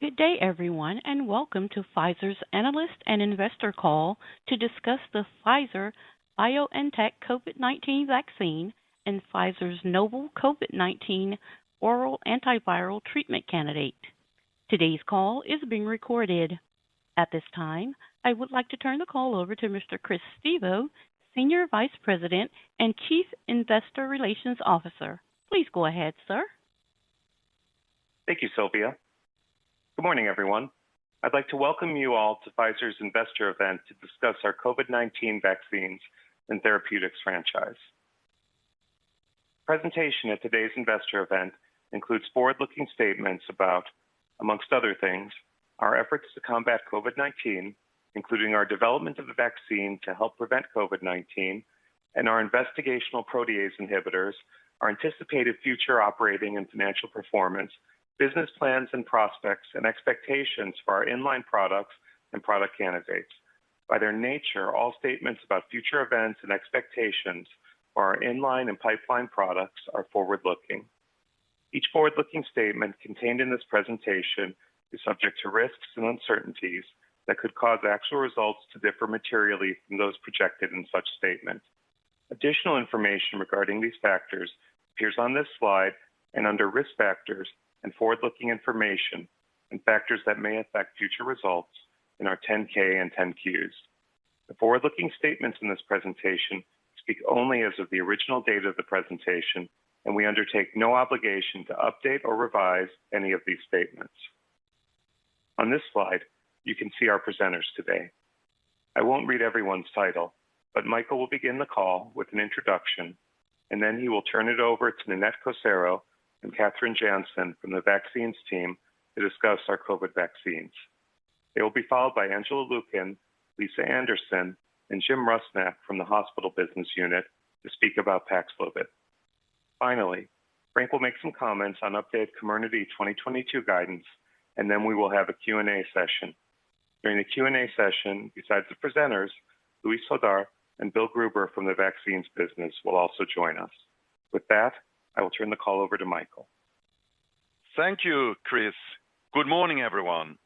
Good day, everyone, and welcome to Pfizer's analyst and investor call to discuss the Pfizer-BioNTech COVID-19 vaccine and Pfizer's novel COVID-19 oral antiviral treatment candidate. Today's call is being recorded. At this time, I would like to turn the call over to Mr. Chris Stevo, Senior Vice President and Chief Investor Relations Officer. Please go ahead, sir. Thank you, Sylvia. Good morning, everyone. I'd like to welcome you all to Pfizer's investor event to discuss our COVID-19 vaccines and therapeutics franchise. The presentation at today's investor event includes forward-looking statements about, among other things, our efforts to combat COVID-19, including our development of a vaccine to help prevent COVID-19 and our investigational protease inhibitors, our anticipated future operating and financial performance, business plans and prospects, and expectations for our in-line products and product candidates. By their nature, all statements about future events and expectations for our in-line and pipeline products are forward-looking. Each forward-looking statement contained in this presentation is subject to risks and uncertainties that could cause actual results to differ materially from those projected in such statements. Additional information regarding these factors appears on this slide and under Risk Factors and forward-looking Information and factors that may affect future results in our 10-K and 10-Qs. The forward-looking statements in this presentation speak only as of the original date of the presentation, and we undertake no obligation to update or revise any of these statements. On this slide, you can see our presenters today. I won't read everyone's title, but Mikael will begin the call with an introduction, and then he will turn it over to Nanette Cocero and Kathrin Jansen from the vaccines team to discuss our COVID vaccines. They will be followed by Angela Lukin, Lisa Anderson, and Jim Rusnak from the hospital business unit to speak about PAXLOVID. Finally, Frank will make some comments on updated COMIRNATY 2022 guidance, and then we will have a Q&A session. During the Q&A session, besides the presenters, Luis Jodar and Bill Gruber from the Vaccines business will also join us. With that, I will turn the call over to Mikael. Thank you, Chris. Good morning, everyone.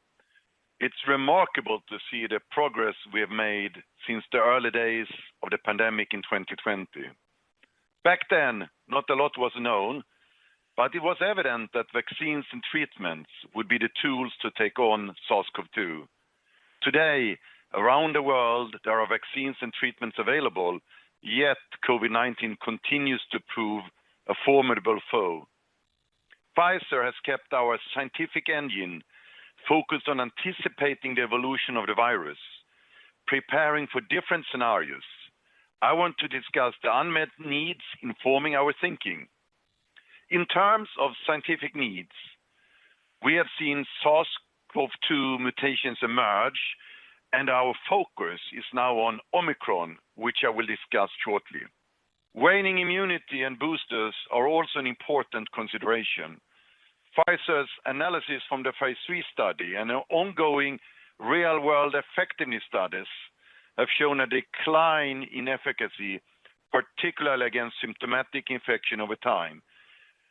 It's remarkable to see the progress we have made since the early days of the pandemic in 2020. Back then, not a lot was known, but it was evident that vaccines and treatments would be the tools to take on SARS-CoV-2. Today, around the world, there are vaccines and treatments available, yet COVID-19 continues to prove a formidable foe. Pfizer has kept our scientific engine focused on anticipating the evolution of the virus, preparing for different scenarios. I want to discuss the unmet needs informing our thinking. In terms of scientific needs, we have seen SARS-CoV-2 mutations emerge, and our focus is now on Omicron, which I will discuss shortly. Waning immunity and boosters are also an important consideration. Pfizer's analysis from the phase III study and our ongoing real-world effectiveness studies have shown a decline in efficacy, particularly against symptomatic infection over time.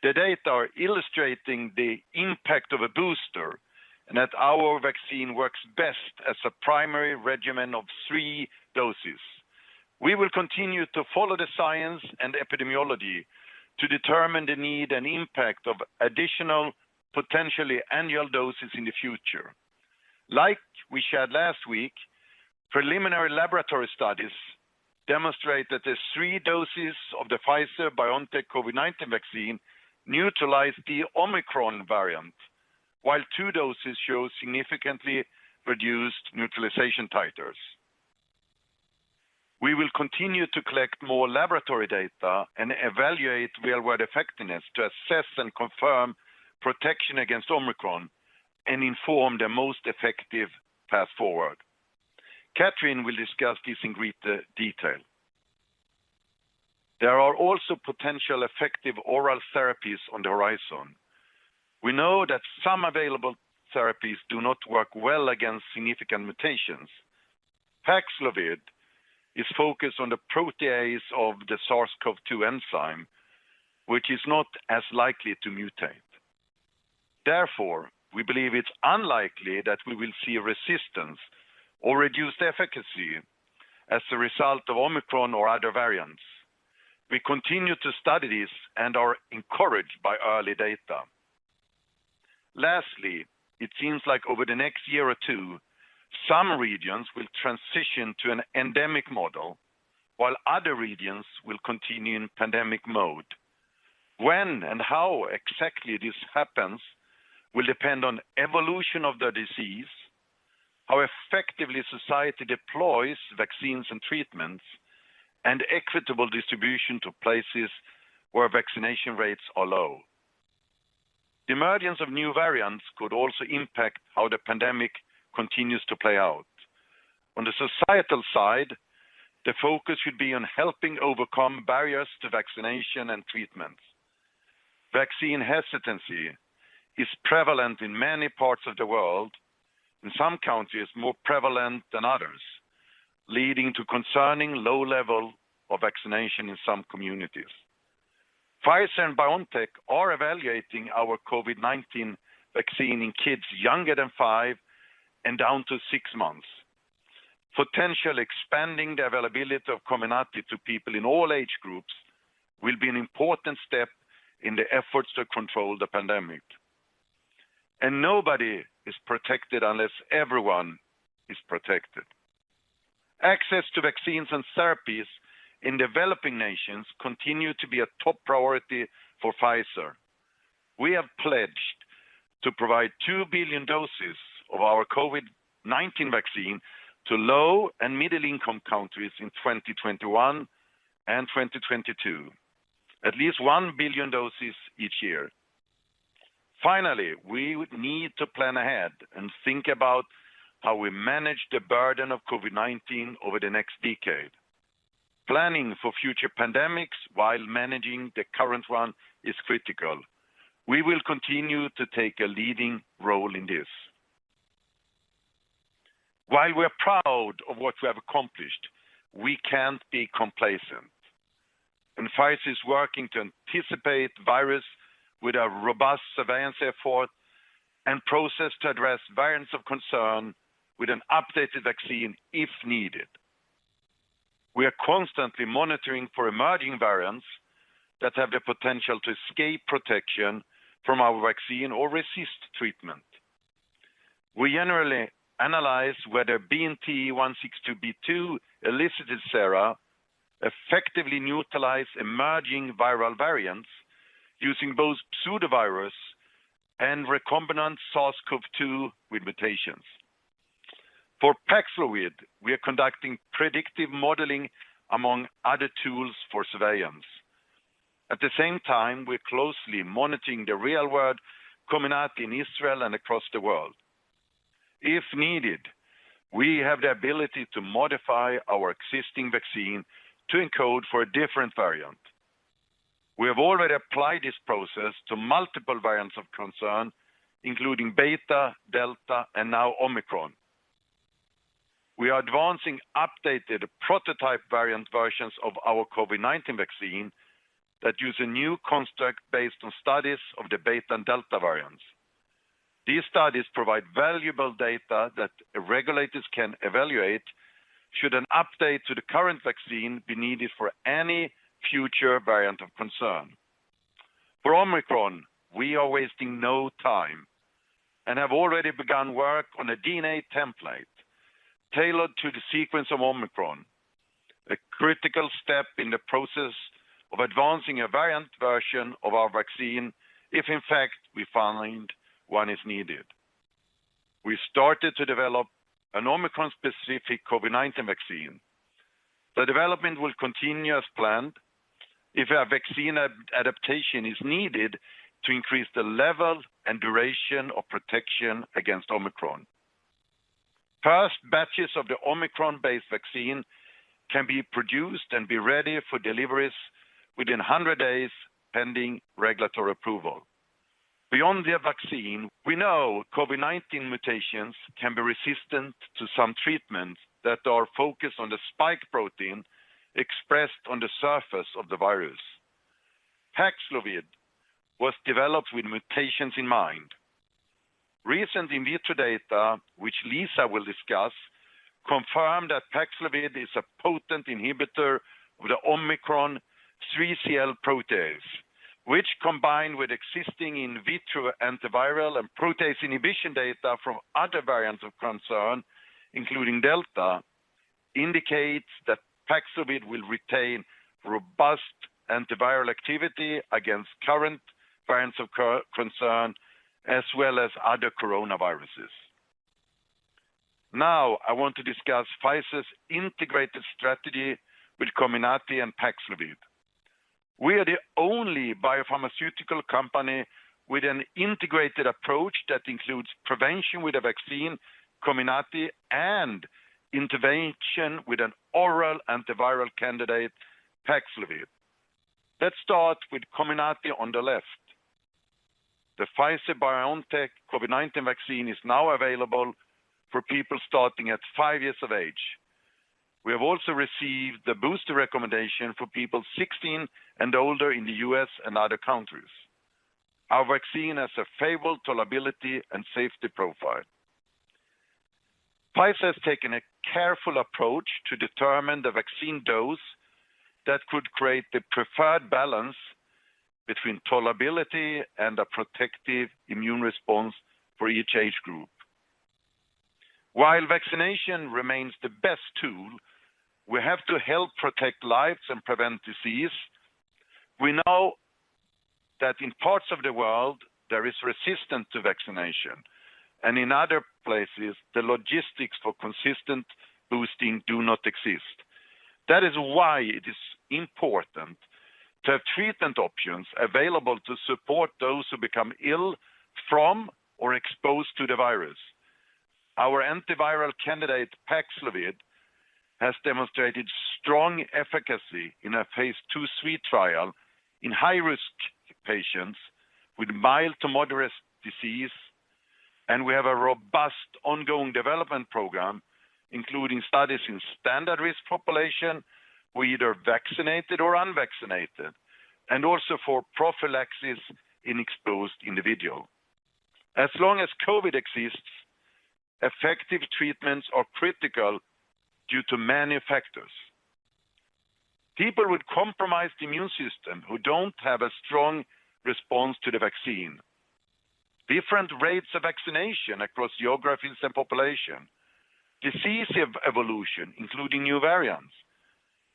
The data are illustrating the impact of a booster and that our vaccine works best as a primary regimen of three doses. We will continue to follow the science and epidemiology to determine the need and impact of additional potentially annual doses in the future. Like we shared last week, preliminary laboratory studies demonstrate that the three doses of the Pfizer-BioNTech COVID-19 vaccine neutralize the Omicron variant, while two doses show significantly reduced neutralization titers. We will continue to collect more laboratory data and evaluate real-world effectiveness to assess and confirm protection against Omicron and inform the most effective path forward. Kathrin will discuss this in greater detail. There are also potential effective oral therapies on the horizon. We know that some available therapies do not work well against significant mutations. PAXLOVID is focused on the protease of the SARS-CoV-2 enzyme, which is not as likely to mutate. Therefore, we believe it's unlikely that we will see resistance or reduced efficacy as a result of Omicron or other variants. We continue to study this and are encouraged by early data. Lastly, it seems like over the next year or two, some regions will transition to an endemic model, while other regions will continue in pandemic mode. When and how exactly this happens will depend on evolution of the disease, how effectively society deploys vaccines and treatments, and equitable distribution to places where vaccination rates are low. The emergence of new variants could also impact how the pandemic continues to play out. On the societal side, the focus should be on helping overcome barriers to vaccination and treatment. Vaccine hesitancy is prevalent in many parts of the world, in some countries more prevalent than others, leading to concerning low level of vaccination in some communities. Pfizer and BioNTech are evaluating our COVID-19 vaccine in kids younger than five and down to six months. Potentially expanding the availability of COMIRNATY to people in all age groups will be an important step in the efforts to control the pandemic. Nobody is protected unless everyone is protected. Access to vaccines and therapies in developing nations continue to be a top priority for Pfizer. We have pledged to provide 2 billion doses of our COVID-19 vaccine to low and middle-income countries in 2021 and 2022, at least 1 billion doses each year. Finally, we would need to plan ahead and think about how we manage the burden of COVID-19 over the next decade. Planning for future pandemics while managing the current one is critical. We will continue to take a leading role in this. While we are proud of what we have accomplished, we can't be complacent. Pfizer is working to anticipate virus with a robust surveillance effort and process to address variants of concern with an updated vaccine if needed. We are constantly monitoring for emerging variants that have the potential to escape protection from our vaccine or resist treatment. We generally analyze whether BNT162b2-elicited sera effectively neutralize emerging viral variants using both pseudovirus and recombinant SARS-CoV-2 with mutations. For PAXLOVID, we are conducting predictive modeling among other tools for surveillance. At the same time, we're closely monitoring the real-world COMIRNATY in Israel and across the world. If needed, we have the ability to modify our existing vaccine to encode for a different variant. We have already applied this process to multiple variants of concern, including Beta, Delta, and now Omicron. We are advancing updated prototype variant versions of our COVID-19 vaccine that use a new construct based on studies of the Beta and Delta variants. These studies provide valuable data that regulators can evaluate should an update to the current vaccine be needed for any future variant of concern. For Omicron, we are wasting no time and have already begun work on a DNA template tailored to the sequence of Omicron, a critical step in the process of advancing a variant version of our vaccine, if in fact we find one is needed. We started to develop an Omicron-specific COVID-19 vaccine. The development will continue as planned if a vaccine adaptation is needed to increase the level and duration of protection against Omicron. First batches of the Omicron-based vaccine can be produced and be ready for deliveries within 100 days, pending regulatory approval. Beyond the vaccine, we know COVID-19 mutations can be resistant to some treatments that are focused on the spike protein expressed on the surface of the virus. PAXLOVID was developed with mutations in mind. Recent in vitro data, which Lisa will discuss, confirmed that PAXLOVID is a potent inhibitor of the Omicron 3CL protease, which combined with existing in vitro antiviral and protease inhibition data from other variants of concern, including Delta, indicates that PAXLOVID will retain robust antiviral activity against current variants of concern as well as other coronaviruses. Now I want to discuss Pfizer's integrated strategy with COMIRNATY and PAXLOVID. We are the only biopharmaceutical company with an integrated approach that includes prevention with the vaccine COMIRNATY, and intervention with an oral antiviral candidate, PAXLOVID. Let's start with COMIRNATY on the left. The Pfizer-BioNTech COVID-19 vaccine is now available for people starting at five years of age. We have also received the booster recommendation for people 16 and older in the U.S. and other countries. Our vaccine has a favorable tolerability and safety profile. Pfizer has taken a careful approach to determine the vaccine dose that could create the preferred balance between tolerability and a protective immune response for each age group. While vaccination remains the best tool, we have to help protect lives and prevent disease. We know that in parts of the world, there is resistance to vaccination, and in other places, the logistics for consistent boosting do not exist. That is why it is important to have treatment options available to support those who become ill from or exposed to the virus. Our antiviral candidate, PAXLOVID, has demonstrated strong efficacy in a phase II/III trial in high-risk patients with mild to moderate disease. We have a robust ongoing development program, including studies in standard-risk population who are either vaccinated or unvaccinated, and also for prophylaxis in exposed individuals. As long as COVID exists, effective treatments are critical due to many factors. People with compromised immune system who don't have a strong response to the vaccine, different rates of vaccination across geographies and population, disease evolution, including new variants,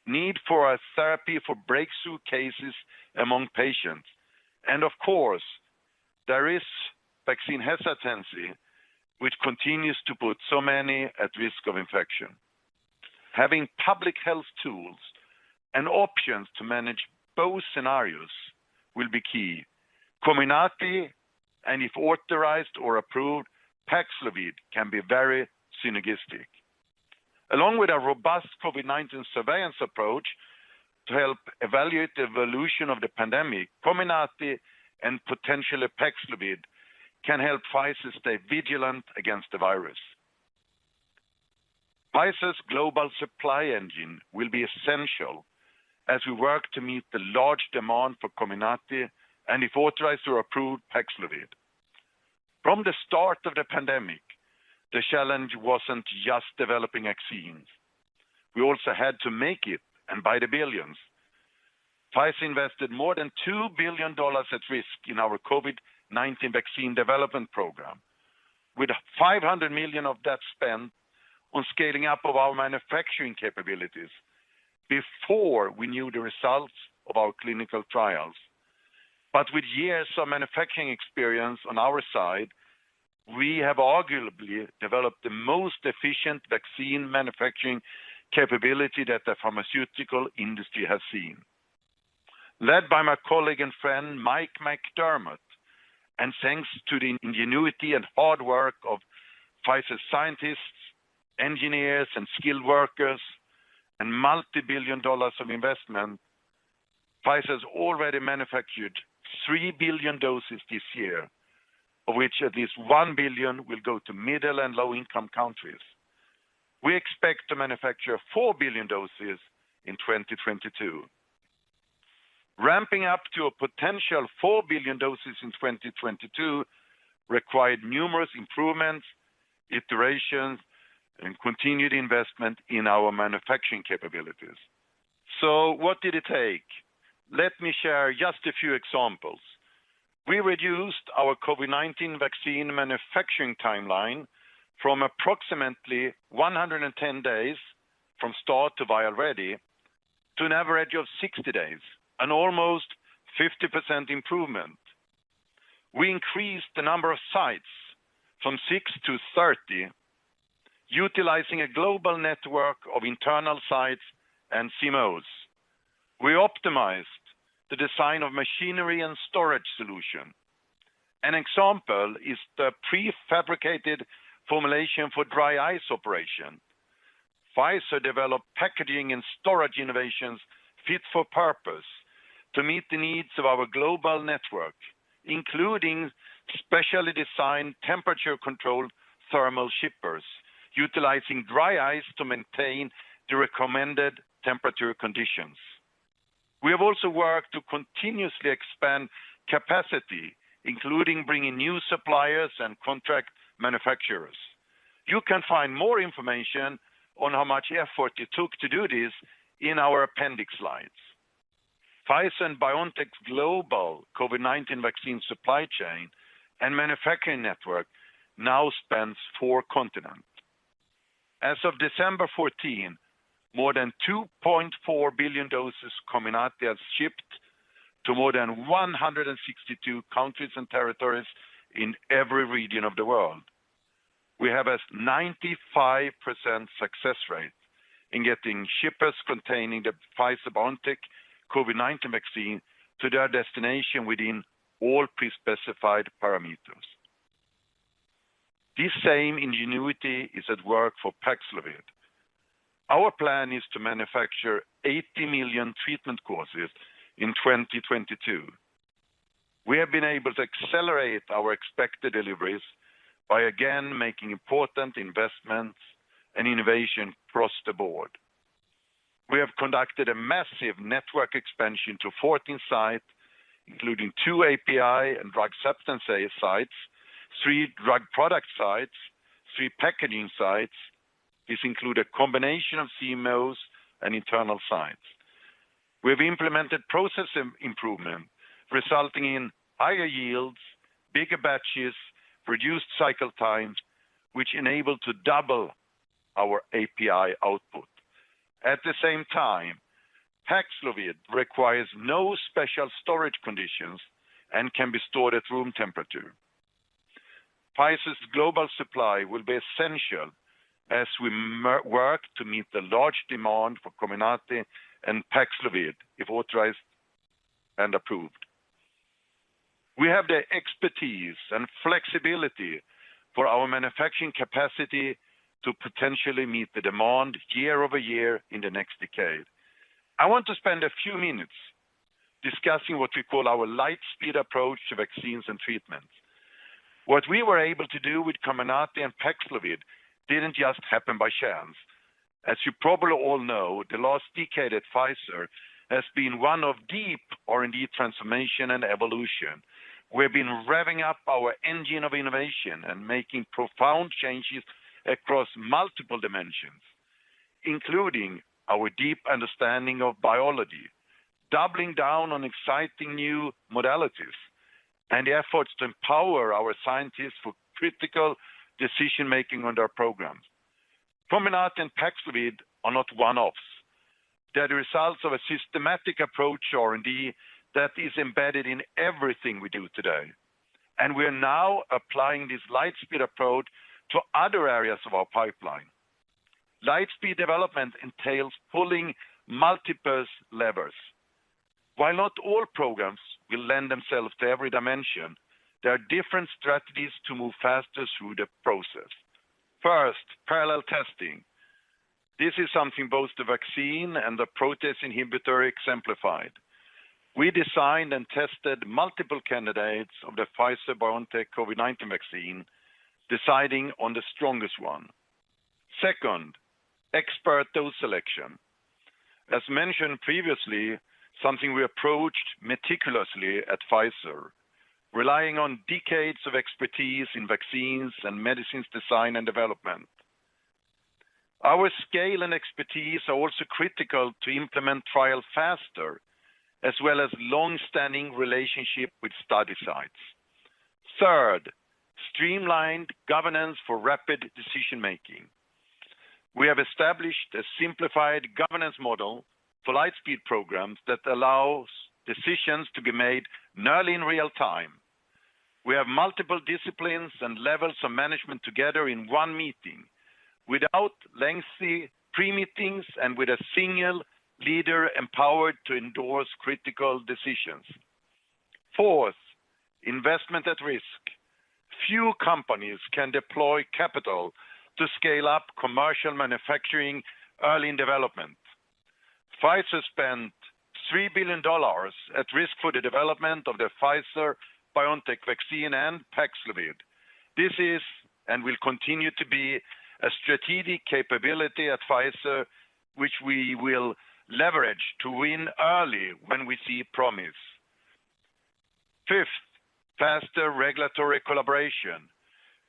need for a therapy for breakthrough cases among patients. Of course, there is vaccine hesitancy, which continues to put so many at risk of infection. Having public health tools and options to manage both scenarios will be key. COMIRNATY and, if authorized or approved, PAXLOVID can be very synergistic. Along with a robust COVID-19 surveillance approach to help evaluate the evolution of the pandemic, COMIRNATY and potentially PAXLOVID can help Pfizer stay vigilant against the virus. Pfizer's global supply engine will be essential as we work to meet the large demand for COMIRNATY and if authorized or approved PAXLOVID. From the start of the pandemic, the challenge wasn't just developing vaccines. We also had to make it and by the billions. Pfizer invested more than $2 billion at risk in our COVID-19 vaccine development program, with $500 million of that spent on scaling up of our manufacturing capabilities before we knew the results of our clinical trials. With years of manufacturing experience on our side, we have arguably developed the most efficient vaccine manufacturing capability that the pharmaceutical industry has seen. Led by my colleague and friend Mike McDermott, and thanks to the ingenuity and hard work of Pfizer scientists, engineers, and skilled workers, and multi-billion dollars of investment, Pfizer has already manufactured 3 billion doses this year, of which at least 1 billion will go to middle- and low-income countries. We expect to manufacture 4 billion doses in 2022. Ramping up to a potential 4 billion doses in 2022 required numerous improvements, iterations, and continued investment in our manufacturing capabilities. What did it take? Let me share just a few examples. We reduced our COVID-19 vaccine manufacturing timeline from approximately 110 days from start to vial ready to an average of 60 days, an almost 50% improvement. We increased the number of sites from six to 30, utilizing a global network of internal sites and CMOs. We optimized the design of machinery and storage solution. An example is the prefabricated formulation for dry ice operation. Pfizer developed packaging and storage innovations fit for purpose to meet the needs of our global network, including specially designed temperature-controlled thermal shippers utilizing dry ice to maintain the recommended temperature conditions. We have also worked to continuously expand capacity, including bringing new suppliers and contract manufacturers. You can find more information on how much effort it took to do this in our appendix slides. Pfizer and BioNTech's global COVID-19 vaccine supply chain and manufacturing network now spans four continents. As of December 14, more than 2.4 billion doses of COMIRNATY have shipped to more than 162 countries and territories in every region of the world. We have a 95% success rate in getting shippers containing the Pfizer-BioNTech COVID-19 vaccine to their destination within all pre-specified parameters. This same ingenuity is at work for PAXLOVID. Our plan is to manufacture 80 million treatment courses in 2022. We have been able to accelerate our expected deliveries by again making important investments and innovation across the board. We have conducted a massive network expansion to 14 sites, including two API and drug substances sites, three drug product sites, three packaging sites. This includes a combination of CMOs and internal sites. We've implemented process improvement, resulting in higher yields, bigger batches, reduced cycle times, which enable to double our API output. At the same time, PAXLOVID requires no special storage conditions and can be stored at room temperature. Pfizer's global supply will be essential as we work to meet the large demand for COMIRNATY and PAXLOVID if authorized and approved. We have the expertise and flexibility for our manufacturing capacity to potentially meet the demand year over year in the next decade. I want to spend a few minutes discussing what we call our lightspeed approach to vaccines and treatments. What we were able to do with COMIRNATY and PAXLOVID didn't just happen by chance. As you probably all know, the last decade at Pfizer has been one of deep R&D transformation and evolution. We've been revving up our engine of innovation and making profound changes across multiple dimensions, including our deep understanding of biology, doubling down on exciting new modalities, and the efforts to empower our scientists for critical decision-making on their programs. COMIRNATY and PAXLOVID are not one-offs. They are the results of a systematic approach to R&D that is embedded in everything we do today, and we are now applying this lightspeed approach to other areas of our pipeline. Lightspeed development entails pulling multiple levers. While not all programs will lend themselves to every dimension, there are different strategies to move faster through the process. First, parallel testing. This is something both the vaccine and the protease inhibitor exemplified. We designed and tested multiple candidates of the Pfizer-BioNTech COVID-19 vaccine, deciding on the strongest one. Second, expert dose selection. As mentioned previously, something we approached meticulously at Pfizer, relying on decades of expertise in vaccines and medicines design and development. Our scale and expertise are also critical to implement trials faster, as well as long-standing relationships with study sites. Third, streamlined governance for rapid decision-making. We have established a simplified governance model for lightspeed programs that allows decisions to be made nearly in real time. We have multiple disciplines and levels of management together in one meeting without lengthy pre-meetings and with a single leader empowered to endorse critical decisions. Fourth, investment at risk. Few companies can deploy capital to scale up commercial manufacturing early in development. Pfizer spent $3 billion at risk for the development of the Pfizer-BioNTech vaccine and PAXLOVID. This is and will continue to be a strategic capability at Pfizer, which we will leverage to win early when we see promise. Fifth, faster regulatory collaboration.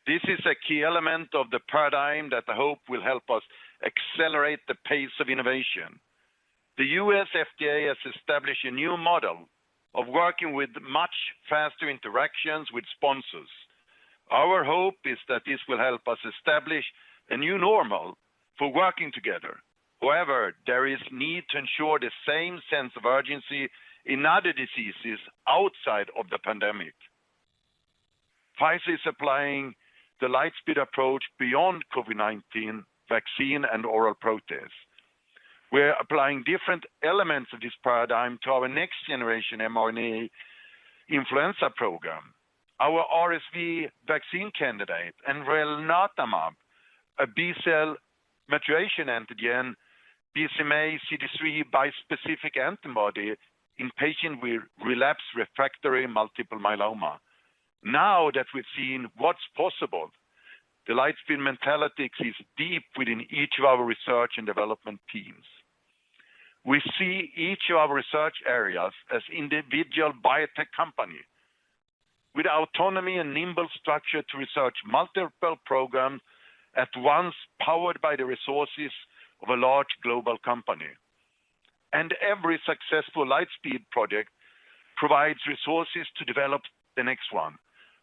This is a key element of the paradigm that I hope will help us accelerate the pace of innovation. The U.S. FDA has established a new model of working with much faster interactions with sponsors. Our hope is that this will help us establish a new normal for working together. However, there is need to ensure the same sense of urgency in other diseases outside of the pandemic. Pfizer is applying the lightspeed approach beyond COVID-19 vaccine and oral protease. We're applying different elements of this paradigm to our next generation mRNA influenza program, our RSV vaccine candidate and elranatamab, a B-cell maturation antigen BCMA CD3 bispecific antibody in patients with relapsed/refractory multiple myeloma. Now that we've seen what's possible, the lightspeed mentality is deep within each of our research and development teams. We see each of our research areas as individual biotech company with autonomy and nimble structure to research multiple programs at once, powered by the resources of a large global company. Every successful lightspeed project provides resources to develop the next one,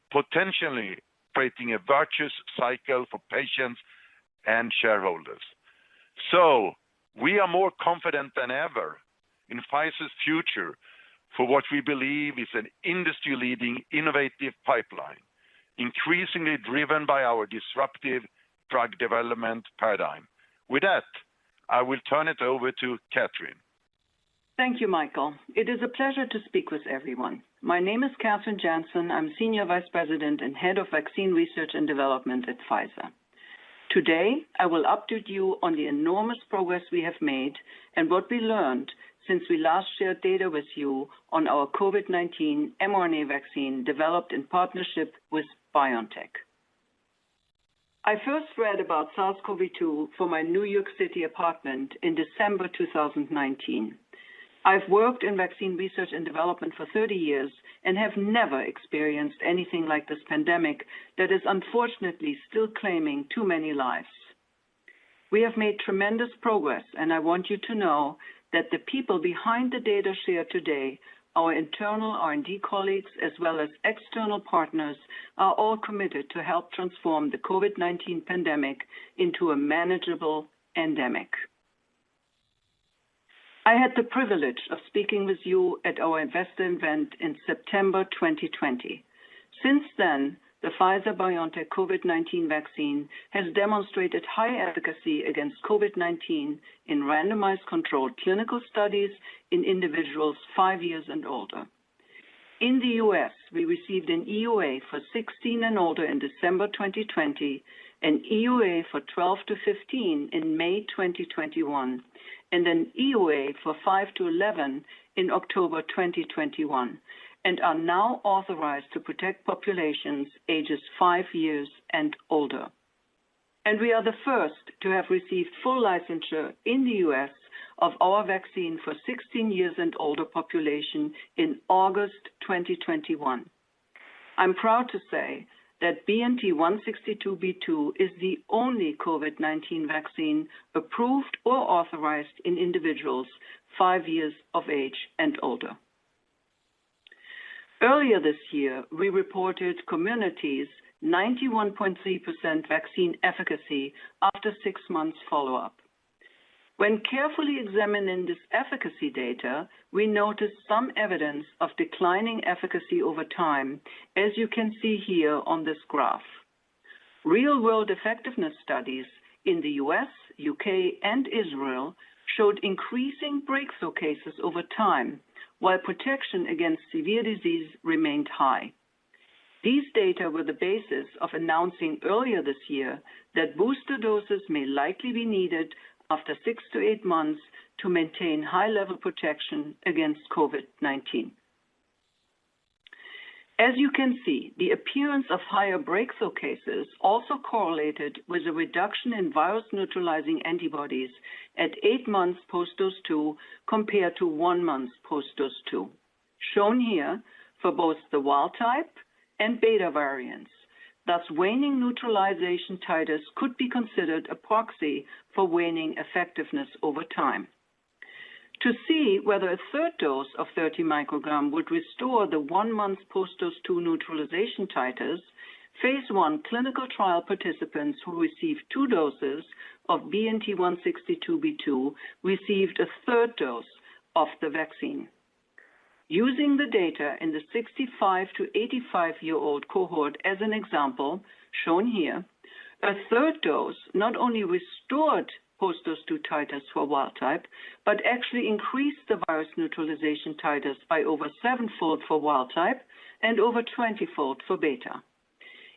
potentially creating a virtuous cycle for patients and shareholders. We are more confident than ever in Pfizer's future for what we believe is an industry-leading innovative pipeline, increasingly driven by our disruptive drug development paradigm. With that, I will turn it over to Kathrin. Thank you, Mikael. It is a pleasure to speak with everyone. My name is Kathrin Jansen. I'm Senior Vice President and Head of Vaccine Research and Development at Pfizer. Today, I will update you on the enormous progress we have made and what we learned since we last shared data with you on our COVID-19 mRNA vaccine developed in partnership with BioNTech. I first read about SARS-CoV-2 from my New York City apartment in December 2019. I've worked in vaccine research and development for 30 years and have never experienced anything like this pandemic that is unfortunately still claiming too many lives. We have made tremendous progress, and I want you to know that the people behind the data shared today, our internal R&D colleagues as well as external partners, are all committed to help transform the COVID-19 pandemic into a manageable endemic. I had the privilege of speaking with you at our investor event in September 2020. Since then, the Pfizer-BioNTech COVID-19 vaccine has demonstrated high efficacy against COVID-19 in randomized controlled clinical studies in individuals five years and older. In the U.S., we received an EUA for 16 and older in December 2020, an EUA for 12-15 in May 2021, and an EUA for 5-11 in October 2021, and are now authorized to protect populations ages five years and older. We are the first to have received full licensure in the U.S. of our vaccine for 16 years and older population in August 2021. I'm proud to say that BNT162b2 is the only COVID-19 vaccine approved or authorized in individuals five years of age and older. Earlier this year, we reported COMIRNATY 91.3% vaccine efficacy after six months follow-up. When carefully examining this efficacy data, we noticed some evidence of declining efficacy over time, as you can see here on this graph. Real-world effectiveness studies in the U.S., U.K., and Israel showed increasing breakthrough cases over time, while protection against severe disease remained high. These data were the basis of announcing earlier this year that booster doses may likely be needed after six to eight months to maintain high-level protection against COVID-19. As you can see, the appearance of higher breakthrough cases also correlated with a reduction in virus-neutralizing antibodies at eight months post-dose two compared to one month post-dose two, shown here for both the wild type and Beta variants. Thus, waning neutralization titers could be considered a proxy for waning effectiveness over time. To see whether a third dose of 30 mcg would restore the one month post-dose two neutralization titers, phase I clinical trial participants who received two doses of BNT162b2 received a third dose of the vaccine. Using the data in the 65-85 year-old cohort as an example, shown here, a third dose not only restored post-dose two titers for wild type, but actually increased the virus neutralization titers by over sevenfold for wild type and over 20-fold for Beta.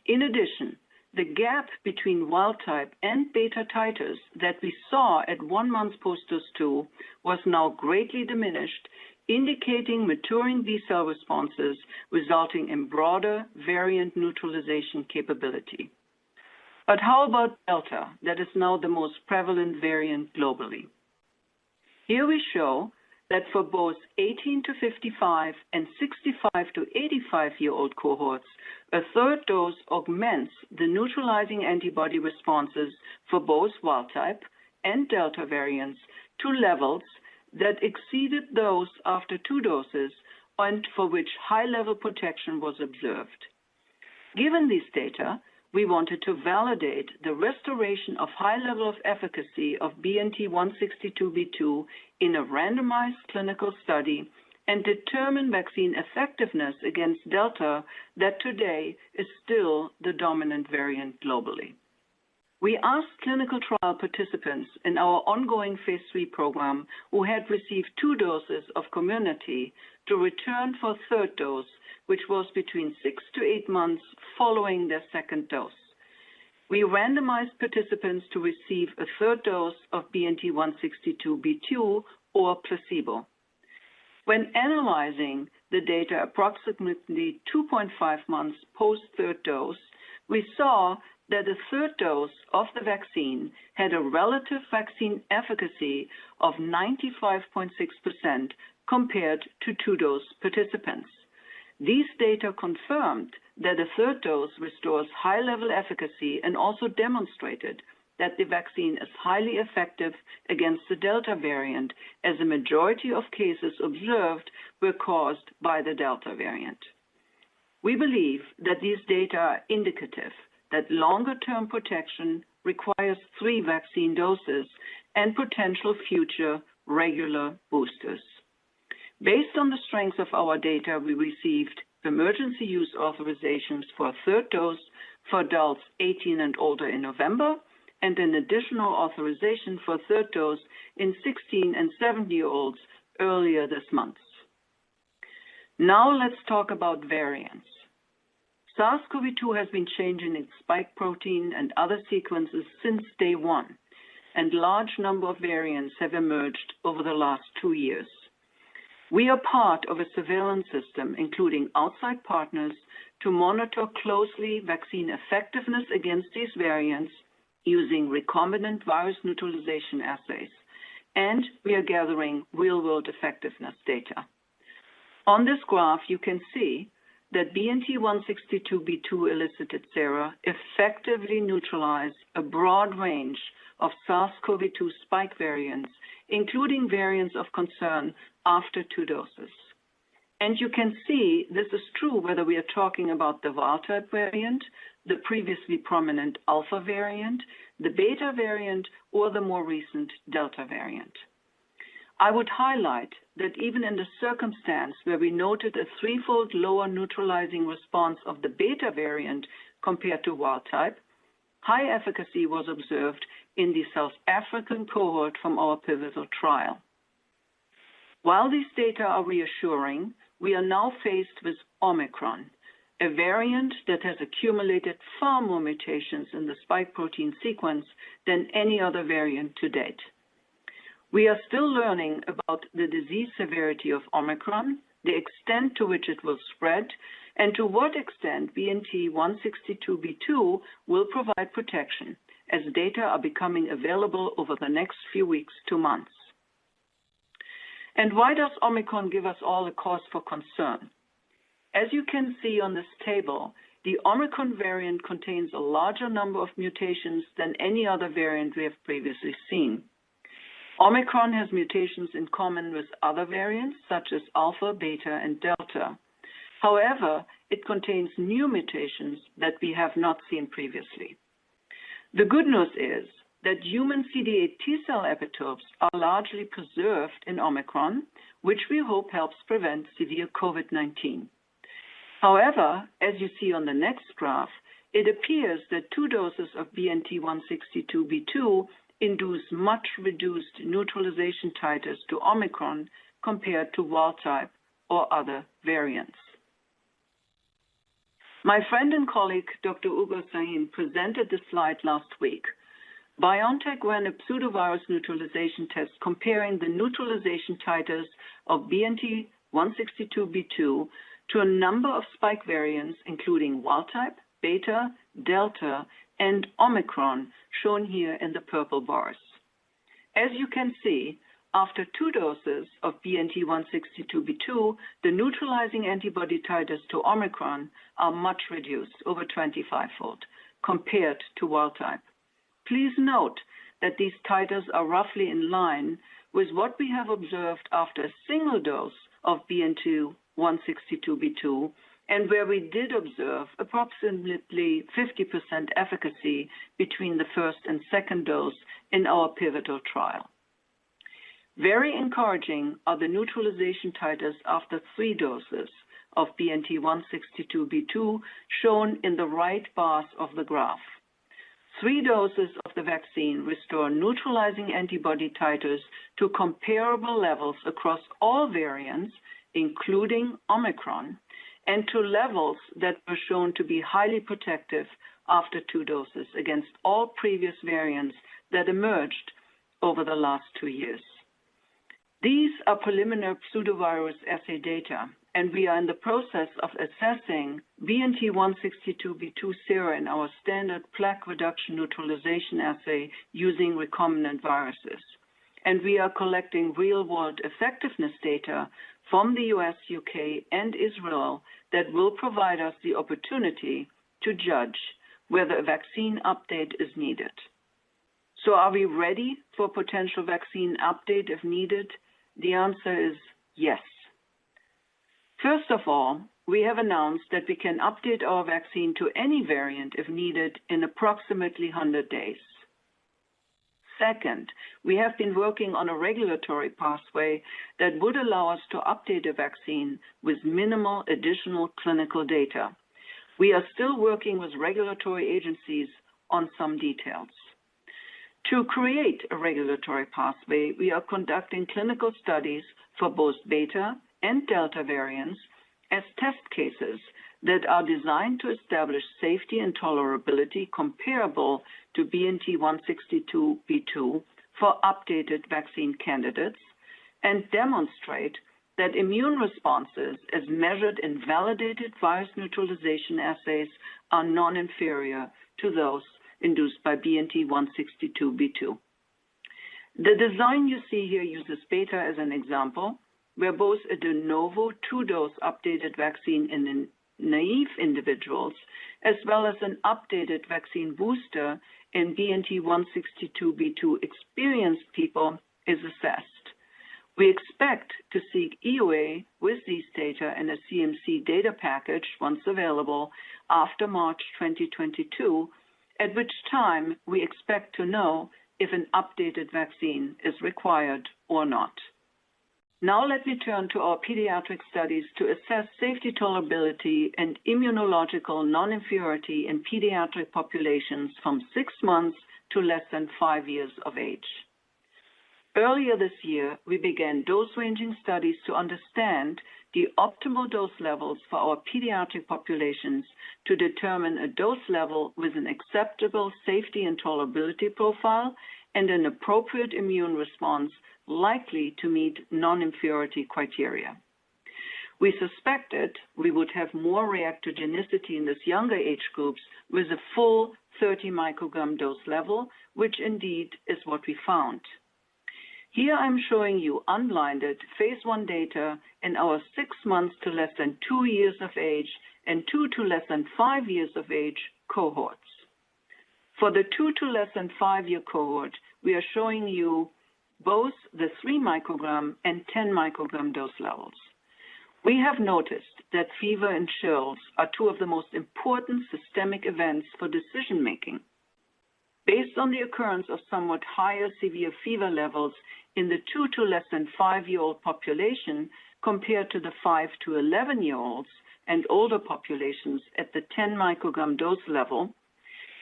In addition, the gap between wild type and Beta titers that we saw at one month post-dose two was now greatly diminished, indicating maturing B cell responses resulting in broader variant neutralization capability. How about Delta that is now the most prevalent variant globally? Here we show that for both 18-55 and 65-85-year-old cohorts, a third dose augments the neutralizing antibody responses for both wild type and Delta variants to levels that exceeded those after two doses and for which high-level protection was observed. Given this data, we wanted to validate the restoration of high level of efficacy of BNT162b2 in a randomized clinical study and determine vaccine effectiveness against Delta that today is still the dominant variant globally. We asked clinical trial participants in our ongoing phase III program who had received two doses of COMIRNATY to return for a third dose, which was between six to eight months following their second dose. We randomized participants to receive a third dose of BNT162b2 or placebo. When analyzing the data approximately 2.5 months post-third dose, we saw that a third dose of the vaccine had a relative vaccine efficacy of 95.6% compared to two-dose participants. These data confirmed that a third dose restores high-level efficacy and also demonstrated that the vaccine is highly effective against the Delta variant, as a majority of cases observed were caused by the Delta variant. We believe that these data are indicative that longer-term protection requires three vaccine doses and potential future regular boosters. Based on the strength of our data, we received emergency use authorizations for a third dose for adults 18 and older in November and an additional authorization for a third dose in 16 and 17 year-olds earlier this month. Now let's talk about variants. SARS-CoV-2 has been changing its spike protein and other sequences since day one, and a large number of variants have emerged over the last two years. We are part of a surveillance system, including outside partners, to monitor closely vaccine effectiveness against these variants using recombinant virus neutralization assays. We are gathering real-world effectiveness data. On this graph, you can see that BNT162b2-elicited sera effectively neutralize a broad range of SARS-CoV-2 spike variants, including variants of concern after two doses. You can see this is true whether we are talking about the wild type variant, the previously prominent Alpha variant, the Beta variant, or the more recent Delta variant. I would highlight that even in the circumstance where we noted a threefold lower neutralizing response of the Beta variant compared to wild type. High efficacy was observed in the South African cohort from our pivotal trial. While these data are reassuring, we are now faced with Omicron, a variant that has accumulated far more mutations in the spike protein sequence than any other variant to date. We are still learning about the disease severity of Omicron, the extent to which it will spread, and to what extent BNT162b2 will provide protection as data are becoming available over the next few weeks to months. Why does Omicron give us all a cause for concern? As you can see on this table, the Omicron variant contains a larger number of mutations than any other variant we have previously seen. Omicron has mutations in common with other variants such as Alpha, Beta, and Delta. However, it contains new mutations that we have not seen previously. The good news is that human CD8 T-cell epitopes are largely preserved in Omicron, which we hope helps prevent severe COVID-19. However, as you see on the next graph, it appears that two doses of BNT162b2 induce much reduced neutralization titers to Omicron compared to wild type or other variants. My friend and colleague, Dr. Uğur Şahin, presented this slide last week. BioNTech ran a pseudovirus neutralization test comparing the neutralization titers of BNT162b2 to a number of spike variants, including wild type, Beta, Delta, and Omicron, shown here in the purple bars. As you can see, after two doses of BNT162b2, the neutralizing antibody titers to Omicron are much reduced, over 25-fold, compared to wild type. Please note that these titers are roughly in line with what we have observed after a single dose of BNT162b2, and where we did observe approximately 50% efficacy between the first and second dose in our pivotal trial. Very encouraging are the neutralization titers after three doses of BNT162b2, shown in the right bars of the graph. Three doses of the vaccine restore neutralizing antibody titers to comparable levels across all variants, including Omicron, and to levels that were shown to be highly protective after two doses against all previous variants that emerged over the last two years. These are preliminary pseudovirus assay data, and we are in the process of assessing BNT162b2 sera in our standard plaque reduction neutralization assay using recombinant viruses. We are collecting real-world effectiveness data from the U.S., U.K., and Israel that will provide us the opportunity to judge whether a vaccine update is needed. Are we ready for potential vaccine update if needed? The answer is yes. First of all, we have announced that we can update our vaccine to any variant if needed in approximately 100 days. Second, we have been working on a regulatory pathway that would allow us to update a vaccine with minimal additional clinical data. We are still working with regulatory agencies on some details. To create a regulatory pathway, we are conducting clinical studies for both Beta and Delta variants as test cases that are designed to establish safety and tolerability comparable to BNT162b2 for updated vaccine candidates and demonstrate that immune responses, as measured in validated virus neutralization assays, are non-inferior to those induced by BNT162b2. The design you see here uses Beta as an example, where both a de novo two-dose updated vaccine in naive individuals as well as an updated vaccine booster in BNT162b2-experienced people is assessed. We expect to seek EUA with these data and a CMC data package, once available, after March 2022, at which time we expect to know if an updated vaccine is required or not. Now let me turn to our pediatric studies to assess safety tolerability and immunological non-inferiority in pediatric populations from six months to less than five years of age. Earlier this year, we began dose ranging studies to understand the optimal dose levels for our pediatric populations to determine a dose level with an acceptable safety and tolerability profile and an appropriate immune response likely to meet non-inferiority criteria. We suspected we would have more reactogenicity in those younger age groups with a full 30 mcg dose level, which indeed is what we found. Here I'm showing you unblinded phase I data in our six months to less than two years of age and two to less than five years of age cohorts. For the two to less than five year cohort, we are showing you both the 3 mcg and 10 mcg dose levels. We have noticed that fever and chills are two of the most important systemic events for decision-making. Based on the occurrence of somewhat higher severe fever levels in the two to less than five year old population compared to the five to 11 year olds and older populations at the 10 mcg dose level,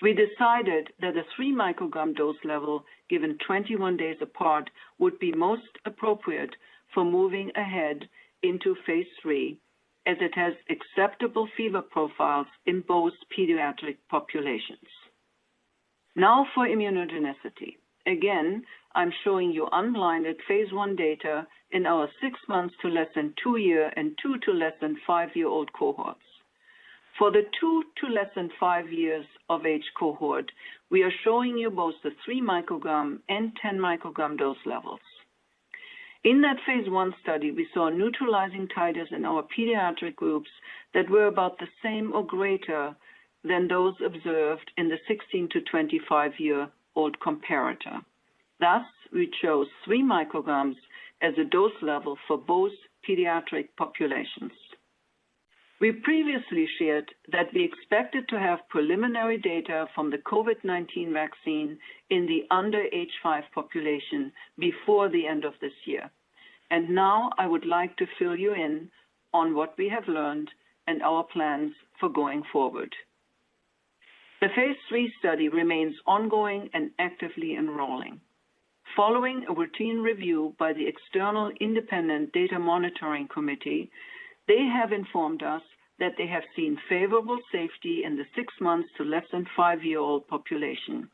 we decided that a 3 mcg dose level given 21 days apart would be most appropriate for moving ahead into phase III, as it has acceptable fever profiles in both pediatric populations. Now for immunogenicity. I'm showing you unblinded phase I data in our six months to less than two year and two to less than five year old cohorts. For the two to less than five years of age cohort, we are showing you both the 3 mcg and 10 mcg dose levels. In that phase I study, we saw neutralizing titers in our pediatric groups that were about the same or greater than those observed in the 16- to 25-year-old comparator. Thus, we chose 3 mcg as a dose level for both pediatric populations. We previously shared that we expected to have preliminary data from the COVID-19 vaccine in the under age 5 population before the end of this year. Now I would like to fill you in on what we have learned and our plans for going forward. The phase III study remains ongoing and actively enrolling. Following a routine review by the external independent data monitoring committee, they have informed us that they have seen favorable safety in the six month to less than five year old population.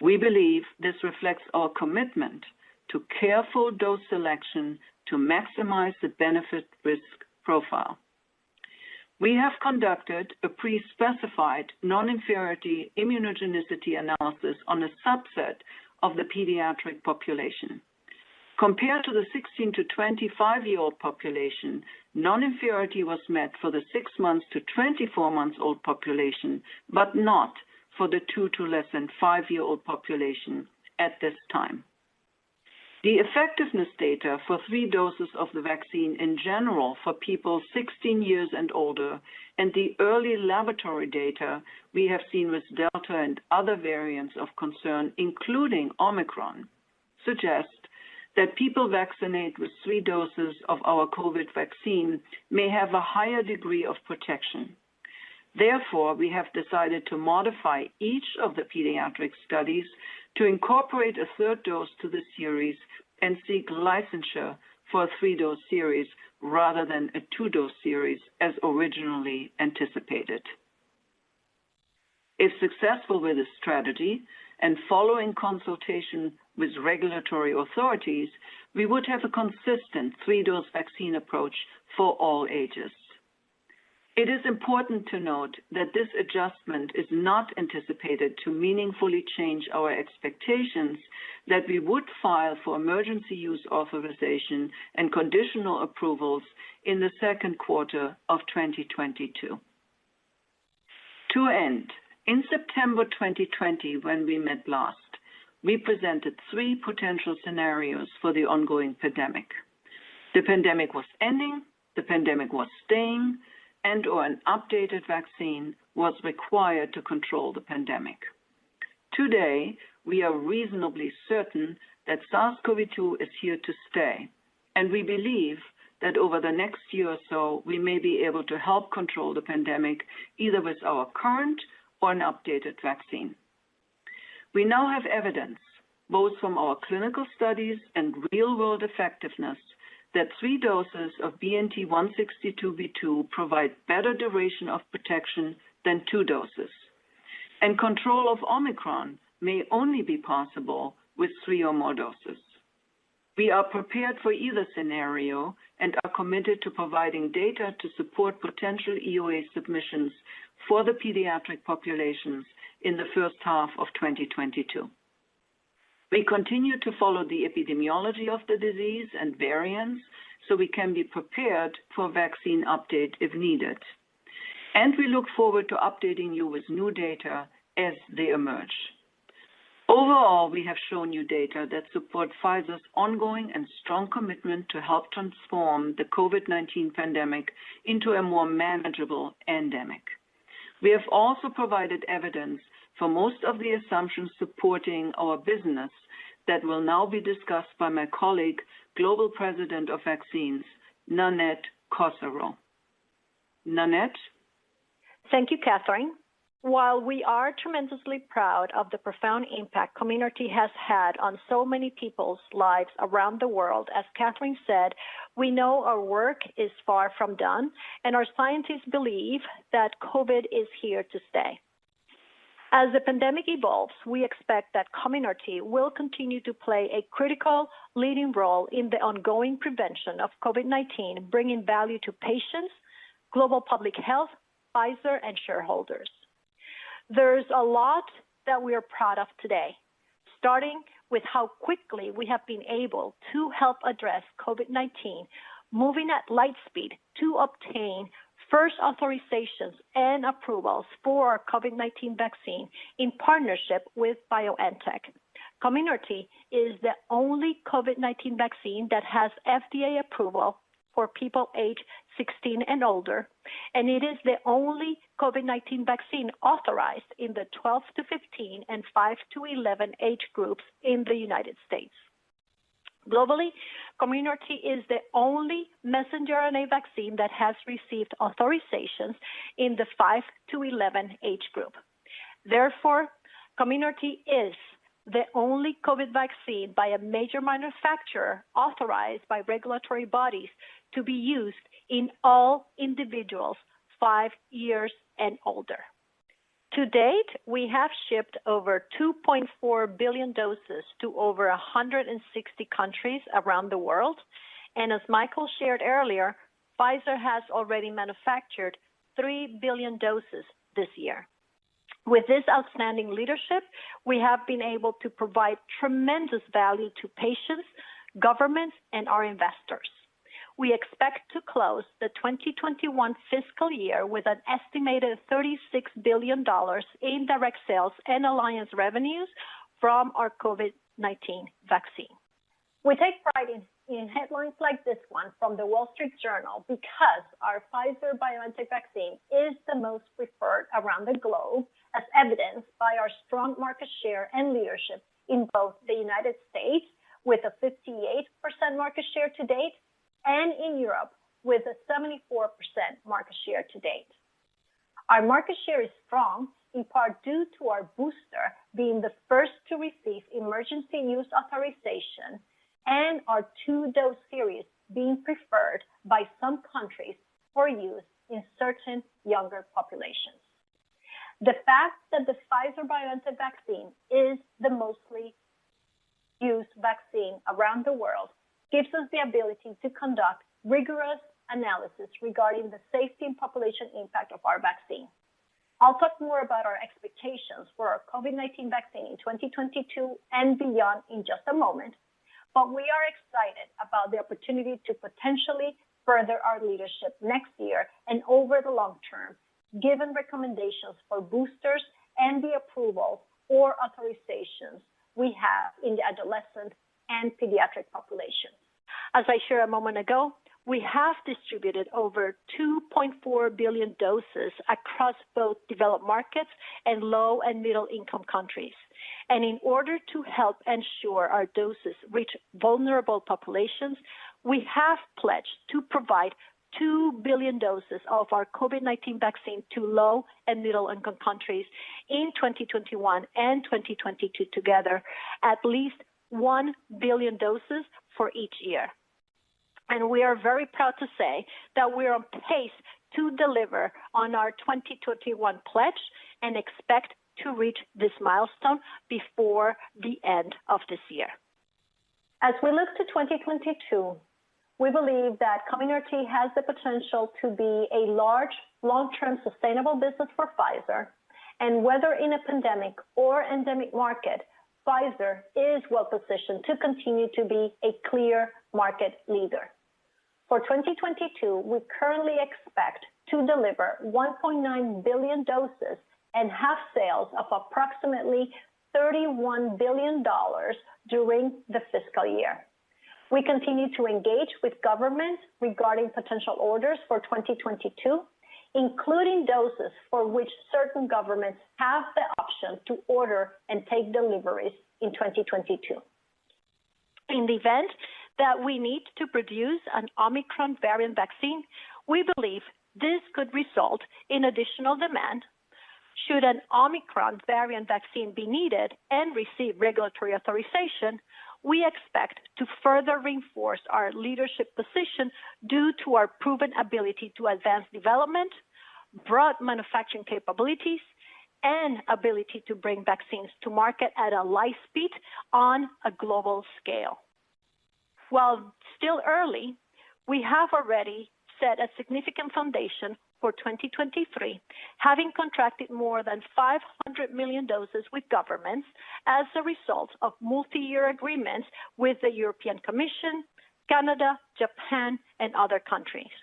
We believe this reflects our commitment to careful dose selection to maximize the benefit-risk profile. We have conducted a pre-specified non-inferiority immunogenicity analysis on a subset of the pediatric population. Compared to the 16 to 25 year-old population, non-inferiority was met for the six month to 24 month old population, but not for the two to less than five year-old population at this time. The effectiveness data for three doses of the vaccine in general for people 16 years and older, and the early laboratory data we have seen with Delta and other variants of concern, including Omicron, suggest that people vaccinated with three doses of our COVID vaccine may have a higher degree of protection. Therefore, we have decided to modify each of the pediatric studies to incorporate a third dose to the series and seek licensure for a three dose series rather than a two dose series as originally anticipated. If successful with this strategy and following consultation with regulatory authorities, we would have a consistent three dose vaccine approach for all ages. It is important to note that this adjustment is not anticipated to meaningfully change our expectations that we would file for emergency use authorization and conditional approvals in the second quarter of 2022. To end, in September 2020 when we met last, we presented three potential scenarios for the ongoing pandemic. The pandemic was ending, the pandemic was staying, and or an updated vaccine was required to control the pandemic. Today, we are reasonably certain that SARS-CoV-2 is here to stay, and we believe that over the next year or so, we may be able to help control the pandemic either with our current or an updated vaccine. We now have evidence, both from our clinical studies and real-world effectiveness, that three doses of BNT162b2 provide better duration of protection than two doses. Control of Omicron may only be possible with three or more doses. We are prepared for either scenario and are committed to providing data to support potential EUA submissions for the pediatric populations in the first half of 2022. We continue to follow the epidemiology of the disease and variants so we can be prepared for vaccine update if needed. We look forward to updating you with new data as they emerge. Overall, we have shown you data that support Pfizer's ongoing and strong commitment to help transform the COVID-19 pandemic into a more manageable endemic. We have also provided evidence for most of the assumptions supporting our business that will now be discussed by my colleague, Global President of Vaccines, Nanette Cocero. Nanette. Thank you, Kathrin. While we are tremendously proud of the profound impact COMIRNATY has had on so many people's lives around the world, as Kathrin said, we know our work is far from done, and our scientists believe that COVID is here to stay. As the pandemic evolves, we expect that COMIRNATY will continue to play a critical leading role in the ongoing prevention of COVID-19, bringing value to patients, global public health, Pfizer, and shareholders. There's a lot that we are proud of today, starting with how quickly we have been able to help address COVID-19, moving at light speed to obtain first authorizations and approvals for our COVID-19 vaccine in partnership with BioNTech. COMIRNATY is the only COVID-19 vaccine that has FDA approval for people aged 16 and older, and it is the only COVID-19 vaccine authorized in the 12-15 and five-11 age groups in the United States. Globally, COMIRNATY is the only messenger RNA vaccine that has received authorizations in the five-11 age group. Therefore, COMIRNATY is the only COVID vaccine by a major manufacturer authorized by regulatory bodies to be used in all individuals five years and older. To date, we have shipped over 2.4 billion doses to over 160 countries around the world. As Mikael shared earlier, Pfizer has already manufactured 3 billion doses this year. With this outstanding leadership, we have been able to provide tremendous value to patients, governments, and our investors. We expect to close the 2021 fiscal year with an estimated $36 billion in direct sales and alliance revenues from our COVID-19 vaccine. We take pride in headlines like this one from The Wall Street Journal because our Pfizer-BioNTech vaccine is the most preferred around the globe, as evidenced by our strong market share and leadership in both the United States, with a 58% market share to date, and in Europe, with a 74% market share to date. Our market share is strong in part due to our booster being the first to receive emergency use authorization and our two-dose series being preferred by some countries for use in certain younger populations. The fact that the Pfizer-BioNTech vaccine is the most used vaccine around the world gives us the ability to conduct rigorous analysis regarding the safety and population impact of our vaccine. I'll talk more about our expectations for our COVID-19 vaccine in 2022 and beyond in just a moment, but we are excited about the opportunity to potentially further our leadership next year and over the long term, given recommendations for boosters and the approval or authorizations we have in the adolescent and pediatric populations. As I shared a moment ago, we have distributed over 2.4 billion doses across both developed markets and low and middle-income countries. In order to help ensure our doses reach vulnerable populations, we have pledged to provide 2 billion doses of our COVID-19 vaccine to low and middle income countries in 2021 and 2022 together, at least 1 billion doses for each year. We are very proud to say that we're on pace to deliver on our 2021 pledge and expect to reach this milestone before the end of this year. As we look to 2022, we believe that COMIRNATY has the potential to be a large, long-term, sustainable business for Pfizer. Whether in a pandemic or endemic market, Pfizer is well-positioned to continue to be a clear market leader. For 2022, we currently expect to deliver 1.9 billion doses and have sales of approximately $31 billion during the fiscal year. We continue to engage with governments regarding potential orders for 2022, including doses for which certain governments have the option to order and take deliveries in 2022. In the event that we need to produce an Omicron variant vaccine, we believe this could result in additional demand. Should an Omicron variant vaccine be needed and receive regulatory authorization, we expect to further reinforce our leadership position due to our proven ability to advance development, broad manufacturing capabilities, and ability to bring vaccines to market at a light speed on a global scale. While still early, we have already set a significant foundation for 2023, having contracted more than 500 million doses with governments as a result of multiyear agreements with the European Commission, Canada, Japan, and other countries.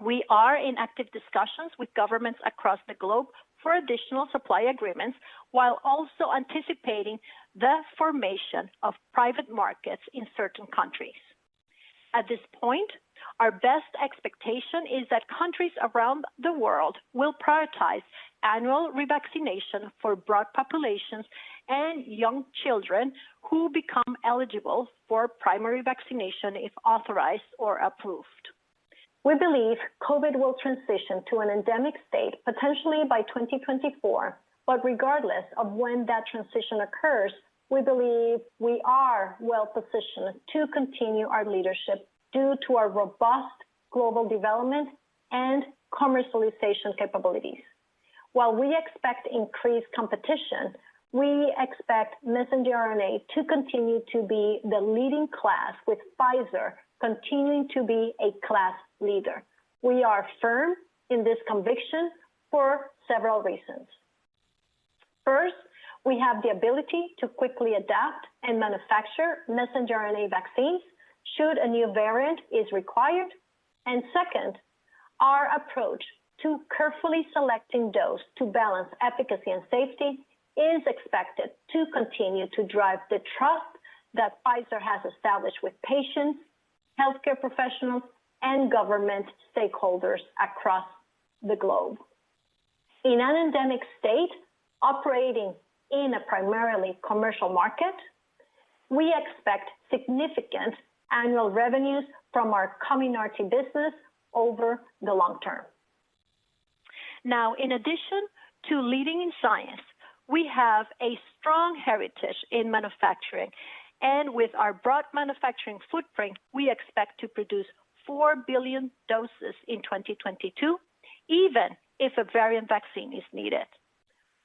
We are in active discussions with governments across the globe for additional supply agreements, while also anticipating the formation of private markets in certain countries. At this point, our best expectation is that countries around the world will prioritize annual revaccination for broad populations and young children who become eligible for primary vaccination if authorized or approved. We believe COVID will transition to an endemic state potentially by 2024. Regardless of when that transition occurs, we believe we are well-positioned to continue our leadership due to our robust global development and commercialization capabilities. While we expect increased competition, we expect messenger RNA to continue to be the leading class, with Pfizer continuing to be a class leader. We are firm in this conviction for several reasons. First, we have the ability to quickly adapt and manufacture messenger RNA vaccines should a new variant be required. Second, our approach to carefully selecting dose to balance efficacy and safety is expected to continue to drive the trust that Pfizer has established with patients, healthcare professionals, and government stakeholders across the globe. In an endemic state operating in a primarily commercial market, we expect significant annual revenues from our COMIRNATY business over the long term. Now, in addition to leading in science, we have a strong heritage in manufacturing, and with our broad manufacturing footprint, we expect to produce 4 billion doses in 2022, even if a variant vaccine is needed.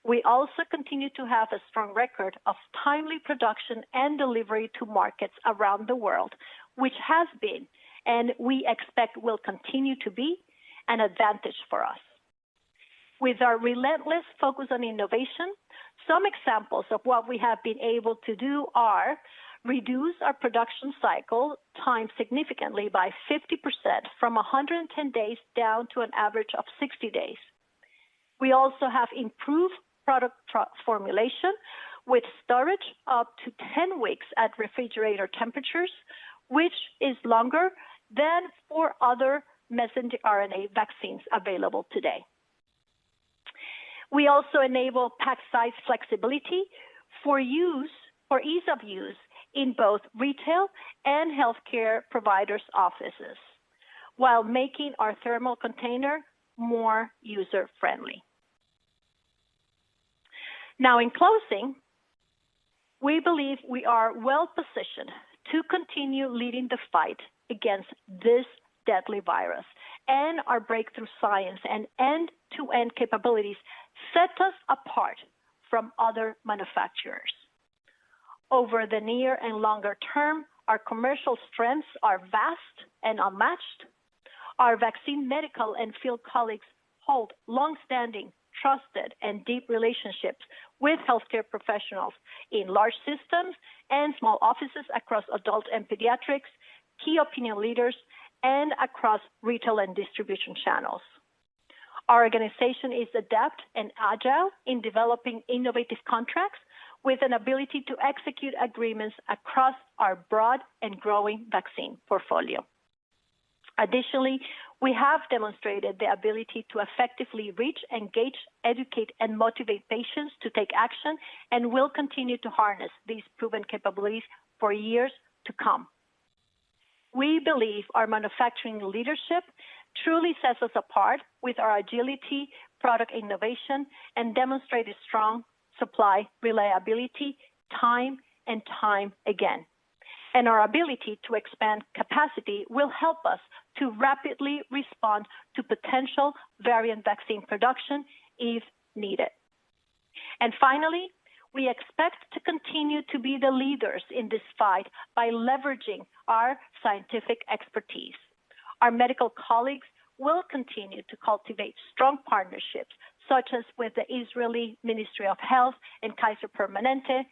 We also continue to have a strong record of timely production and delivery to markets around the world, which has been, and we expect will continue to be, an advantage for us. With our relentless focus on innovation, some examples of what we have been able to do are reduce our production cycle time significantly by 50% from 110 days down to an average of 60 days. We also have improved product formulation with storage up to 10 weeks at refrigerator temperatures, which is longer than for other messenger RNA vaccines available today. We also enable pack size flexibility for use or ease of use in both retail and healthcare providers' offices while making our thermal container more user-friendly. Now, in closing, we believe we are well-positioned to continue leading the fight against this deadly virus, and our breakthrough science and end-to-end capabilities set us apart from other manufacturers. Over the near and longer term, our commercial strengths are vast and unmatched. Our vaccine medical and field colleagues hold long-standing, trusted, and deep relationships with healthcare professionals in large systems and small offices across adult and pediatrics, key opinion leaders, and across retail and distribution channels. Our organization is adept and agile in developing innovative contracts with an ability to execute agreements across our broad and growing vaccine portfolio. Additionally, we have demonstrated the ability to effectively reach, engage, educate, and motivate patients to take action, and we'll continue to harness these proven capabilities for years to come. We believe our manufacturing leadership truly sets us apart with our agility, product innovation, and demonstrated strong supply reliability time and time again. Our ability to expand capacity will help us to rapidly respond to potential variant vaccine production if needed. Finally, we expect to continue to be the leaders in this fight by leveraging our scientific expertise. Our medical colleagues will continue to cultivate strong partnerships, such as with the Israeli Ministry of Health and Kaiser Permanente,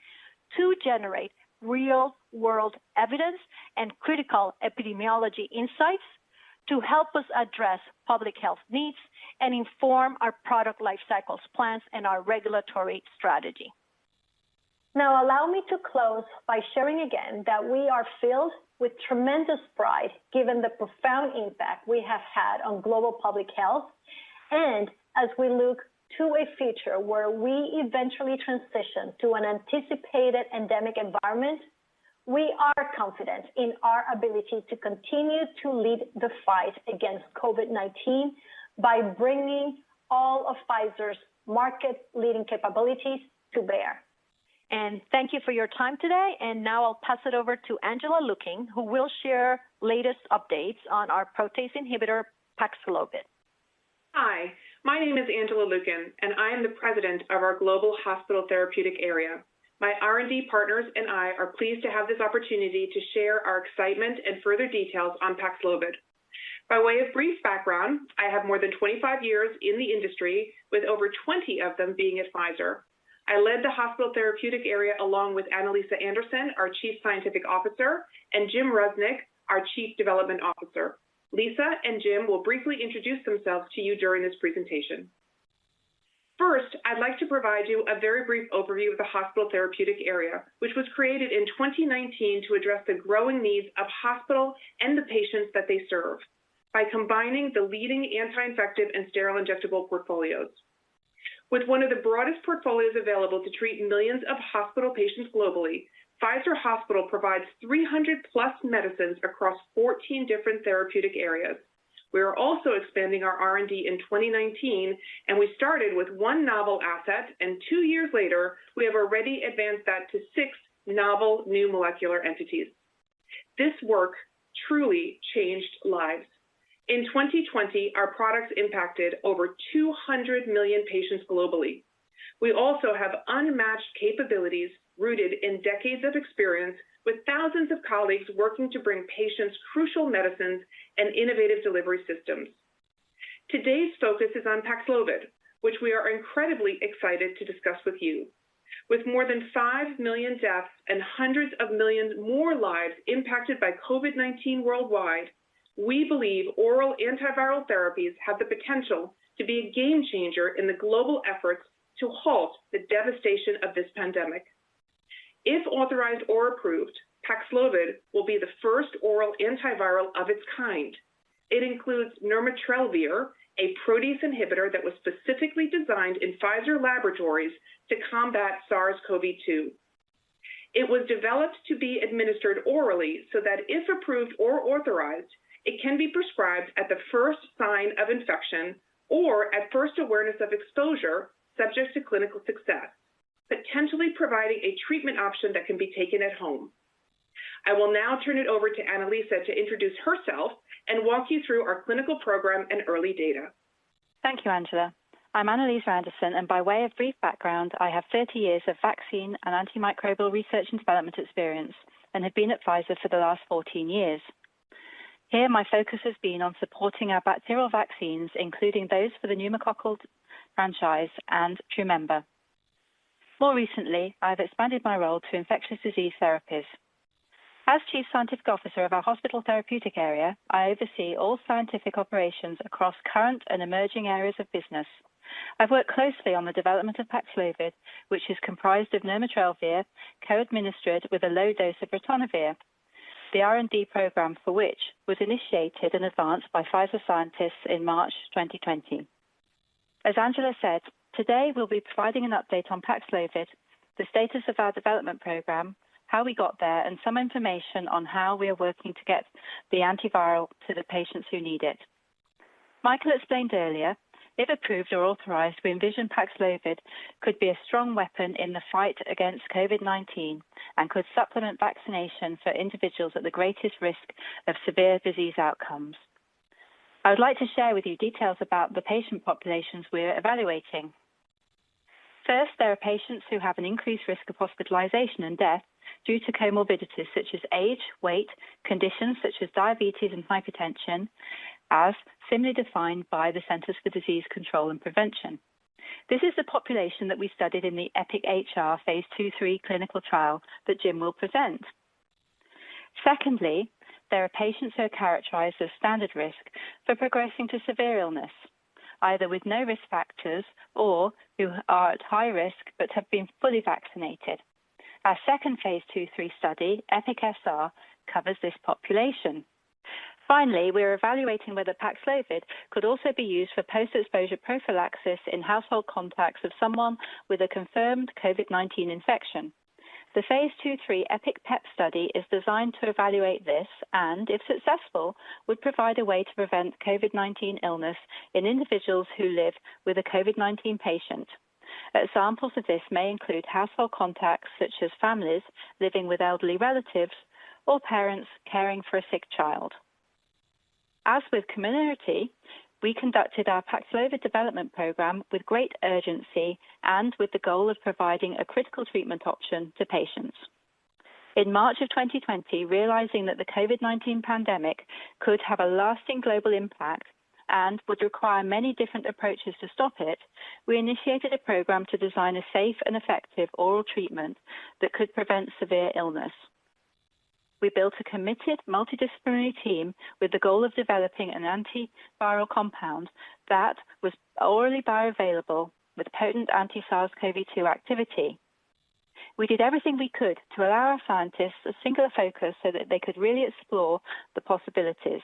to generate real-world evidence and critical epidemiology insights to help us address public health needs and inform our product life cycles plans and our regulatory strategy. Now allow me to close by sharing again that we are filled with tremendous pride given the profound impact we have had on global public health. As we look to a future where we eventually transition to an anticipated endemic environment, we are confident in our ability to continue to lead the fight against COVID-19 by bringing all of Pfizer's market-leading capabilities to bear. Thank you for your time today. Now I'll pass it over to Angela Lukin, who will share latest updates on our protease inhibitor, PAXLOVID. Hi, my name is Angela Lukin, and I am the president of our global hospital therapeutic area. My R&D partners and I are pleased to have this opportunity to share our excitement and further details on PAXLOVID. By way of brief background, I have more than 25 years in the industry with over 20 of them being at Pfizer. I led the hospital therapeutic area along with Annaliesa Anderson, our chief scientific officer, and Jim Rusnak, our chief development officer. Lisa and Jim will briefly introduce themselves to you during this presentation. First, I'd like to provide you a very brief overview of the hospital therapeutic area, which was created in 2019 to address the growing needs of hospital and the patients that they serve by combining the leading anti-infective and sterile injectable portfolios. With one of the broadest portfolios available to treat millions of hospital patients globally, Pfizer Hospital provides 300+ medicines across 14 different therapeutic areas. We are also expanding our R&D in 2019, and we started with one novel asset, and two years later, we have already advanced that to six novel new molecular entities. This work truly changed lives. In 2020, our products impacted over 200 million patients globally. We also have unmatched capabilities rooted in decades of experience with thousands of colleagues working to bring patients crucial medicines and innovative delivery systems. Today's focus is on PAXLOVID, which we are incredibly excited to discuss with you. With more than 5 million deaths and hundreds of millions more lives impacted by COVID-19 worldwide, we believe oral antiviral therapies have the potential to be a game changer in the global efforts to halt the devastation of this pandemic. If authorized or approved, PAXLOVID will be the first oral antiviral of its kind. It includes nirmatrelvir, a protease inhibitor that was specifically designed in Pfizer Laboratories to combat SARS-CoV-2. It was developed to be administered orally so that if approved or authorized, it can be prescribed at the first sign of infection or at first awareness of exposure subject to clinical success, potentially providing a treatment option that can be taken at home. I will now turn it over to Annaliesa to introduce herself and walk you through our clinical program and early data. Thank you, Angela. I'm Annaliesa Anderson, and by way of brief background, I have 30 years of vaccine and antimicrobial research and development experience and have been at Pfizer for the last 14 years. Here, my focus has been on supporting our bacterial vaccines, including those for the Pneumococcal franchise and TRUMENBA. More recently, I've expanded my role to infectious disease therapies. As Chief Scientific Officer of our hospital therapeutic area, I oversee all scientific operations across current and emerging areas of business. I've worked closely on the development of PAXLOVID, which is comprised of nirmatrelvir co-administered with a low dose of ritonavir. The R&D program for which was initiated and advanced by Pfizer scientists in March 2020. As Angela said, today we'll be providing an update on PAXLOVID, the status of our development program, how we got there, and some information on how we are working to get the antiviral to the patients who need it. Mikael explained earlier, if approved or authorized, we envision PAXLOVID could be a strong weapon in the fight against COVID-19 and could supplement vaccination for individuals at the greatest risk of severe disease outcomes. I would like to share with you details about the patient populations we're evaluating. First, there are patients who have an increased risk of hospitalization and death due to comorbidities such as age, weight, conditions such as diabetes and hypertension, as similarly defined by the Centers for Disease Control and Prevention. This is the population that we studied in the EPIC-HR phase II/III clinical trial that Jim will present. Secondly, there are patients who are characterized as standard risk for progressing to severe illness, either with no risk factors or who are at high risk but have been fully vaccinated. Our second phase II/III study, EPIC-SR, covers this population. Finally, we are evaluating whether PAXLOVID could also be used for post-exposure prophylaxis in household contacts of someone with a confirmed COVID-19 infection. The phase II/III EPIC-PEP study is designed to evaluate this and if successful, would provide a way to prevent COVID-19 illness in individuals who live with a COVID-19 patient. Examples of this may include household contacts such as families living with elderly relatives or parents caring for a sick child. As with COMIRNATY, we conducted our PAXLOVID development program with great urgency and with the goal of providing a critical treatment option to patients. In March of 2020, realizing that the COVID-19 pandemic could have a lasting global impact and would require many different approaches to stop it, we initiated a program to design a safe and effective oral treatment that could prevent severe illness. We built a committed multidisciplinary team with the goal of developing an antiviral compound that was orally bioavailable with potent anti-SARS-CoV-2 activity. We did everything we could to allow our scientists a singular focus so that they could really explore the possibilities.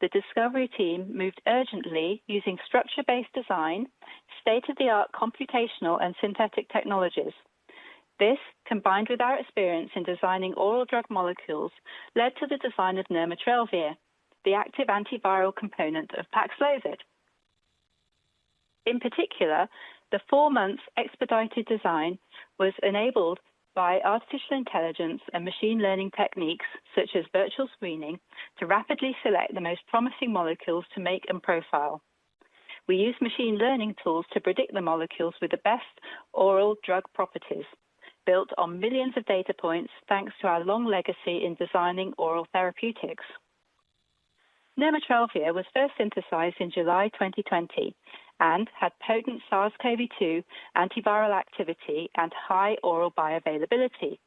The discovery team moved urgently using structure-based design, state-of-the-art computational and synthetic technologies. This, combined with our experience in designing oral drug molecules, led to the design of nirmatrelvir, the active antiviral component of PAXLOVID. In particular, the four months expedited design was enabled by artificial intelligence and machine learning techniques such as virtual screening, to rapidly select the most promising molecules to make and profile. We use machine learning tools to predict the molecules with the best oral drug properties built on millions of data points, thanks to our long legacy in designing oral therapeutics. Nirmatrelvir was first synthesized in July 2020 and had potent SARS-CoV-2 antiviral activity and high oral bioavailability.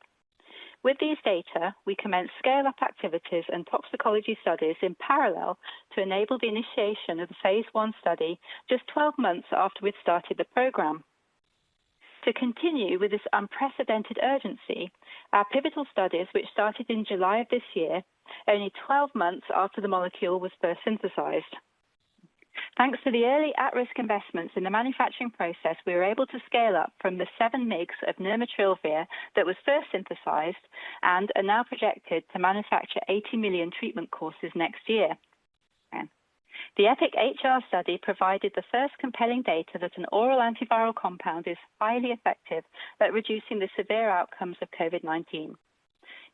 With these data, we commenced scale up activities and toxicology studies in parallel to enable the initiation of the phase I study just 12 months after we'd started the program. To continue with this unprecedented urgency, our pivotal studies, which started in July of this year, only 12 months after the molecule was first synthesized. Thanks to the early at-risk investments in the manufacturing process, we were able to scale up from the 7 mg mix of nirmatrelvir that was first synthesized and are now projected to manufacture 80 million treatment courses next year. The EPIC-HR study provided the first compelling data that an oral antiviral compound is highly effective at reducing the severe outcomes of COVID-19.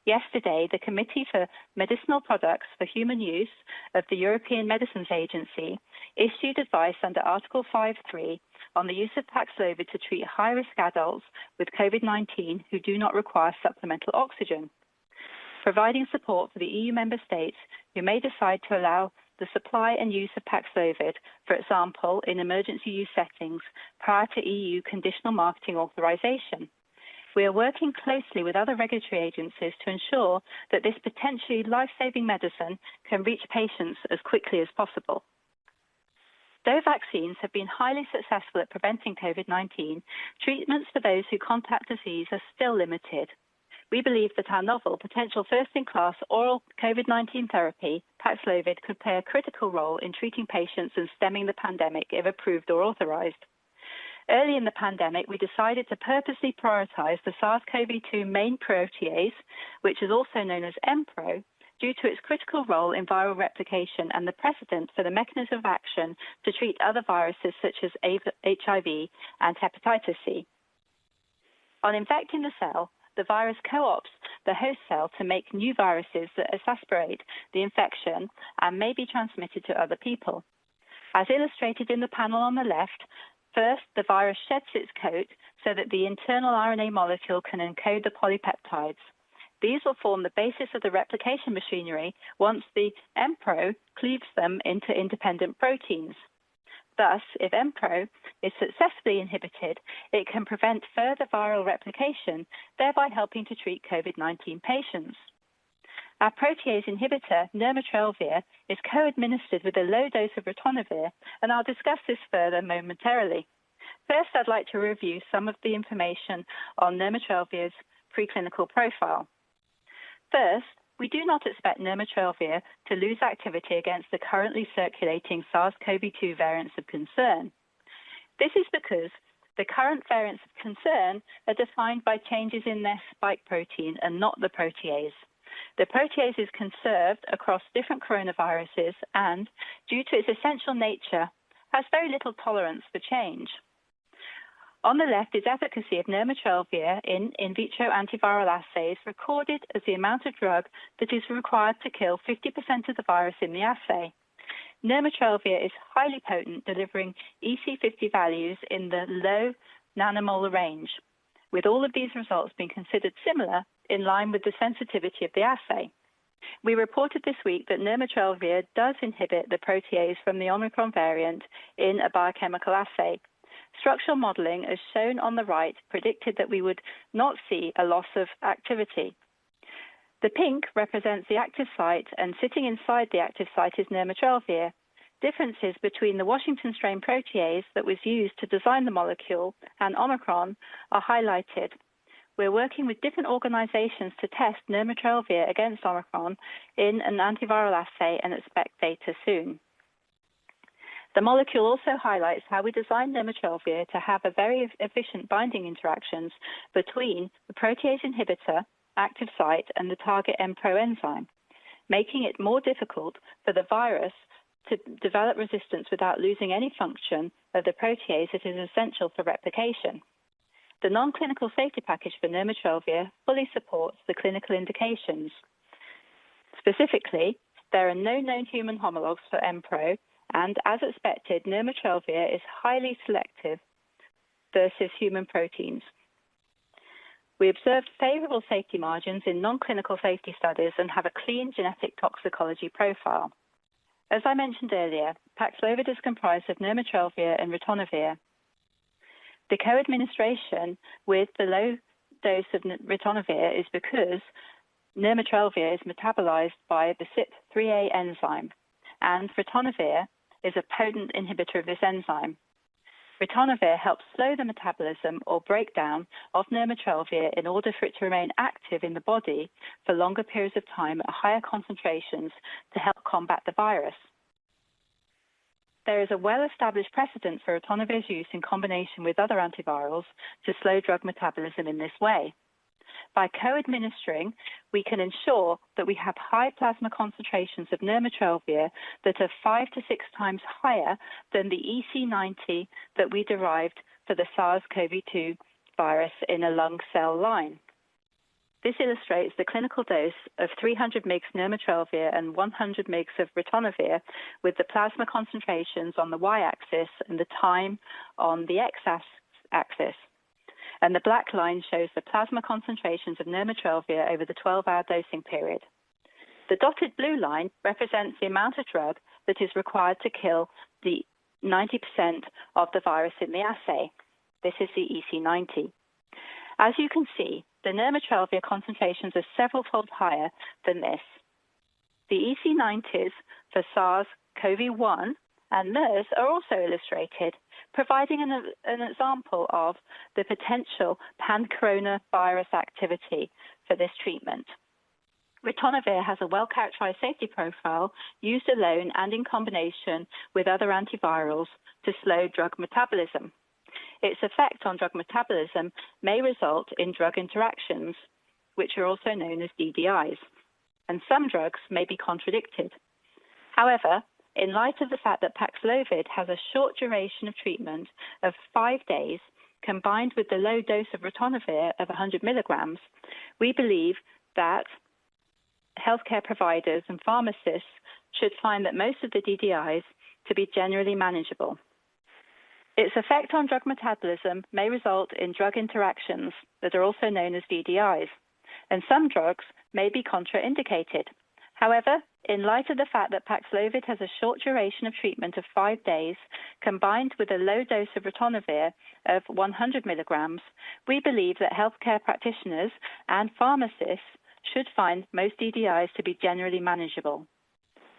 Yesterday, the Committee for Medicinal Products for Human Use of the European Medicines Agency issued advice under Article 5(3) on the use of PAXLOVID to treat high-risk adults with COVID-19 who do not require supplemental oxygen, providing support for the EU member states who may decide to allow the supply and use of PAXLOVID, for example, in emergency use settings prior to EU conditional marketing authorization. We are working closely with other regulatory agencies to ensure that this potentially life-saving medicine can reach patients as quickly as possible. Though vaccines have been highly successful at preventing COVID-19, treatments for those who contract the disease are still limited. We believe that our novel potential first-in-class oral COVID-19 therapy, PAXLOVID, could play a critical role in treating patients and stemming the pandemic if approved or authorized. Early in the pandemic, we decided to purposely prioritize the SARS-CoV-2 main protease, which is also known as Mpro, due to its critical role in viral replication and the precedent for the mechanism of action to treat other viruses such as HIV and hepatitis C. On infecting the cell, the virus co-opts the host cell to make new viruses that exacerbate the infection and may be transmitted to other people. As illustrated in the panel on the left, first, the virus sheds its coat so that the internal RNA molecule can encode the polypeptides. These will form the basis of the replication machinery once the Mpro cleaves them into independent proteins. Thus, if Mpro is successfully inhibited, it can prevent further viral replication, thereby helping to treat COVID-19 patients. Our protease inhibitor, nirmatrelvir, is co-administered with a low dose of ritonavir, and I'll discuss this further momentarily. First, I'd like to review some of the information on nirmatrelvir's preclinical profile. First, we do not expect nirmatrelvir to lose activity against the currently circulating SARS-CoV-2 variants of concern. This is because the current variants of concern are defined by changes in their spike protein and not the protease. The protease is conserved across different coronaviruses and, due to its essential nature, has very little tolerance for change. On the left is efficacy of nirmatrelvir in vitro antiviral assays recorded as the amount of drug that is required to kill 50% of the virus in the assay. Nirmatrelvir is highly potent, delivering EC50 values in the low nanomolar range. With all of these results being considered similar in line with the sensitivity of the assay. We reported this week that nirmatrelvir does inhibit the protease from the Omicron variant in a biochemical assay. Structural modeling, as shown on the right, predicted that we would not see a loss of activity. The pink represents the active site, and sitting inside the active site is nirmatrelvir. Differences between the Washington strain protease that was used to design the molecule and Omicron are highlighted. We're working with different organizations to test nirmatrelvir against Omicron in an antiviral assay and expect data soon. The molecule also highlights how we designed nirmatrelvir to have a very efficient binding interactions between the protease inhibitor active site and the target Mpro enzyme, making it more difficult for the virus to develop resistance without losing any function of the protease that is essential for replication. The non-clinical safety package for nirmatrelvir fully supports the clinical indications. Specifically, there are no known human homologs for Mpro, and as expected, nirmatrelvir is highly selective versus human proteins. We observed favorable safety margins in non-clinical safety studies and have a clean genetic toxicology profile. As I mentioned earlier, PAXLOVID is comprised of nirmatrelvir and ritonavir. The co-administration with the low dose of ritonavir is because nirmatrelvir is metabolized by the CYP3A enzyme, and ritonavir is a potent inhibitor of this enzyme. Ritonavir helps slow the metabolism or breakdown of nirmatrelvir in order for it to remain active in the body for longer periods of time at higher concentrations to help combat the virus. There is a well-established precedent for ritonavir's use in combination with other antivirals to slow drug metabolism in this way. By co-administering, we can ensure that we have high plasma concentrations of nirmatrelvir that are 5x-6x higher than the EC90 that we derived for the SARS-CoV-2 virus in a lung cell line. This illustrates the clinical dose of 300 mg nirmatrelvir and 100 mg of ritonavir with the plasma concentrations on the y-axis and the time on the x-axis. The black line shows the plasma concentrations of nirmatrelvir over the 12-hour dosing period. The dotted blue line represents the amount of drug that is required to kill 90% of the virus in the assay. This is the EC90. As you can see, the nirmatrelvir concentrations are several-fold higher than this. The EC90s for SARS-CoV-1 and MERS are also illustrated, providing an example of the potential pan-coronavirus activity for this treatment. Ritonavir has a well-characterized safety profile used alone and in combination with other antivirals to slow drug metabolism. Its effect on drug metabolism may result in drug interactions, which are also known as DDIs, and some drugs may be contraindicated. However, in light of the fact that PAXLOVID has a short duration of treatment of five days combined with the low dose of ritonavir of 100 mg, we believe that healthcare providers and pharmacists should find that most of the DDIs to be generally manageable. Its effect on drug metabolism may result in drug interactions, that are also known as DDIs, and some drugs may be contraindicated. However, in light of the fact that PAXLOVID has a short duration of treatment of five days, combined with the low dose of ritonavir of 100 mg, we believe that healthcare practitioners and pharmacists should find that most DDIs to be generally manageable.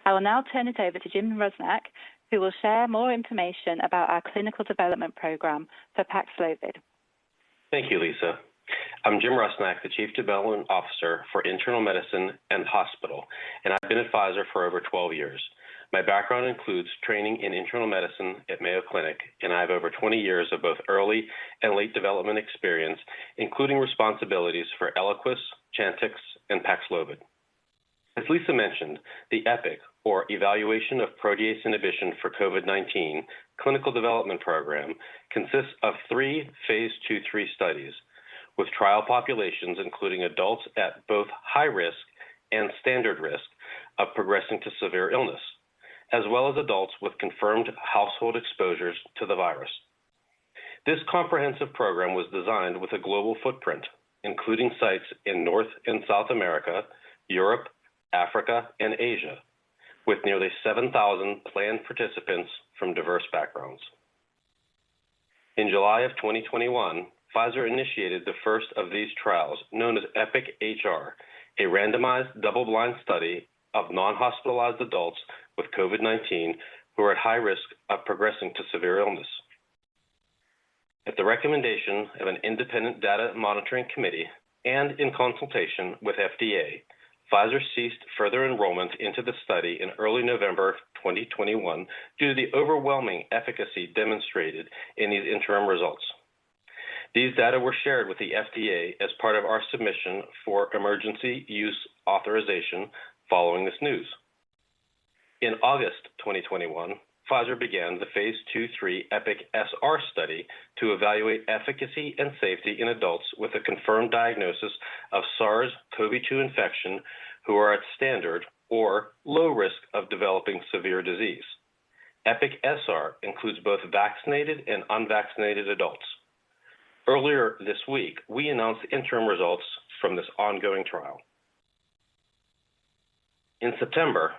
I will now turn it over to Jim Rusnak, who will share more information about our clinical development program for PAXLOVID. Thank you, Lisa. I'm Jim Rusnak, Chief Development Officer for Internal Medicine and Hospital, and I've been at Pfizer for over 12 years. My background includes training in internal medicine at Mayo Clinic, and I have over 20 years of both early and late development experience, including responsibilities for ELIQUIS, CHANTIX, and PAXLOVID. As Lisa mentioned, the EPIC, or Evaluation of Protease Inhibition for COVID-19, clinical development program consists of three phase II/III studies with trial populations, including adults at both high risk and standard risk of progressing to severe illness, as well as adults with confirmed household exposures to the virus. This comprehensive program was designed with a global footprint, including sites in North and South America, Europe, Africa, and Asia, with nearly 7,000 planned participants from diverse backgrounds. In July of 2021, Pfizer initiated the first of these trials, known as EPIC-HR, a randomized double-blind study of non-hospitalized adults with COVID-19 who are at high risk of progressing to severe illness. At the recommendation of an independent data monitoring committee and in consultation with FDA, Pfizer ceased further enrollment into the study in early November of 2021 due to the overwhelming efficacy demonstrated in these interim results. These data were shared with the FDA as part of our submission for emergency use authorization following this news. In August 2021, Pfizer began the phase II/III EPIC-SR study to evaluate efficacy and safety in adults with a confirmed diagnosis of SARS-CoV-2 infection who are at standard or low risk of developing severe disease. EPIC-SR includes both vaccinated and unvaccinated adults. Earlier this week, we announced interim results from this ongoing trial. In September,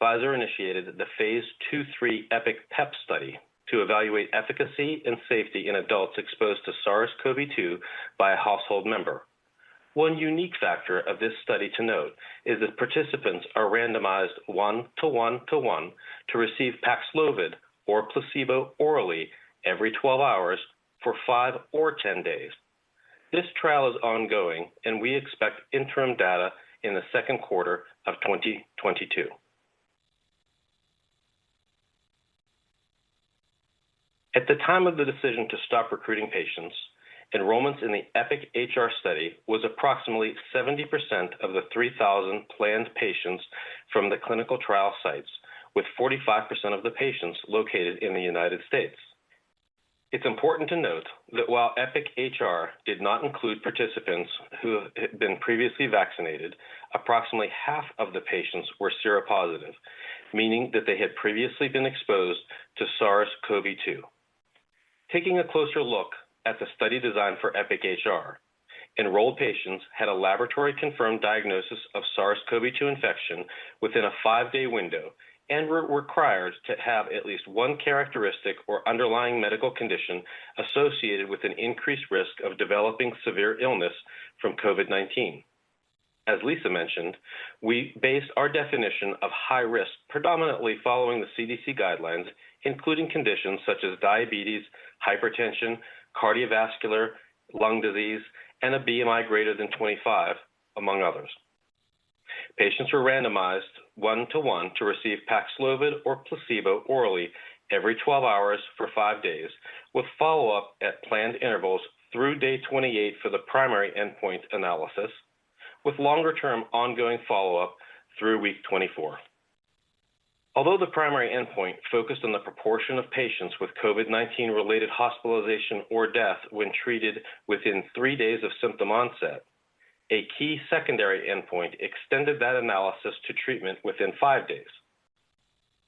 Pfizer initiated the phase II/III EPIC-PEP study to evaluate efficacy and safety in adults exposed to SARS-CoV-2 by a household member. One unique factor of this study to note is that participants are randomized 1:1:1 to receive PAXLOVID or placebo orally every 12 hours for five or 10 days. This trial is ongoing, and we expect interim data in the second quarter of 2022. At the time of the decision to stop recruiting patients, enrollments in the EPIC-HR study was approximately 70% of the 3,000 planned patients from the clinical trial sites, with 45% of the patients located in the United States. It's important to note that while EPIC-HR did not include participants who had been previously vaccinated, approximately half of the patients were seropositive, meaning that they had previously been exposed to SARS-CoV-2. Taking a closer look at the study design for EPIC-HR, enrolled patients had a laboratory-confirmed diagnosis of SARS-CoV-2 infection within a five day window and were required to have at least one characteristic or underlying medical condition associated with an increased risk of developing severe illness from COVID-19. As Lisa mentioned, we based our definition of high risk predominantly following the CDC guidelines, including conditions such as diabetes, hypertension, cardiovascular, lung disease, and a BMI greater than 25, among others. Patients were randomized 1:1 to receive PAXLOVID or placebo orally every 12 hours for five days with follow-up at planned intervals through day 28 for the primary endpoint analysis, with longer-term ongoing follow-up through week 24. Although the primary endpoint focused on the proportion of patients with COVID-19-related hospitalization or death when treated within three days of symptom onset, a key secondary endpoint extended that analysis to treatment within five days.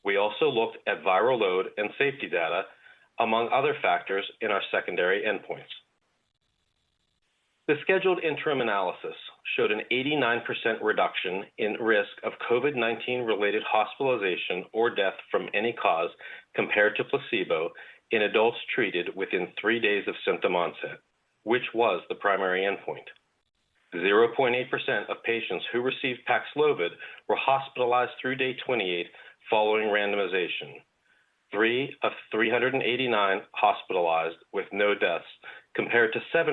We also looked at viral load and safety data, among other factors in our secondary endpoints. The scheduled interim analysis showed a 89% reduction in risk of COVID-19-related hospitalization or death from any cause compared to placebo in adults treated within three days of symptom onset, which was the primary endpoint. 0.8% of patients who received PAXLOVID were hospitalized through day 28 following randomization. Three of 389 hospitalized with no deaths, compared to 7%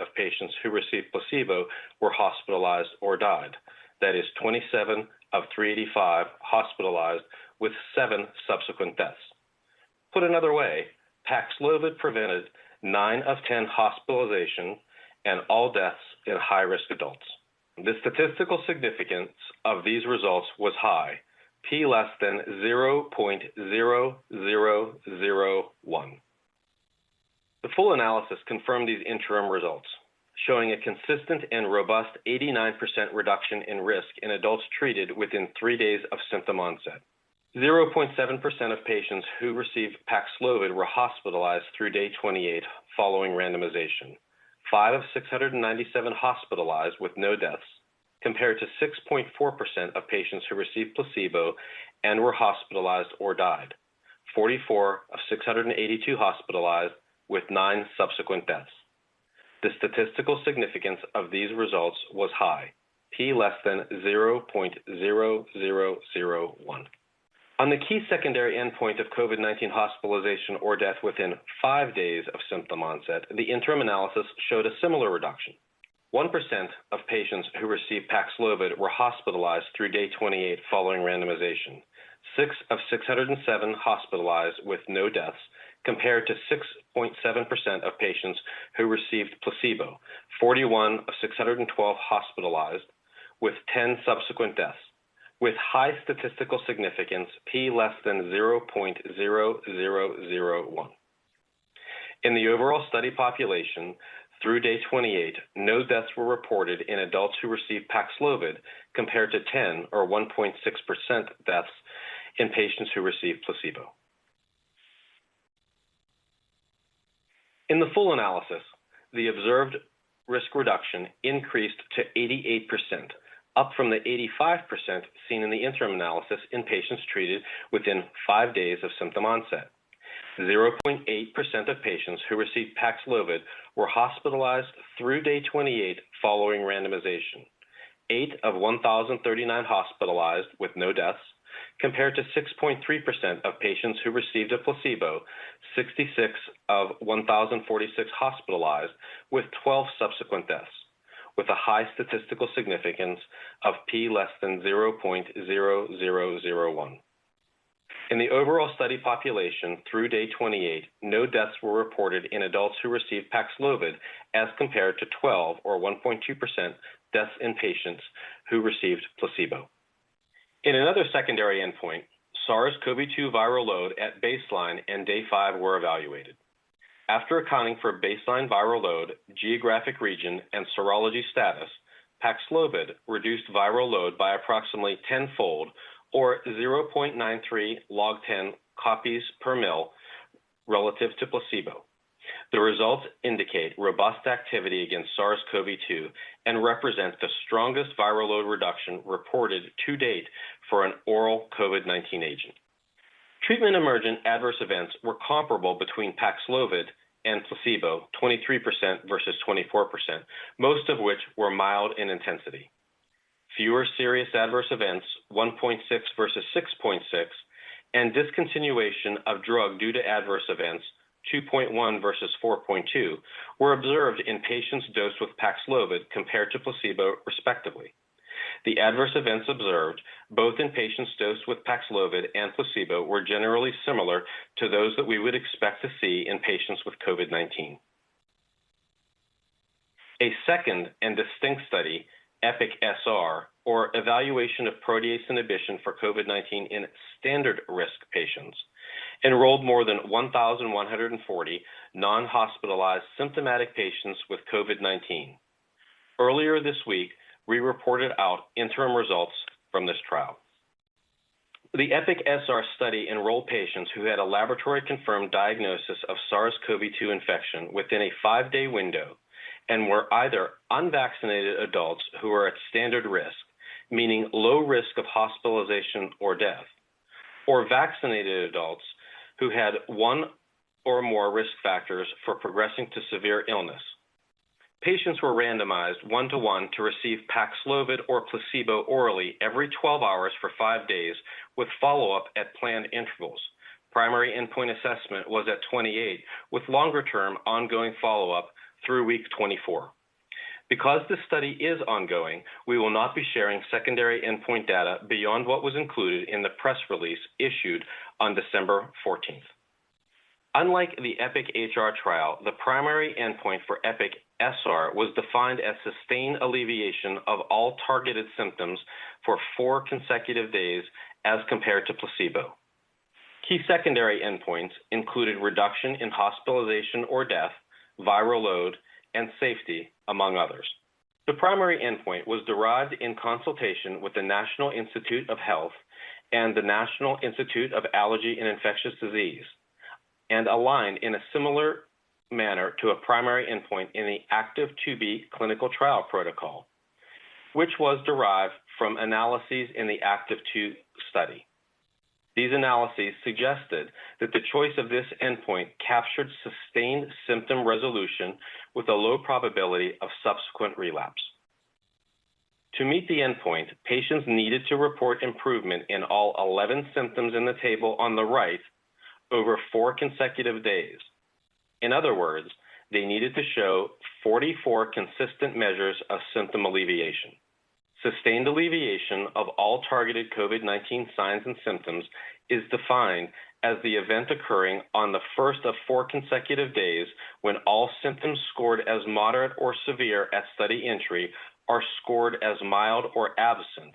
of patients who received placebo were hospitalized or died. That is 27 of 385 hospitalized with seven subsequent deaths. Put another way, PAXLOVID prevented nine of 10 hospitalizations and all deaths in high-risk adults. The statistical significance of these results was high, p < 0.0001. The full analysis confirmed these interim results, showing a consistent and robust 89% reduction in risk in adults treated within three days of symptom onset. 0.7% of patients who received PAXLOVID were hospitalized through day 28 following randomization. Five of 697 hospitalized with no deaths, compared to 6.4% of patients who received placebo and were hospitalized or died. 44 of 682 hospitalized with nine subsequent deaths. The statistical significance of these results was high, p < 0.0001. On the key secondary endpoint of COVID-19 hospitalization or death within five days of symptom onset, the interim analysis showed a similar reduction. 1% of patients who received PAXLOVID were hospitalized through day 28 following randomization. Six of 607 hospitalized with no deaths, compared to 6.7% of patients who received placebo. 41 of 612 hospitalized with 10 subsequent deaths. With high statistical significance, p < 0.0001. In the overall study population through day 28, no deaths were reported in adults who received PAXLOVID, compared to 10 or 1.6% deaths in patients who received placebo. In the full analysis, the observed risk reduction increased to 88%, up from the 85% seen in the interim analysis in patients treated within five days of symptom onset. 0.8% of patients who received PAXLOVID were hospitalized through day 28 following randomization. Eight of 1,039 hospitalized with no deaths, compared to 6.3% of patients who received a placebo. 66 of 1,046 hospitalized with 12 subsequent deaths. With a high statistical significance of p < 0.0001. In the overall study population through day 28, no deaths were reported in adults who received PAXLOVID as compared to 12 or 1.2% deaths in patients who received placebo. In another secondary endpoint, SARS-CoV-2 viral load at baseline and day five were evaluated. After accounting for baseline viral load, geographic region, and serology status, PAXLOVID reduced viral load by approximately tenfold or 0.93 log10 copies/mL relative to placebo. The results indicate robust activity against SARS-CoV-2 and represents the strongest viral load reduction reported to date for an oral COVID-19 agent. Treatment-emergent adverse events were comparable between PAXLOVID and placebo, 23% versus 24%, most of which were mild in intensity. Fewer serious adverse events, 1.6 versus 6.6, and discontinuation of drug due to adverse events, 2.1 versus 4.2, were observed in patients dosed with PAXLOVID compared to placebo, respectively. The adverse events observed both in patients dosed with PAXLOVID and placebo were generally similar to those that we would expect to see in patients with COVID-19. A second and distinct study, EPIC-SR or Evaluation of Protease Inhibition for COVID-19 in standard-risk patients, enrolled more than 1,140 non-hospitalized symptomatic patients with COVID-19. Earlier this week, we reported out interim results from this trial. The EPIC-SR study enrolled patients who had a laboratory-confirmed diagnosis of SARS-CoV-2 infection within a five day window and were either unvaccinated adults who were at standard risk, meaning low risk of hospitalization or death, or vaccinated adults who had one or more risk factors for progressing to severe illness. Patients were randomized 1:1 to receive PAXLOVID or placebo orally every 12 hours for five days with follow-up at planned intervals. Primary endpoint assessment was at 28, with longer-term ongoing follow-up through week 24. Because this study is ongoing, we will not be sharing secondary endpoint data beyond what was included in the press release issued on December 14th. Unlike the EPIC-HR trial, the primary endpoint for EPIC-SR was defined as sustained alleviation of all targeted symptoms for four consecutive days as compared to placebo. Key secondary endpoints included reduction in hospitalization or death, viral load, and safety, among others. The primary endpoint was derived in consultation with the National Institutes of Health and the National Institute of Allergy and Infectious Diseases and aligned in a similar manner to a primary endpoint in the ACTIV-2b clinical trial protocol, which was derived from analyses in the ACTIV-2 study. These analyses suggested that the choice of this endpoint captured sustained symptom resolution with a low probability of subsequent relapse. To meet the endpoint, patients needed to report improvement in all 11 symptoms in the table on the right over four consecutive days. In other words, they needed to show 44 consistent measures of symptom alleviation. Sustained alleviation of all targeted COVID-19 signs and symptoms is defined as the event occurring on the first of four consecutive days when all symptoms scored as moderate or severe at study entry are scored as mild or absent.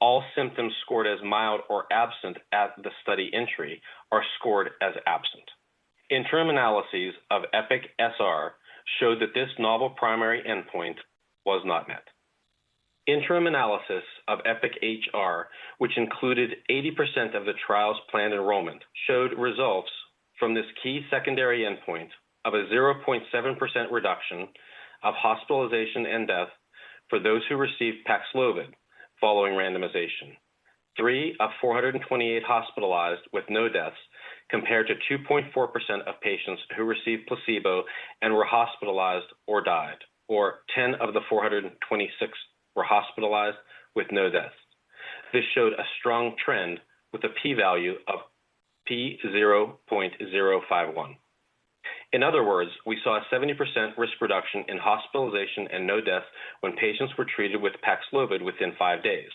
All symptoms scored as mild or absent at the study entry are scored as absent. Interim analyses of EPIC-SR showed that this novel primary endpoint was not met. Interim analysis of EPIC-HR, which included 80% of the trial's planned enrollment, showed results from this key secondary endpoint of a 0.7% reduction of hospitalization and death for those who received PAXLOVID following randomization. Three of 428 hospitalized with no deaths compared to 2.4% of patients who received placebo and were hospitalized or died, or 10 of the 426 were hospitalized with no deaths. This showed a strong trend with a p-value of 0.051. In other words, we saw a 70% risk reduction in hospitalization and no death when patients were treated with PAXLOVID within five days.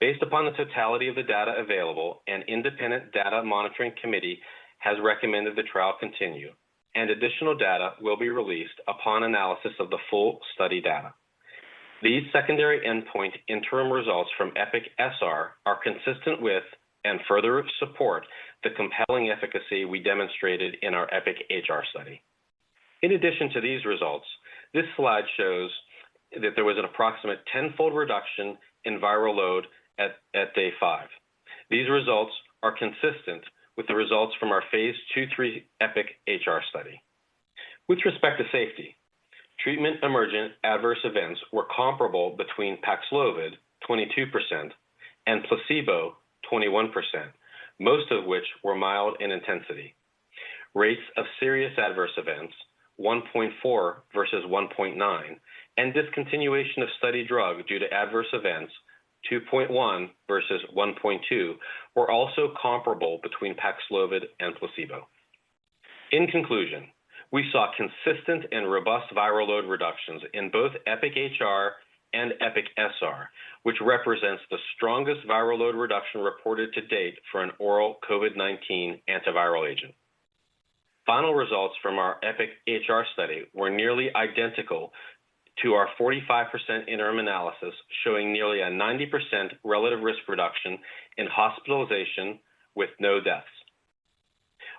Based upon the totality of the data available, an independent data monitoring committee has recommended the trial continue, and additional data will be released upon analysis of the full study data. These secondary endpoint interim results from EPIC-SR are consistent with and further support the compelling efficacy we demonstrated in our EPIC-HR study. In addition to these results, this slide shows that there was an approximate tenfold reduction in viral load at day five. These results are consistent with the results from our phase II/III EPIC-HR study. With respect to safety, treatment emergent adverse events were comparable between PAXLOVID, 22%, and placebo, 21%, most of which were mild in intensity. Rates of serious adverse events, 1.4 versus 1.9, and discontinuation of study drug due to adverse events, 2.1 versus 1.2, were also comparable between PAXLOVID and placebo. In conclusion, we saw consistent and robust viral load reductions in both EPIC-HR and EPIC-SR, which represents the strongest viral load reduction reported to date for an oral COVID-19 antiviral agent. Final results from our EPIC-HR study were nearly identical to our 45% interim analysis, showing nearly a 90% relative risk reduction in hospitalization with no deaths.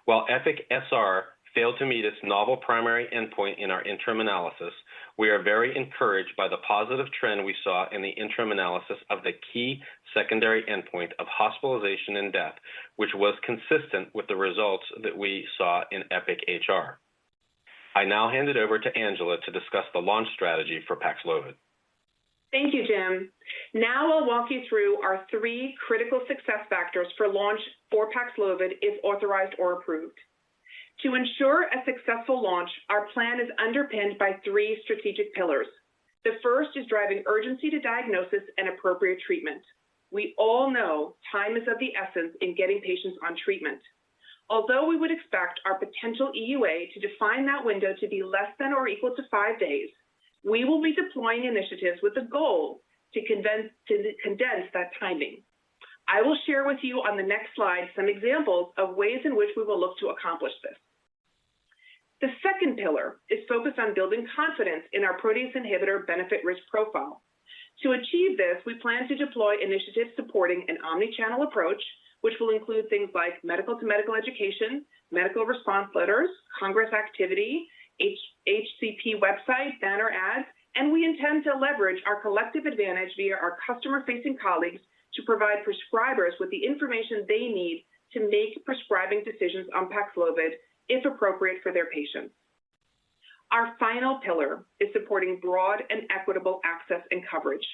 While EPIC-SR failed to meet its novel primary endpoint in our interim analysis, we are very encouraged by the positive trend we saw in the interim analysis of the key secondary endpoint of hospitalization and death, which was consistent with the results that we saw in EPIC-HR. I now hand it over to Angela to discuss the launch strategy for PAXLOVID. Thank you, Jim. Now I'll walk you through our three critical success factors for launch for PAXLOVID if authorized or approved. To ensure a successful launch, our plan is underpinned by three strategic pillars. The first is driving urgency to diagnosis and appropriate treatment. We all know time is of the essence in getting patients on treatment. Although we would expect our potential EUA to define that window to be less than or equal to five days, we will be deploying initiatives with a goal to condense that timing. I will share with you on the next slide some examples of ways in which we will look to accomplish this. The second pillar is focused on building confidence in our protease inhibitor benefit risk profile. To achieve this, we plan to deploy initiatives supporting an omni-channel approach, which will include things like medical to medical education, medical response letters, congress activity, HCP website banner ads, and we intend to leverage our collective advantage via our customer-facing colleagues to provide prescribers with the information they need to make prescribing decisions on PAXLOVID if appropriate for their patients. Our final pillar is supporting broad and equitable access and coverage.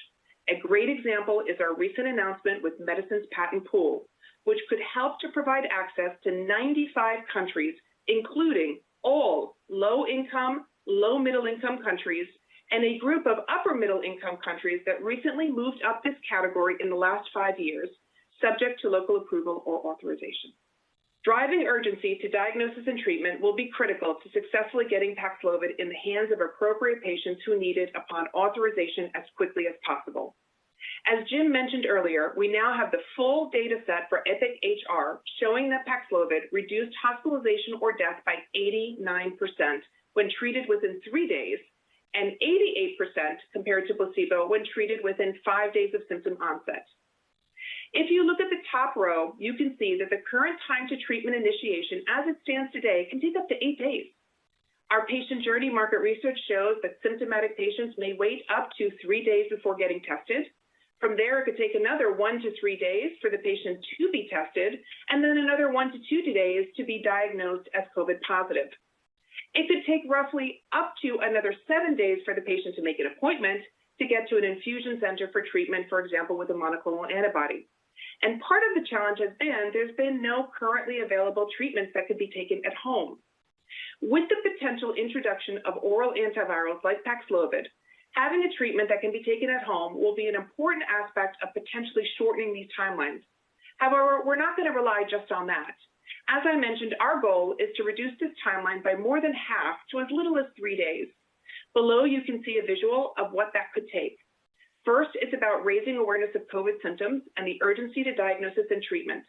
A great example is our recent announcement with Medicines Patent Pool, which could help to provide access to 95 countries, including all low-income, lower-middle-income countries and a group of upper-middle-income countries that recently moved up this category in the last five years, subject to local approval or authorization. Driving urgency to diagnosis and treatment will be critical to successfully getting PAXLOVID in the hands of appropriate patients who need it upon authorization as quickly as possible. As Jim mentioned earlier, we now have the full data set for EPIC-HR showing that PAXLOVID reduced hospitalization or death by 89% when treated within three days and 88% compared to placebo when treated within five days of symptom onset. If you look at the top row, you can see that the current time to treatment initiation as it stands today can take up to eight days. Our patient journey market research shows that symptomatic patients may wait up to three days before getting tested. From there, it could take another one to three days for the patient to be tested, and then another one to two days to be diagnosed as COVID positive. It could take roughly up to another seven days for the patient to make an appointment to get to an infusion center for treatment, for example, with a monoclonal antibody. Part of the challenge has been there's been no currently available treatments that could be taken at home. With the potential introduction of oral antivirals like PAXLOVID, having a treatment that can be taken at home will be an important aspect of potentially shortening these timelines. However, we're not gonna rely just on that. As I mentioned, our goal is to reduce this timeline by more than half to as little as three days. Below you can see a visual of what that could take. First, it's about raising awareness of COVID symptoms and the urgency of diagnosis and treatment.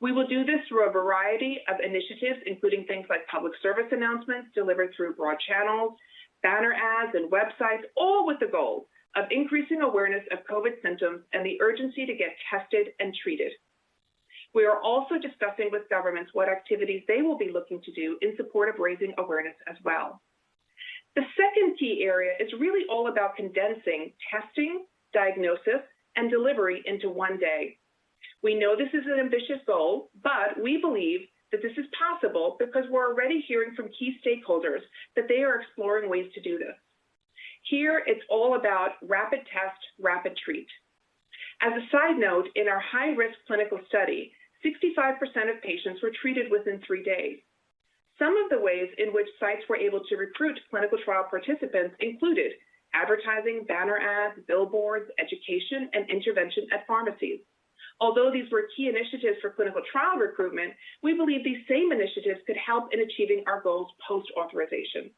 We will do this through a variety of initiatives, including things like public service announcements delivered through broad channels, banner ads, and websites, all with the goal of increasing awareness of COVID symptoms and the urgency to get tested and treated. We are also discussing with governments what activities they will be looking to do in support of raising awareness as well. The second key area is really all about condensing testing, diagnosis, and delivery into one day. We know this is an ambitious goal, but we believe that this is possible because we're already hearing from key stakeholders that they are exploring ways to do this. Here it's all about rapid test, rapid treat. As a side note, in our high-risk clinical study, 65% of patients were treated within three days. Some of the ways in which sites were able to recruit clinical trial participants included advertising, banner ads, billboards, education, and intervention at pharmacies. Although these were key initiatives for clinical trial recruitment, we believe these same initiatives could help in achieving our goals post-authorization.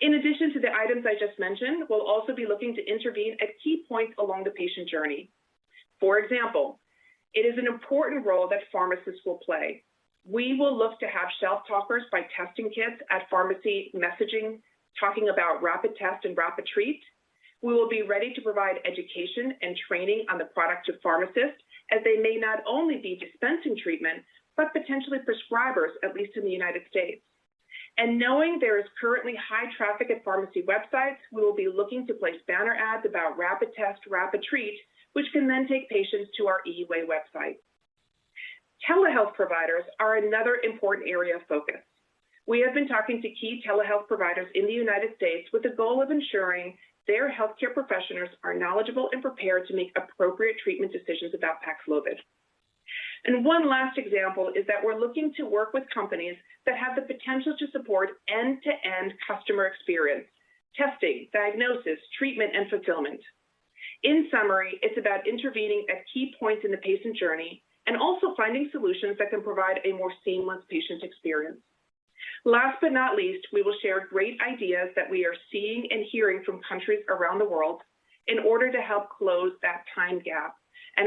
In addition to the items I just mentioned, we'll also be looking to intervene at key points along the patient journey. For example, it is an important role that pharmacists will play. We will look to have shelf talkers by testing kits at pharmacy messaging, talking about rapid test and rapid treat. We will be ready to provide education and training on the product to pharmacists as they may not only be dispensing treatment, but potentially prescribers, at least in the United States. Knowing there is currently high traffic at pharmacy websites, we will be looking to place banner ads about rapid test, rapid treat, which can then take patients to our EUA website. Telehealth providers are another important area of focus. We have been talking to key telehealth providers in the United States with the goal of ensuring their healthcare professionals are knowledgeable and prepared to make appropriate treatment decisions about PAXLOVID. One last example is that we're looking to work with companies that have the potential to support end-to-end customer experience, testing, diagnosis, treatment, and fulfillment. In summary, it's about intervening at key points in the patient journey and also finding solutions that can provide a more seamless patient experience. Last but not least, we will share great ideas that we are seeing and hearing from countries around the world in order to help close that time gap.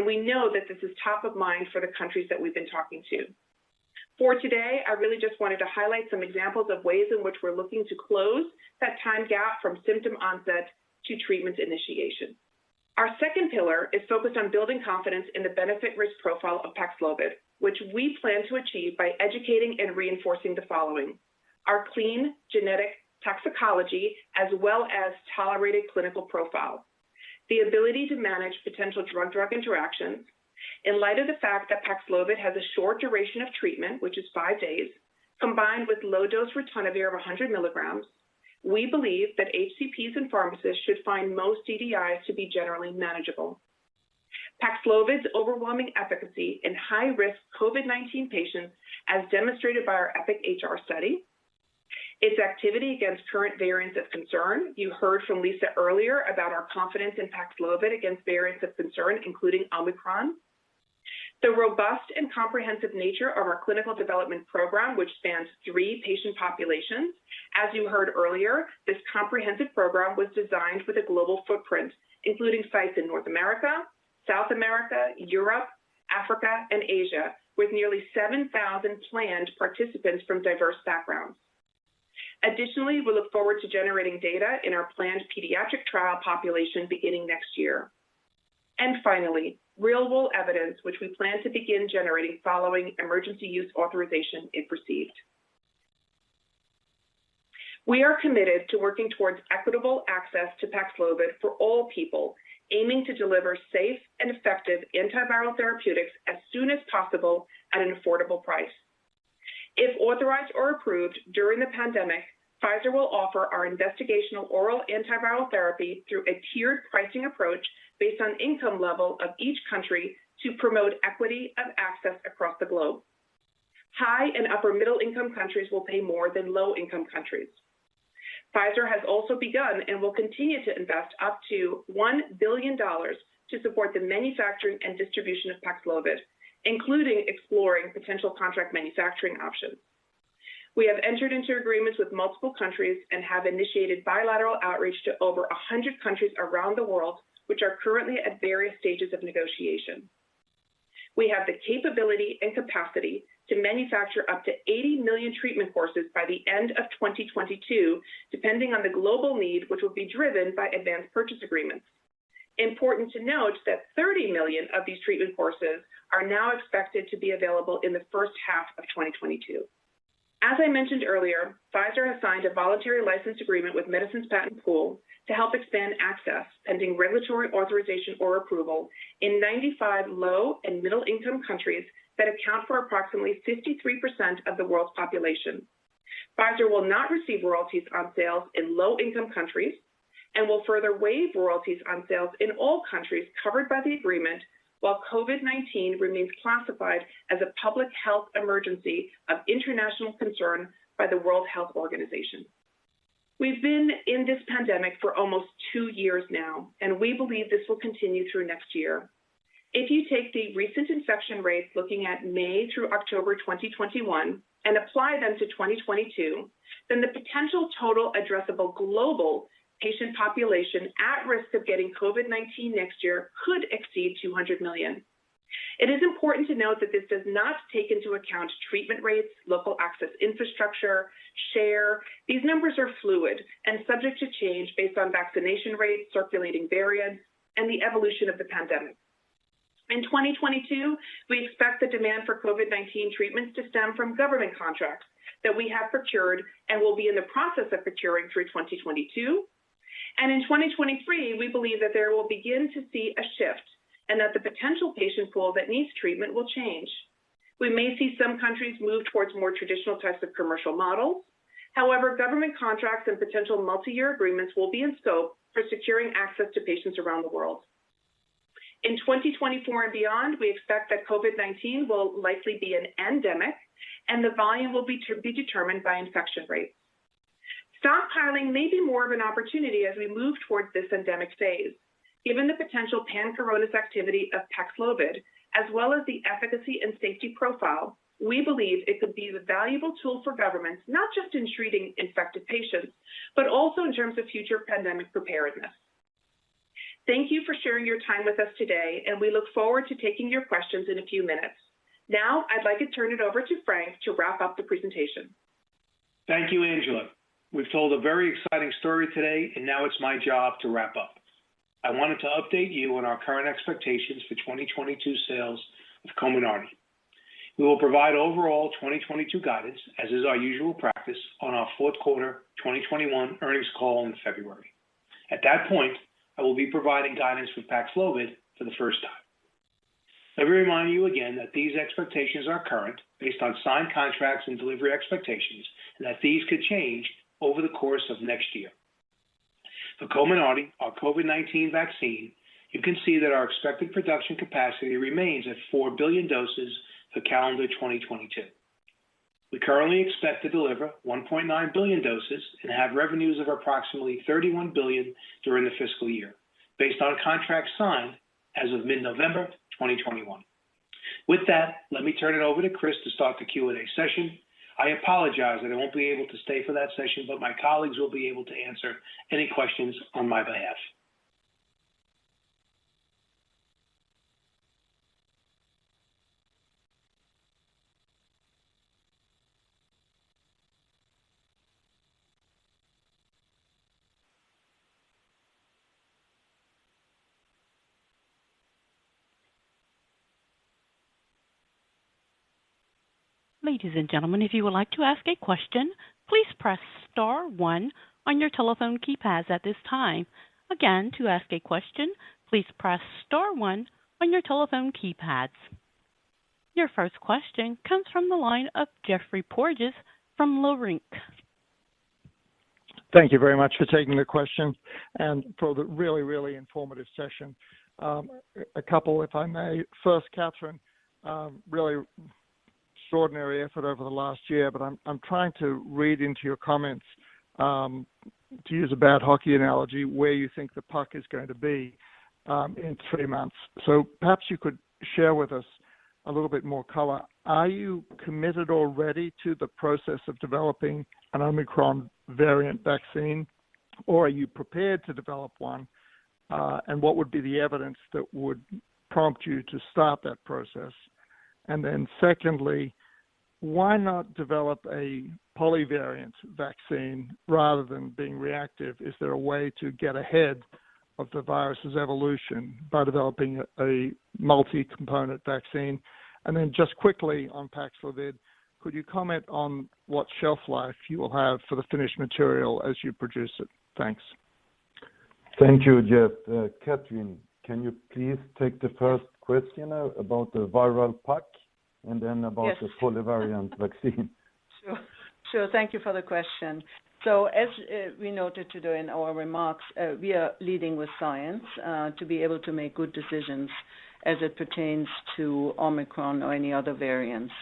We know that this is top of mind for the countries that we've been talking to. For today, I really just wanted to highlight some examples of ways in which we're looking to close that time gap from symptom onset to treatment initiation. Our second pillar is focused on building confidence in the benefit-risk profile of PAXLOVID, which we plan to achieve by educating and reinforcing the following. Our clean genetic toxicology, as well as tolerated clinical profile. The ability to manage potential drug-drug interactions in light of the fact that PAXLOVID has a short duration of treatment, which is five days, combined with low-dose ritonavir of 100 mg, we believe that HCPs and pharmacists should find most DDIs to be generally manageable. PAXLOVID's overwhelming efficacy in high-risk COVID-19 patients, as demonstrated by our EPIC-HR study. Its activity against current variants of concern. You heard from Lisa earlier about our confidence in PAXLOVID against variants of concern, including Omicron. The robust and comprehensive nature of our clinical development program, which spans three patient populations, as you heard earlier, this comprehensive program was designed with a global footprint, including sites in North America, South America, Europe, Africa, and Asia, with nearly 7,000 planned participants from diverse backgrounds. Additionally, we look forward to generating data in our planned pediatric trial population beginning next year. Finally real-world evidence, which we plan to begin generating following Emergency Use Authorization if received. We are committed to working towards equitable access to PAXLOVID for all people, aiming to deliver safe and effective antiviral therapeutics as soon as possible at an affordable price. If authorized or approved during the pandemic, Pfizer will offer our investigational oral antiviral therapy through a tiered pricing approach based on income level of each country to promote equity of access across the globe. High and upper middle income countries will pay more than low income countries. Pfizer has also begun and will continue to invest up to $1 billion to support the manufacturing and distribution of PAXLOVID, including exploring potential contract manufacturing options. We have entered into agreements with multiple countries and have initiated bilateral outreach to over 100 countries around the world, which are currently at various stages of negotiation. We have the capability and capacity to manufacture up to 80 million treatment courses by the end of 2022, depending on the global need, which will be driven by advanced purchase agreements. Important to note that 30 million of these treatment courses are now expected to be available in the first half of 2022. As I mentioned earlier, Pfizer has signed a voluntary license agreement with Medicines Patent Pool to help expand access pending regulatory authorization or approval in 95 low and middle income countries that account for approximately 53% of the world's population. Pfizer will not receive royalties on sales in low income countries and will further waive royalties on sales in all countries covered by the agreement while COVID-19 remains classified as a public health emergency of international concern by the World Health Organization. We've been in this pandemic for almost two years now, and we believe this will continue through next year. If you take the recent infection rates looking at May through October 2021 and apply them to 2022, then the potential total addressable global patient population at risk of getting COVID-19 next year could exceed 200 million. It is important to note that this does not take into account treatment rates, local access infrastructure, share. These numbers are fluid and subject to change based on vaccination rates, circulating variants, and the evolution of the pandemic. In 2022, we expect the demand for COVID-19 treatments to stem from government contracts that we have procured and will be in the process of procuring through 2022. In 2023, we believe that there we'll begin to see a shift and that the potential patient pool that needs treatment will change. We may see some countries move towards more traditional types of commercial models. However, government contracts and potential multi-year agreements will be in scope for securing access to patients around the world. In 2024 and beyond, we expect that COVID-19 will likely be an endemic, and the volume will be determined by infection rates. Stockpiling may be more of an opportunity as we move towards this endemic phase. Given the potential pan-coronavirus activity of PAXLOVID, as well as the efficacy and safety profile, we believe it could be the valuable tool for governments, not just in treating infected patients, but also in terms of future pandemic preparedness. Thank you for sharing your time with us today, and we look forward to taking your questions in a few minutes. Now, I'd like to turn it over to Frank to wrap up the presentation. Thank you, Angela. We've told a very exciting story today, and now it's my job to wrap up. I wanted to update you on our current expectations for 2022 sales of COMIRNATY. We will provide overall 2022 guidance, as is our usual practice on our fourth quarter 2021 earnings call in February. At that point, I will be providing guidance for PAXLOVID for the first time. Let me remind you again that these expectations are current based on signed contracts and delivery expectations, and that these could change over the course of next year. For COMIRNATY, our COVID-19 vaccine, you can see that our expected production capacity remains at 4 billion doses for calendar 2022. We currently expect to deliver 1.9 billion doses and have revenues of approximately $31 billion during the fiscal year based on contracts signed as of mid-November 2021. With that, let me turn it over to Chris to start the Q&A session. I apologize that I won't be able to stay for that session, but my colleagues will be able to answer any questions on my behalf. Your first question comes from the line of Geoffrey Porges from Leerink. Thank you very much for taking the question and for the really, really informative session. A couple, if I may. First, Kathrin, really extraordinary effort over the last year, but I'm trying to read into your comments, to use a bad hockey analogy, where you think the puck is going to be, in three months. Perhaps you could share with us a little bit more color. Are you committed already to the process of developing an Omicron variant vaccine, or are you prepared to develop one, and what would be the evidence that would prompt you to start that process? Secondly, why not develop a polyvariant vaccine rather than being reactive? Is there a way to get ahead of the virus's evolution by developing a multi-component vaccine? Just quickly on PAXLOVID, could you comment on what shelf life you will have for the finished material as you produce it? Thanks. Thank you, Geoff. Kathrin, can you please take the first question about the PAXLOVID and then about the polyvariant vaccine? Sure. Thank you for the question. As we noted today in our remarks, we are leading with science to be able to make good decisions as it pertains to Omicron or any other variants.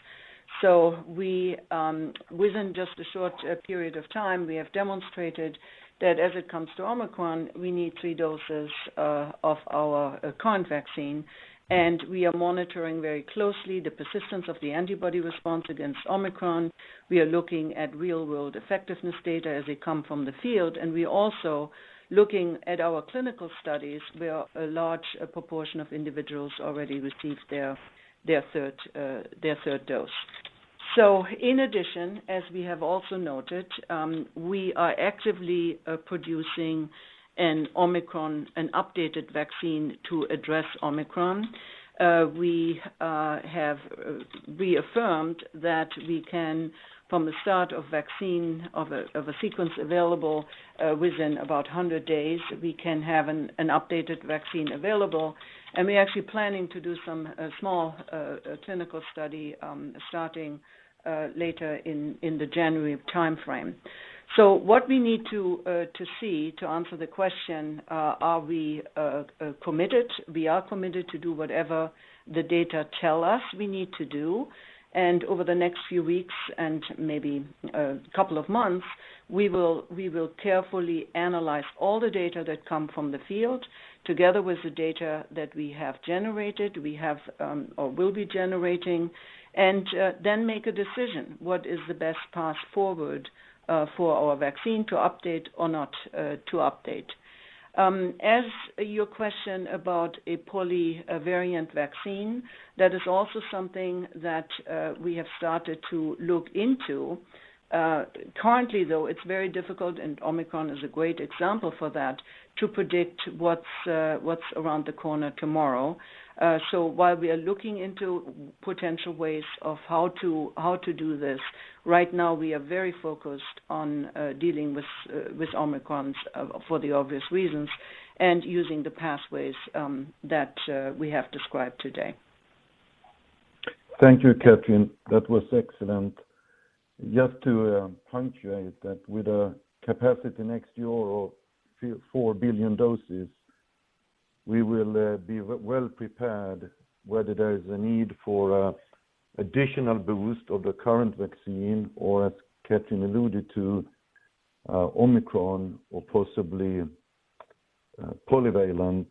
Within just a short period of time, we have demonstrated that as it comes to Omicron, we need three doses of our current vaccine, and we are monitoring very closely the persistence of the antibody response against Omicron. We are looking at real-world effectiveness data as they come from the field, and we are also looking at our clinical studies where a large proportion of individuals already received their third dose. In addition, as we have also noted, we are actively producing an Omicron, an updated vaccine to address Omicron. We have reaffirmed that we can, from the start of a vaccine sequence available, within about 100 days, we can have an updated vaccine available. We're actually planning to do some small clinical study starting later in the January timeframe. What we need to see to answer the question, are we committed? We are committed to do whatever the data tell us we need to do. Over the next few weeks and maybe a couple of months, we will carefully analyze all the data that come from the field together with the data that we have generated or will be generating, and then make a decision what is the best path forward for our vaccine to update or not to update. To your question about a polyvariant vaccine, that is also something that we have started to look into. Currently, though, it's very difficult, and Omicron is a great example for that, to predict what's around the corner tomorrow. While we are looking into potential ways of how to do this, right now we are very focused on dealing with Omicron for the obvious reasons, and using the pathways that we have described today. Thank you, Kathrin. That was excellent. Just to punctuate that with a capacity next year of 3 billion or 4 billion doses, we will be well prepared whether there is a need for additional boost of the current vaccine or as Kathrin alluded to, Omicron or possibly polyvalent.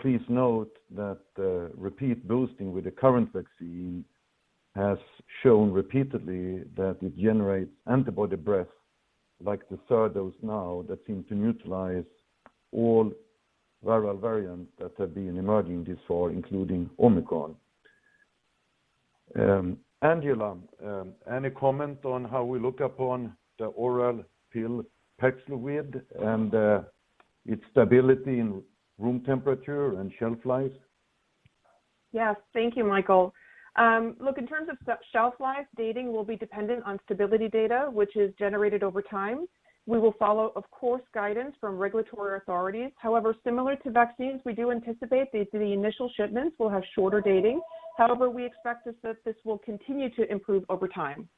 Please note that the repeat boosting with the current vaccine has shown repeatedly that it generates antibody breadth like the third dose now that seem to neutralize all viral variants that have been emerging this far, including Omicron. Angela, any comment on how we look upon the oral pill PAXLOVID and its stability in room temperature and shelf life? Yes. Thank you, Mikael. Look, in terms of shelf life, dating will be dependent on stability data, which is generated over time. We will follow, of course, guidance from regulatory authorities. However, similar to vaccines, we do anticipate the initial shipments will have shorter dating. However, we expect that this will continue to improve over time.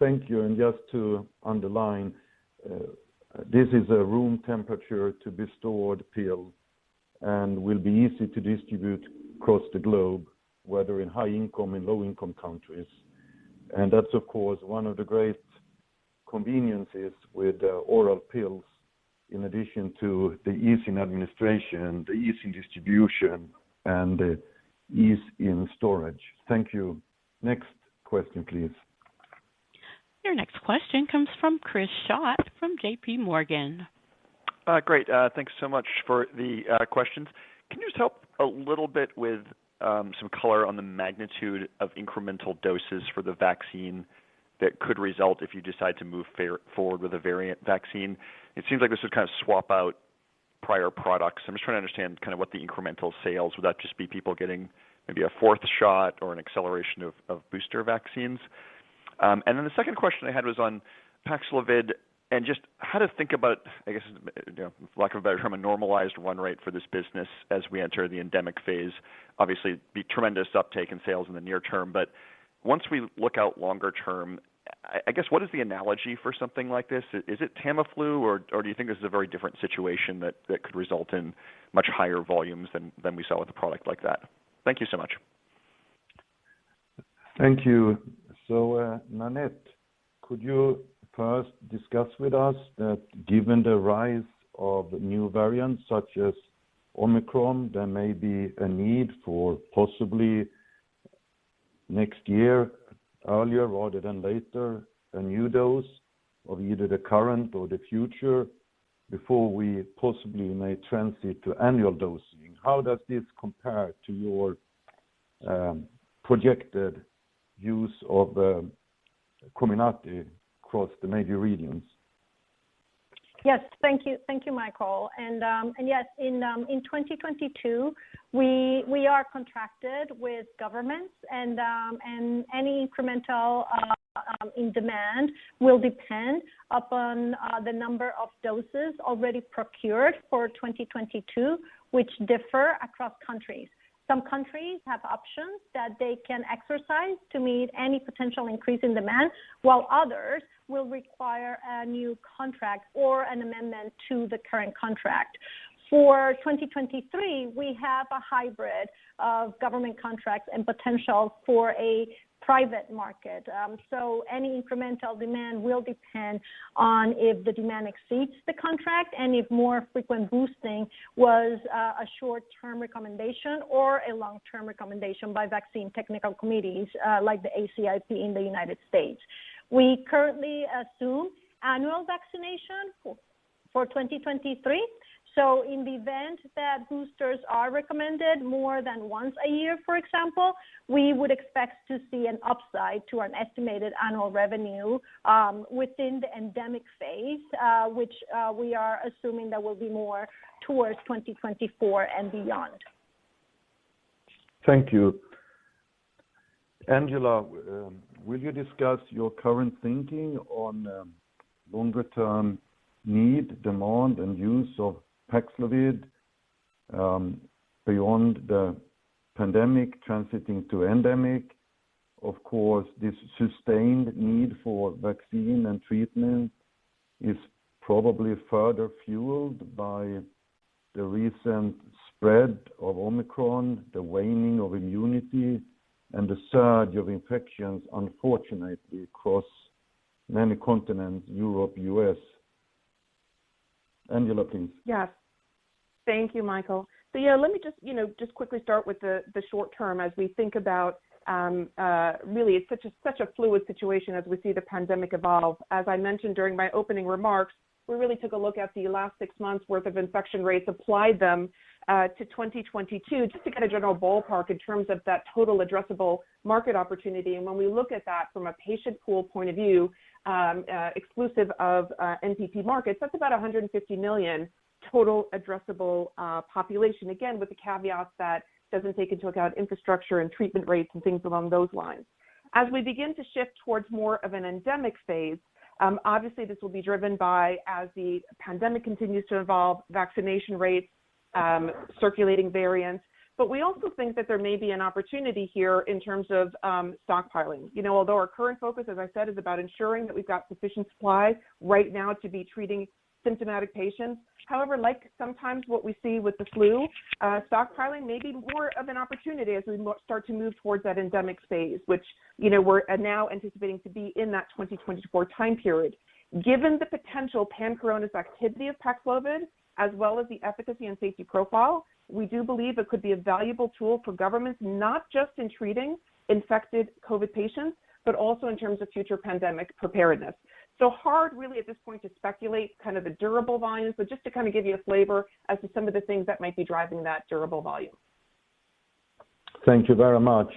Thank you. Just to underline, this is a room temperature to be stored pill and will be easy to distribute across the globe, whether in high income and low income countries. That's, of course, one of the great conveniences with, oral pills in addition to the ease in administration, the ease in distribution, and the ease in storage. Thank you. Next question, please. Your next question comes from Chris Schott from JPMorgan. Great. Thanks so much for the questions. Can you just help a little bit with some color on the magnitude of incremental doses for the vaccine that could result if you decide to move forward with a variant vaccine? It seems like this would kind of swap out prior products. I'm just trying to understand what the incremental sales would be. Would that just be people getting maybe a fourth shot or an acceleration of booster vaccines? The second question I had was on PAXLOVID and just how to think about, I guess, you know, lack of a better term, a normalized run rate for this business as we enter the endemic phase. Obviously, there'll be tremendous uptake in sales in the near term, but once we look out longer term. I guess, what is the analogy for something like this? Is it Tamiflu or do you think this is a very different situation that could result in much higher volumes than we saw with a product like that? Thank you so much. Thank you. Nanette, could you first discuss with us that given the rise of new variants such as Omicron, there may be a need for possibly next year, earlier rather than later, a new dose of either the current or the future before we possibly may transit to annual dosing. How does this compare to your projected use of COMIRNATY across the major regions? Yes. Thank you. Thank you, Mikael. Yes, in 2022, we are contracted with governments and any incremental demand will depend upon the number of doses already procured for 2022, which differ across countries. Some countries have options that they can exercise to meet any potential increase in demand, while others will require a new contract or an amendment to the current contract. For 2023, we have a hybrid of government contracts and potential for a private market. Any incremental demand will depend on if the demand exceeds the contract and if more frequent boosting was a short-term recommendation or a long-term recommendation by vaccine technical committees like the ACIP in the United States. We currently assume annual vaccination for 2023. In the event that boosters are recommended more than once a year, for example, we would expect to see an upside to an estimated annual revenue within the endemic phase, which we are assuming that will be more towards 2024 and beyond. Thank you. Angela, will you discuss your current thinking on longer term need, demand, and use of PAXLOVID beyond the pandemic transiting to endemic? Of course, this sustained need for vaccine and treatment is probably further fueled by the recent spread of Omicron, the waning of immunity, and the surge of infections, unfortunately, across many continents, Europe, U.S. Angela, please. Yes. Thank you, Mikael. Yeah, let me just, you know, quickly start with the short term as we think about really such a fluid situation as we see the pandemic evolve. As I mentioned during my opening remarks, we really took a look at the last six months worth of infection rates, applied them to 2022, just to get a general ballpark in terms of that total addressable market opportunity. When we look at that from a patient pool point of view, exclusive of MPP markets, that's about 150 million total addressable population. Again, with the caveat that doesn't take into account infrastructure and treatment rates and things along those lines. As we begin to shift towards more of an endemic phase, obviously this will be driven by as the pandemic continues to evolve, vaccination rates, circulating variants. But we also think that there may be an opportunity here in terms of, stockpiling. You know, although our current focus, as I said, is about ensuring that we've got sufficient supply right now to be treating symptomatic patients. However, like sometimes what we see with the flu, stockpiling may be more of an opportunity as we start to move towards that endemic phase, which, you know, we're now anticipating to be in that 2024 time period. Given the potential pan-coronavirus activity of PAXLOVID, as well as the efficacy and safety profile, we do believe it could be a valuable tool for governments, not just in treating infected COVID patients, but also in terms of future pandemic preparedness. Hard really at this point to speculate kind of the durable volumes, but just to kind of give you a flavor as to some of the things that might be driving that durable volume. Thank you very much.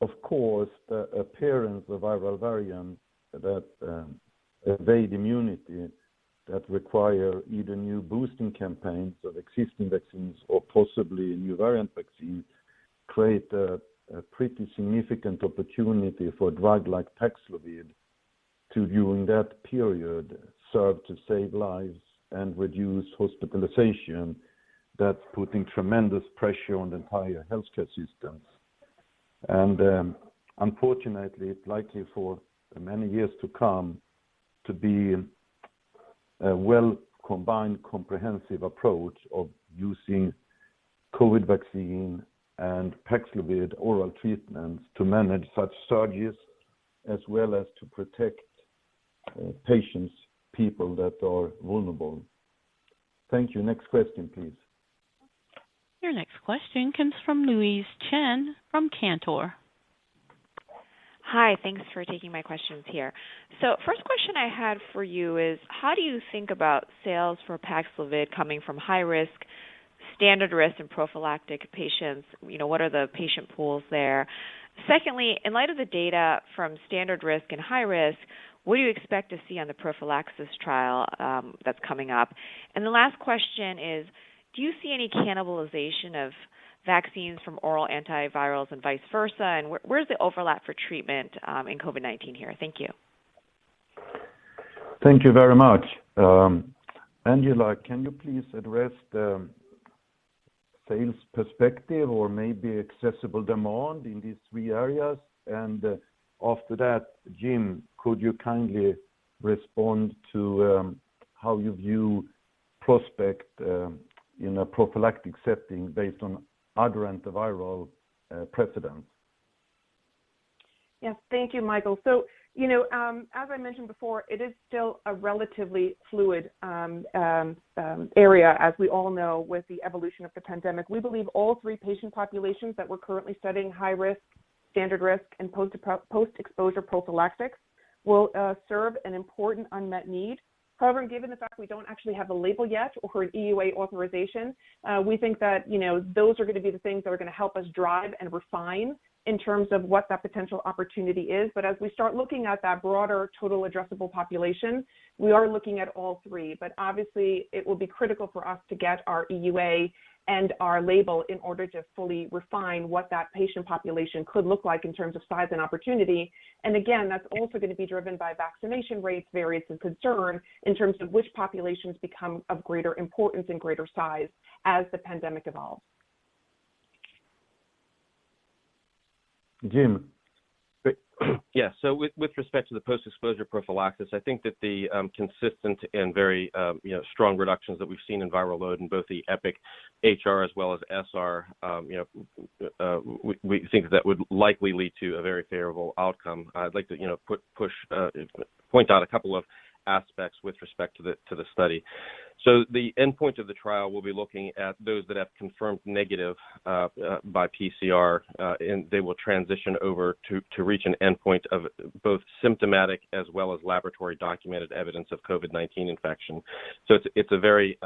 Of course, the appearance of viral variants that evade immunity that require either new boosting campaigns of existing vaccines or possibly new variant vaccines create a pretty significant opportunity for a drug like PAXLOVID to, during that period, serve to save lives and reduce hospitalization that's putting tremendous pressure on the entire healthcare systems. Unfortunately, it's likely for many years to come to be a well-combined comprehensive approach of using COVID vaccine and PAXLOVID oral treatments to manage such surges as well as to protect, patients, people that are vulnerable. Thank you. Next question, please. Your next question comes from Louise Chen from Cantor. Hi. Thanks for taking my questions here. First question I had for you is, how do you think about sales for PAXLOVID coming from high risk, standard risk, and prophylactic patients? You know, what are the patient pools there? Secondly, in light of the data from standard risk and high risk, what do you expect to see on the prophylaxis trial that's coming up? The last question is, do you see any cannibalization of vaccines from oral antivirals and vice versa, and where is the overlap for treatment in COVID-19 here? Thank you. Thank you very much. Angela, can you please address the sales perspective or maybe accessible demand in these three areas? After that, Jim, could you kindly respond to how you view prospect in a prophylactic setting based on other antiviral precedents? Yes. Thank you, Mikael. You know, as I mentioned before, it is still a relatively fluid area as we all know with the evolution of the pandemic. We believe all three patient populations that we're currently studying high-risk, standard-risk, and post-exposure prophylaxis will serve an important unmet need. However, given the fact we don't actually have a label yet or an EUA authorization, we think that, you know, those are going to be the things that are going to help us drive and refine in terms of what that potential opportunity is. As we start looking at that broader total addressable population, we are looking at all three. Obviously it will be critical for us to get our EUA and our label in order to fully refine what that patient population could look like in terms of size and opportunity. Again, that's also going to be driven by vaccination rates, variants of concern in terms of which populations become of greater importance and greater size as the pandemic evolves. Jim. With respect to the post-exposure prophylaxis, I think that the consistent and very strong reductions that we've seen in viral load in both the EPIC-HR as well as EPIC-SR, we think that would likely lead to a very favorable outcome. I'd like to point out a couple of aspects with respect to the study. The endpoint of the trial will be looking at those that have confirmed negative by PCR, and they will transition over to reach an endpoint of both symptomatic as well as laboratory documented evidence of COVID-19 infection. It's a very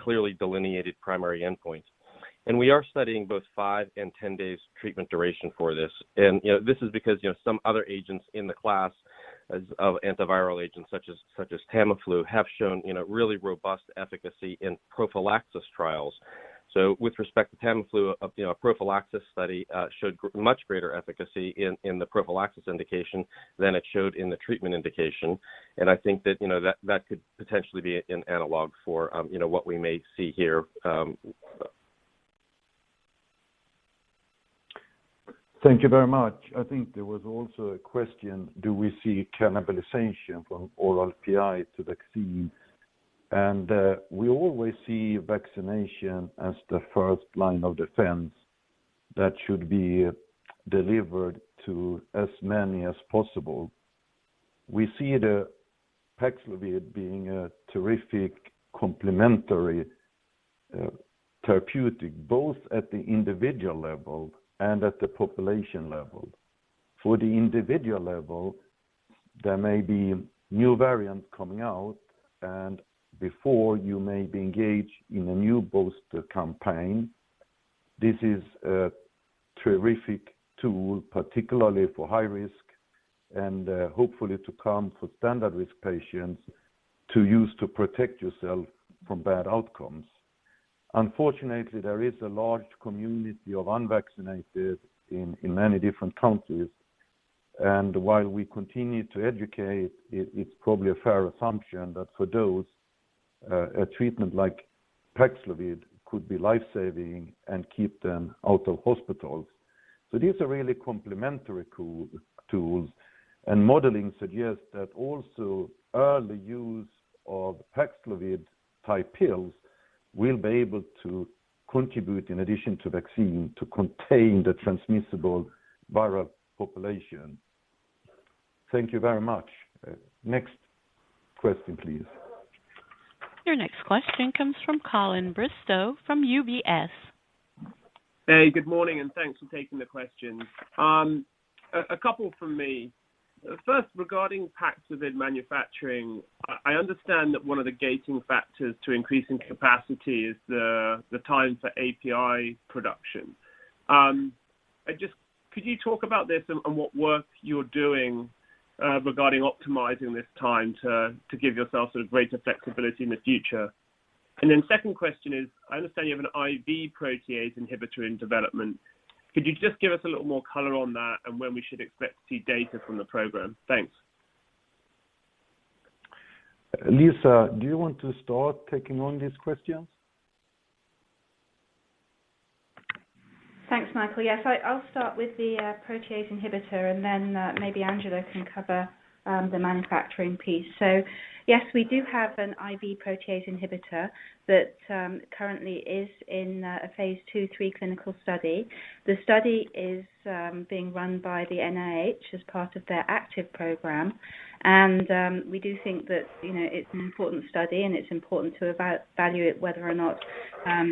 clearly delineated primary endpoint. We are studying both five and 10 days treatment duration for this. You know, this is because, you know, some other agents in the class of antiviral agents such as Tamiflu have shown, you know, really robust efficacy in prophylaxis trials. With respect to Tamiflu, you know, prophylaxis study showed much greater efficacy in the prophylaxis indication than it showed in the treatment indication. I think that, you know, that could potentially be an analog for, you know, what we may see here. Thank you very much. I think there was also a question, do we see cannibalization from oral PI to vaccines? We always see vaccination as the first line of defense that should be delivered to as many as possible. We see the PAXLOVID being a terrific complementary therapeutic, both at the individual level and at the population level. For the individual level, there may be new variants coming out, and before you may be engaged in a new booster campaign, this is a terrific tool, particularly for high risk and hopefully to come for standard risk patients to use to protect yourself from bad outcomes. Unfortunately, there is a large community of unvaccinated in many different countries. While we continue to educate, it's probably a fair assumption that for those, a treatment like PAXLOVID could be life-saving and keep them out of hospitals. These are really complementary tools, and modeling suggests that also early use of PAXLOVID-type pills will be able to contribute in addition to vaccine to contain the transmissible viral population. Thank you very much. Next question, please. Your next question comes from Colin Bristow from UBS. Hey, good morning, and thanks for taking the question. A couple from me. First, regarding PAXLOVID manufacturing, I understand that one of the gating factors to increasing capacity is the time for API production. Could you talk about this and what work you're doing regarding optimizing this time to give yourself sort of greater flexibility in the future? Second question is, I understand you have an IV protease inhibitor in development. Could you just give us a little more color on that and when we should expect to see data from the program? Thanks. Lisa, do you want to start taking on these questions? Thanks, Mikael. Yes, I'll start with the protease inhibitor, and then maybe Angela can cover the manufacturing piece. Yes, we do have an IV protease inhibitor that currently is in a phase II/III clinical study. The study is being run by the NIH as part of their ACTIV program. We do think that, you know, it's an important study and it's important to evaluate whether or not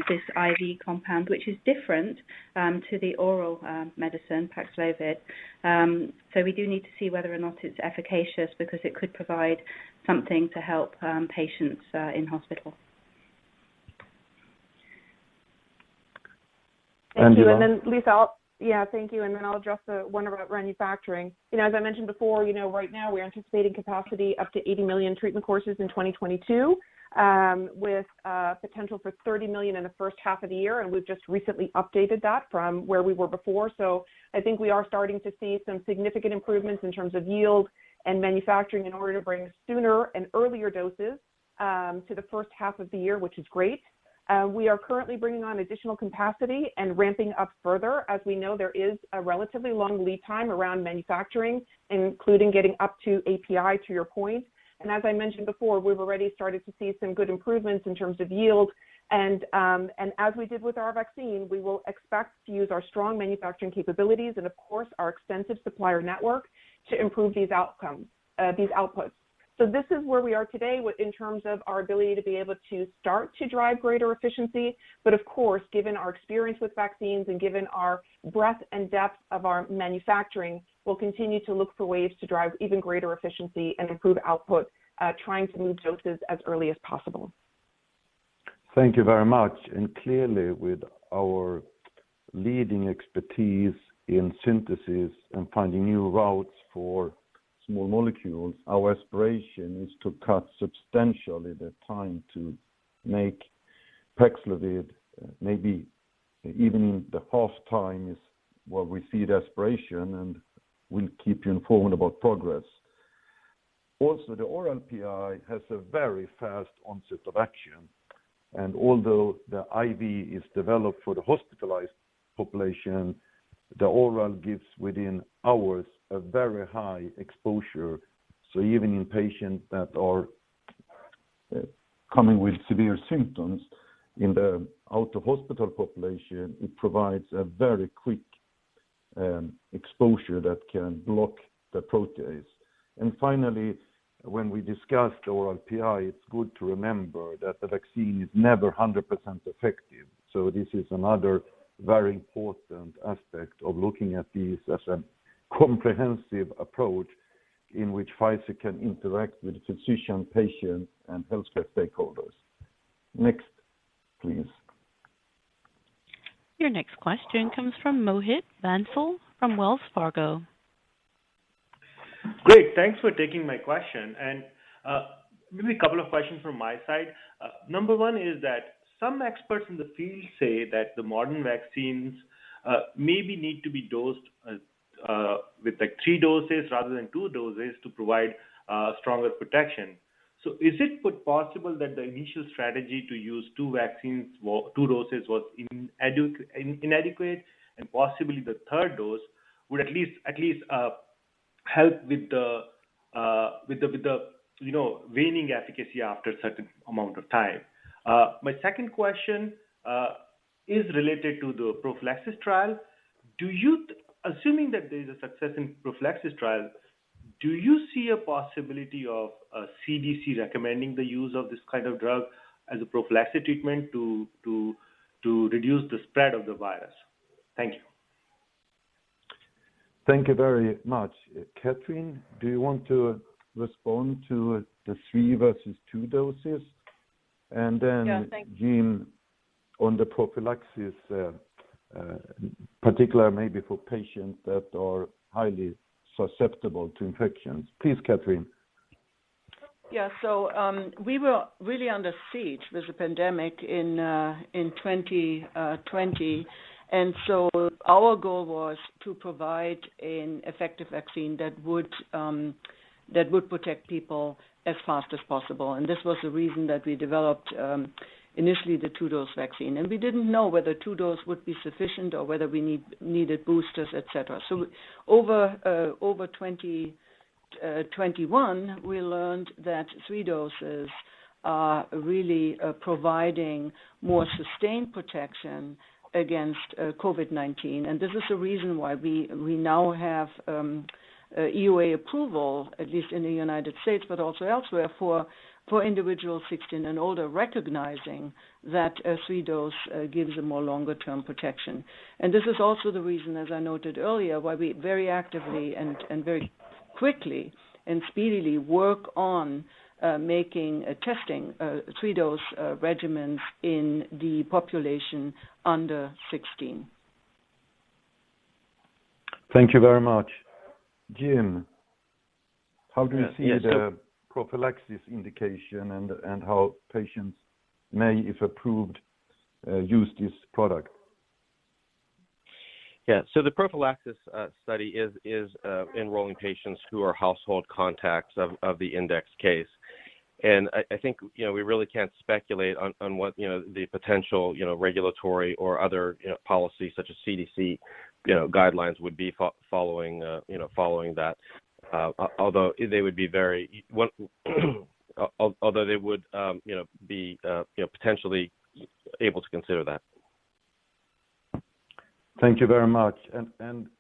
this IV compound, which is different to the oral medicine PAXLOVID. We do need to see whether or not it's efficacious because it could provide something to help patients in hospital. Angela. Thank you. I'll address the one about manufacturing. You know, as I mentioned before, you know, right now we're anticipating capacity up to 80 million treatment courses in 2022, with potential for 30 million in the first half of the year, and we've just recently updated that from where we were before. I think we are starting to see some significant improvements in terms of yield and manufacturing in order to bring sooner and earlier doses to the first half of the year, which is great. We are currently bringing on additional capacity and ramping up further. As we know, there is a relatively long lead time around manufacturing, including getting up to API, to your point. As I mentioned before, we've already started to see some good improvements in terms of yield and as we did with our vaccine, we will expect to use our strong manufacturing capabilities and of course, our extensive supplier network to improve these outcomes, these outputs. This is where we are today in terms of our ability to be able to start to drive greater efficiency. Of course, given our experience with vaccines and given our breadth and depth of our manufacturing, we'll continue to look for ways to drive even greater efficiency and improve output, trying to move doses as early as possible. Thank you very much. Clearly, with our leading expertise in synthesis and finding new routes for small molecules, our aspiration is to cut substantially the time to make PAXLOVID, maybe even halve the time we see as our aspiration, and we'll keep you informed about progress. Also, the oral PI has a very fast onset of action, and although the IV is developed for the hospitalized population, the oral gives within hours a very high exposure. Even in patients that are coming with severe symptoms in the out-of-hospital population, it provides a very quick exposure that can block the protease. Finally, when we discuss the oral PI, it's good to remember that the vaccine is never 100% effective. This is another very important aspect of looking at this as a comprehensive approach in which Pfizer can interact with physician, patient, and healthcare stakeholders. Next, please. Your next question comes from Mohit Bansal from Wells Fargo. Great. Thanks for taking my question. Maybe a couple of questions from my side. Number one is that some experts in the field say that the modern vaccines maybe need to be dosed with like three doses rather than two doses to provide stronger protection. Is it possible that the initial strategy to use two vaccines or two doses was inadequate and possibly the third dose would at least help with the waning efficacy after a certain amount of time? My second question is related to the prophylaxis trial. Assuming that there's a success in the prophylaxis trial, do you see a possibility of CDC recommending the use of this kind of drug as a prophylaxis treatment to reduce the spread of the virus? Thank you. Thank you very much. Kathrin, do you want to respond to the three versus two doses? Yeah, thank you. Jim, on the prophylaxis, particularly maybe for patients that are highly susceptible to infections. Please, Kathrin. Yeah. We were really under siege with the pandemic in 2020. Our goal was to provide an effective vaccine that would protect people as fast as possible. This was the reason that we developed initially the two-dose vaccine. We didn't know whether two-dose would be sufficient or whether we needed boosters, et cetera. Over 2021, we learned that three doses are really providing more sustained protection against COVID-19. This is the reason why we now have a EUA approval, at least in the United States, but also elsewhere for individuals 16 and older, recognizing that a three-dose gives a more longer term protection. This is also the reason, as I noted earlier, why we very actively and very quickly and speedily work on making and testing three dose regimens in the population under sixteen. Thank you very much. Jim, how do you see the prophylaxis indication and how patients may, if approved, use this product? Yeah. The prophylaxis study is enrolling patients who are household contacts of the index case. I think, you know, we really can't speculate on what, you know, the potential, you know, regulatory or other, you know, policy such as CDC, you know, guidelines would be following that, well, although they would, you know, be, you know, potentially able to consider that. Thank you very much.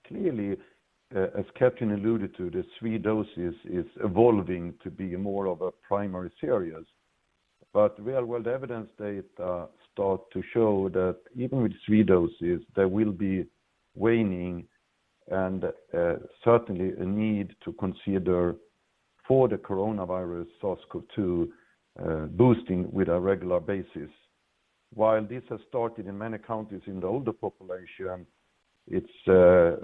Clearly, as Kathrin alluded to, the three doses is evolving to be more of a primary series. But real-world evidence data start to show that even with three doses, there will be waning and certainly a need to consider for the coronavirus SARS-CoV-2 boosting on a regular basis. While this has started in many countries in the older population, it's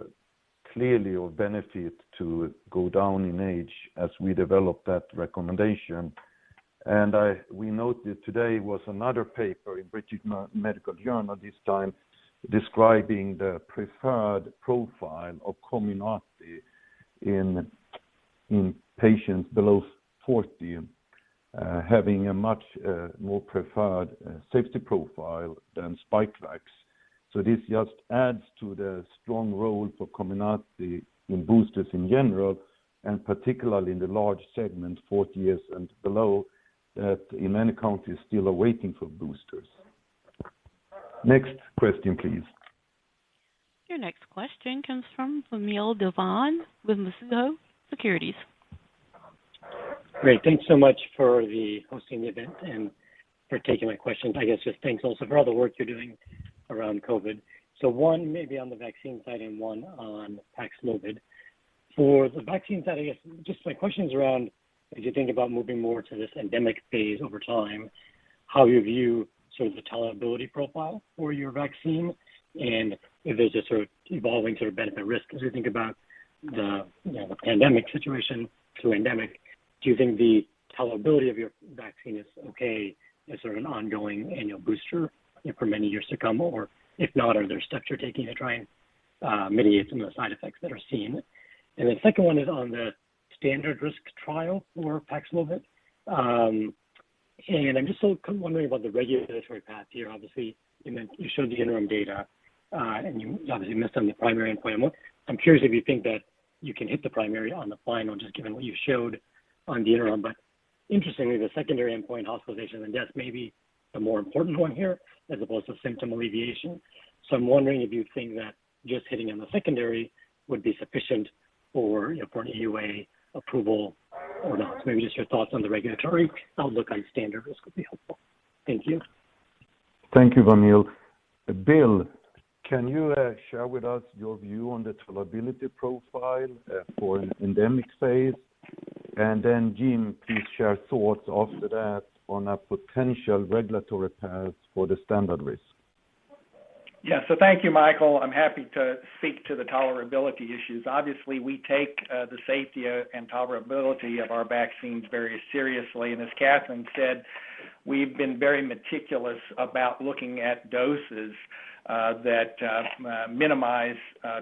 clearly of benefit to go down in age as we develop that recommendation. We noted today was another paper in British Medical Journal this time describing the preferred profile of COMIRNATY in patients below 40 having a much more preferred safety profile than SPIKEVAX. This just adds to the strong role for COMIRNATY in boosters in general, and particularly in the large segment 40 years and below, that in many countries still are waiting for boosters. Next question, please. Your next question comes from Vamil Divan with Mizuho Securities. Great. Thanks so much for hosting the event and for taking my questions. I guess just thanks also for all the work you're doing around COVID. One maybe on the vaccine side and one on PAXLOVID. For the vaccine side, I guess just my question's around as you think about moving more to this endemic phase over time, how you view sort of the tolerability profile for your vaccine, and if there's a sort of evolving sort of benefit risk as you think about the, you know, the pandemic situation to endemic. Do you think the tolerability of your vaccine is okay as sort of an ongoing annual booster for many years to come? Or if not, are there steps you're taking to try and mitigate some of the side effects that are seen? The second one is on the standard risk trial for PAXLOVID. I'm just wondering about the regulatory path here. Obviously, you know, you showed the interim data, and you obviously missed on the primary endpoint. I'm curious if you think that you can hit the primary on the final, just given what you showed on the interim. Interestingly, the secondary endpoint, hospitalization and death, may be the more important one here as opposed to symptom alleviation. I'm wondering if you think that just hitting on the secondary would be sufficient for, you know, for an EUA approval or not. Maybe just your thoughts on the regulatory outlook on standard risk would be helpful. Thank you. Thank you, Vamil. Bill, can you share with us your view on the tolerability profile for an endemic phase? Jim, please share thoughts after that on a potential regulatory path for the standard risk. Yeah. Thank you, Mikael. I'm happy to speak to the tolerability issues. Obviously, we take the safety and tolerability of our vaccines very seriously. As Kathrin said, we've been very meticulous about looking at doses that minimize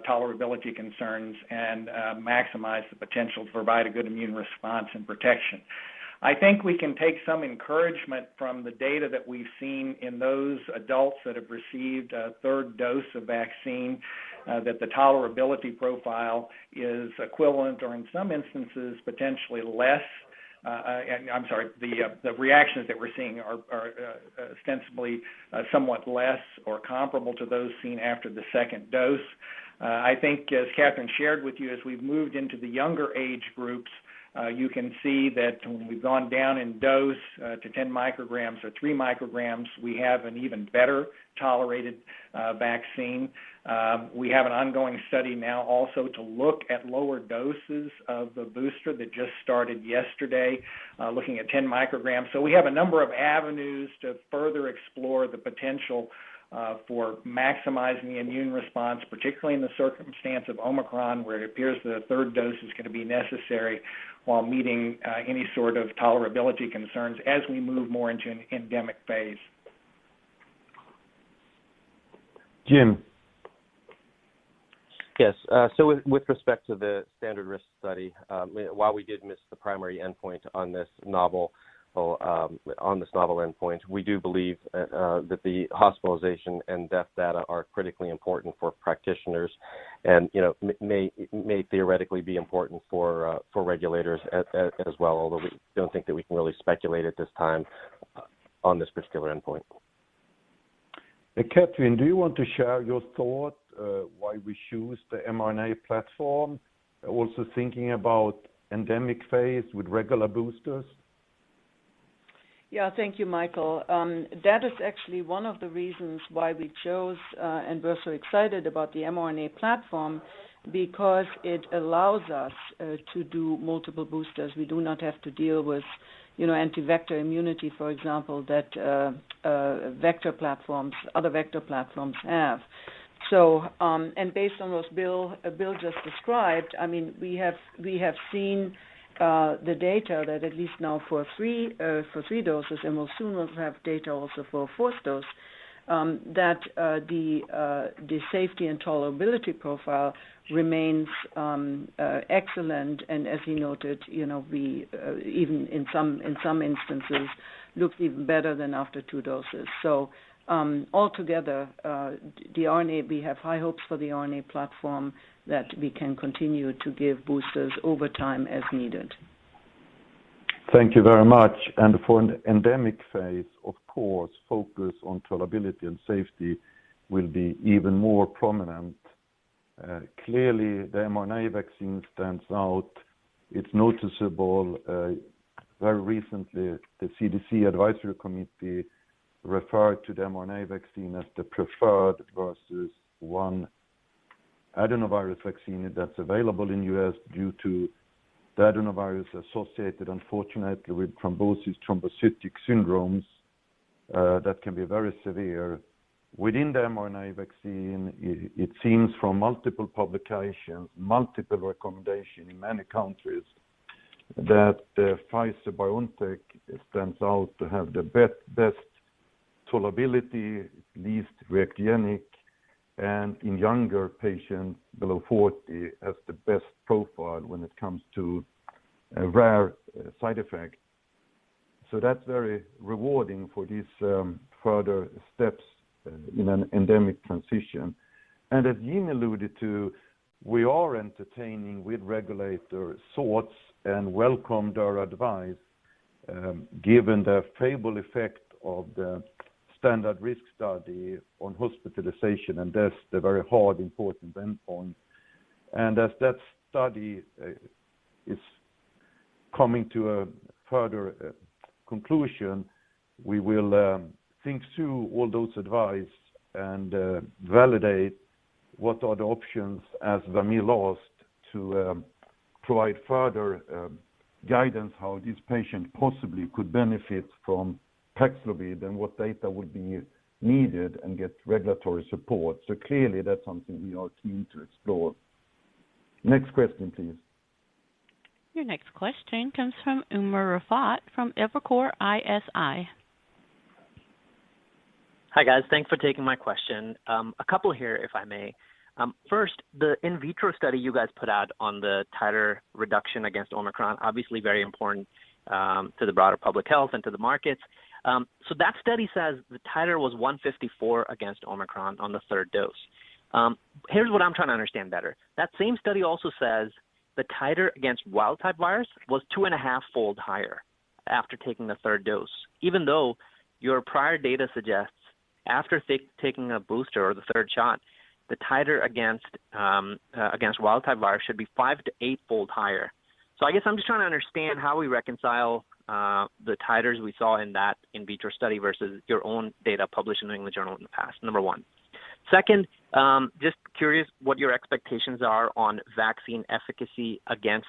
tolerability concerns and maximize the potential to provide a good immune response and protection. I think we can take some encouragement from the data that we've seen in those adults that have received a third dose of vaccine that the tolerability profile is equivalent or in some instances, potentially less. I'm sorry, the reactions that we're seeing are ostensibly somewhat less or comparable to those seen after the second dose. I think as Kathrin shared with you, as we've moved into the younger age groups, you can see that when we've gone down in dose, to 10 mcg or 3 mcg, we have an even better tolerated vaccine. We have an ongoing study now also to look at lower doses of the booster that just started yesterday, looking at 10 mcg. We have a number of avenues to further explore the potential, for maximizing the immune response, particularly in the circumstance of Omicron, where it appears the third dose is gonna be necessary while meeting, any sort of tolerability concerns as we move more into an endemic phase. Jim Yes, with respect to the standard risk study, while we did miss the primary endpoint on this novel endpoint, we do believe that the hospitalization and death data are critically important for practitioners and, you know, may theoretically be important for regulators as well although we don't think that we can really speculate at this time on this particular endpoint. Kathrin, do you want to share your thoughts why we choose the mRNA platform, also thinking about endemic phase with regular boosters? Yeah. Thank you, Mikael. That is actually one of the reasons why we chose, and we're so excited about the mRNA platform because it allows us to do multiple boosters. We do not have to deal with, you know, anti-vector immunity, for example, that vector platforms, other vector platforms have. Based on what Bill just described, I mean, we have seen the data that at least now for three doses, and we'll soon have data also for a fourth dose, that the safety and tolerability profile remains excellent. As he noted, you know, we, even in some instances, look even better than after two doses. Altogether, the RNA, we have high hopes for the RNA platform that we can continue to give boosters over time as needed. Thank you very much. For an endemic phase, of course, focus on tolerability and safety will be even more prominent. Clearly, the mRNA vaccine stands out. It's notable, very recently, the CDC advisory committee referred to the mRNA vaccine as the preferred versus one adenovirus vaccine that's available in U.S. due to the adenovirus associated, unfortunately, with thrombosis with thrombocytopenia syndromes, that can be very severe. Within the mRNA vaccine, it seems from multiple publications, multiple recommendations in many countries that the Pfizer-BioNTech stands out to have the best tolerability, least reactogenic, and in younger patients below 40 has the best profile when it comes to a rare side effect. That's very rewarding for these further steps in an endemic transition. As Jim alluded to, we are entertaining regulators' thoughts and welcome their advice, given the favorable effect of the standard-risk study on hospitalization, and that's the very hard, important endpoint. As that study is coming to a further conclusion, we will think through all those advice and validate what the options are as Vamil noted to provide further guidance how this patient possibly could benefit from PAXLOVID and what data would be needed and get regulatory support. Clearly, that's something we are keen to explore. Next question, please. Your next question comes from Umer Raffat from Evercore ISI. Hi, guys. Thanks for taking my question. A couple here, if I may. First, the in vitro study you guys put out on the titer reduction against Omicron, obviously very important to the broader public health and to the markets. That study says the titer was 154 against Omicron on the third dose. Here's what I'm trying to understand better. That same study also says the titer against wild-type virus was 2.5 fold higher after taking the third dose, even though your prior data suggests after taking a booster or the third shot, the titer against wild-type virus should be five to eightfold higher. I guess I'm just trying to understand how we reconcile the titers we saw in that in vitro study versus your own data published in the New England Journal in the past. Number one. Second, just curious what your expectations are on vaccine efficacy against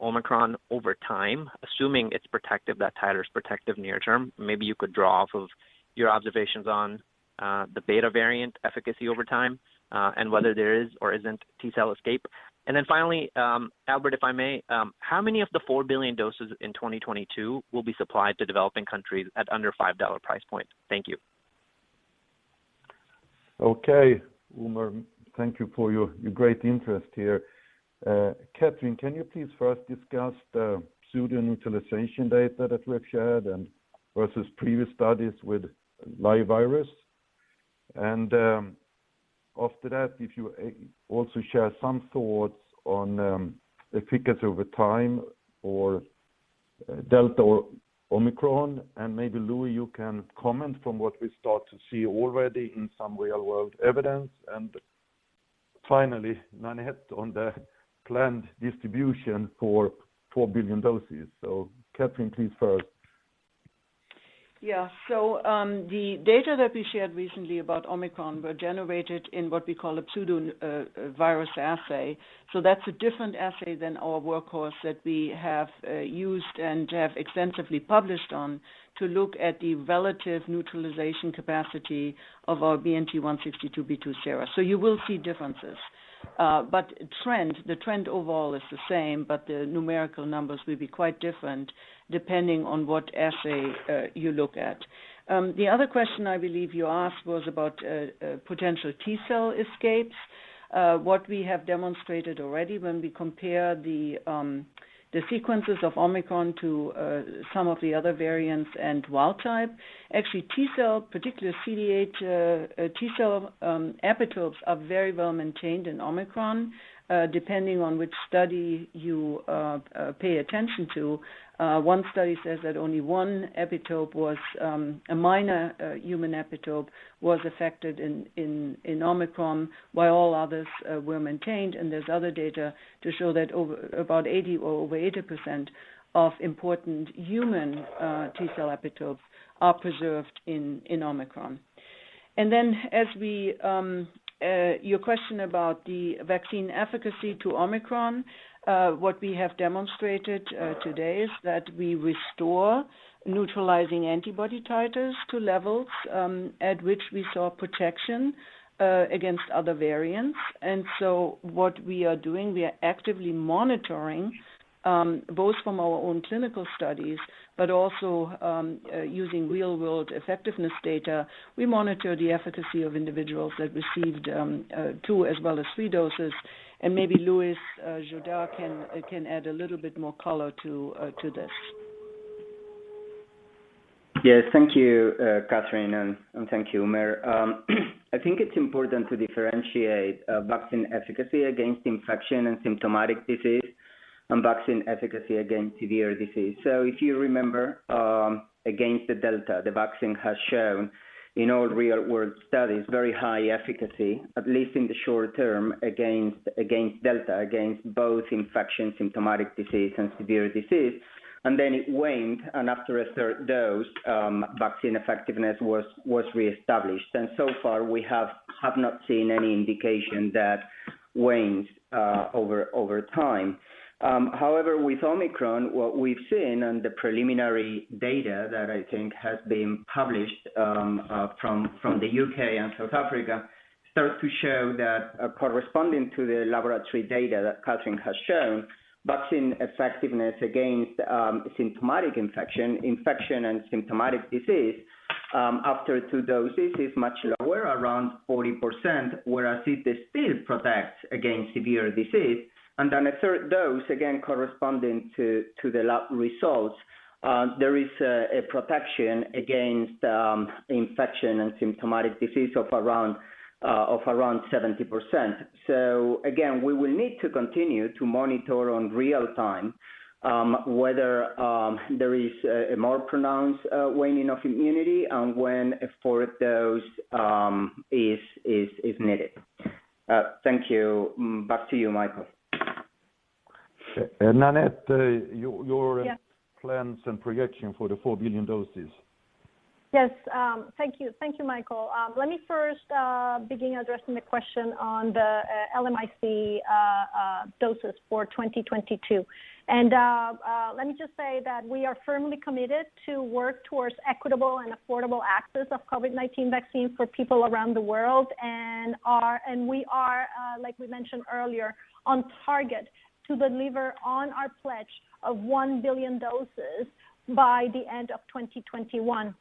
Omicron over time, assuming it's protective, that titer is protective near term. Maybe you could draw off of your observations on the beta variant efficacy over time, and whether there is or isn't T-cell escape. And then finally, [Albert], if I may, how many of the four billion doses in 2022 will be supplied to developing countries at under $5 price point? Thank you. Okay. Umer, thank you for your great interest here. Kathrin, can you please first discuss the pseudo-neutralization data that we've shared and versus previous studies with live virus? After that, if you also share some thoughts on efficacy over time or Delta or Omicron, and maybe Luis, you can comment from what we start to see already in some real-world evidence. Finally, Nanette, on the planned distribution for 4 billion doses. Kathrin, please first. The data that we shared recently about Omicron were generated in what we call a pseudovirus assay. That's a different assay than our workhorse that we have used and have extensively published on to look at the relative neutralization capacity of our BNT162b2 sera. You will see differences. But the trend overall is the same, but the numerical numbers will be quite different depending on what assay you look at. The other question I believe you asked was about potential T-cell escapes. What we have demonstrated already when we compare the sequences of Omicron to some of the other variants and wild type, actually T-cell, particularly CD8, T-cell epitopes are very well maintained in Omicron, depending on which study you pay attention to. One study says that only one epitope, a minor human epitope, was affected in Omicron, while all others were maintained. There's other data to show that over about 80% of important human T-cell epitopes are preserved in Omicron. As we answer your question about the vaccine efficacy to Omicron, what we have demonstrated today is that we restore neutralizing antibody titers to levels at which we saw protection against other variants. What we are doing, we are actively monitoring both from our own clinical studies, but also using real-world effectiveness data. We monitor the efficacy of individuals that received two as well as three doses. Maybe Luis Jodar can add a little bit more color to this. Yes. Thank you, Kathrin, and thank you, Umer. I think it's important to differentiate vaccine efficacy against infection and symptomatic disease and vaccine efficacy against severe disease. If you remember, against the Delta, the vaccine has shown in all real-world studies, very high efficacy, at least in the short term, against Delta, against both infection, symptomatic disease and severe disease. It waned and after a third dose, vaccine effectiveness was reestablished. So far we have not seen any indication that waned over time. However, with Omicron, what we've seen on the preliminary data that I think has been published from the U.K. and South Africa starts to show that corresponding to the laboratory data that Kathrin has shown, vaccine effectiveness against symptomatic infection and symptomatic disease after two doses is much lower, around 40%, whereas it still protects against severe disease. Then a third dose, again, corresponding to the lab results, there is a protection against infection and symptomatic disease of around 70%. Again, we will need to continue to monitor in real time whether there is a more pronounced waning of immunity and when a fourth dose is needed. Thank you. Back to you, Mikael. Nanette, Yes. Your plans and projection for the 4 billion doses? Yes. Thank you. Thank you, Mikael. Let me first begin addressing the question on the LMIC doses for 2022. Let me just say that we are firmly committed to work towards equitable and affordable access of COVID-19 vaccines for people around the world and we are, like we mentioned earlier, on target to deliver on our pledge of 1 billion doses by the end of 2021.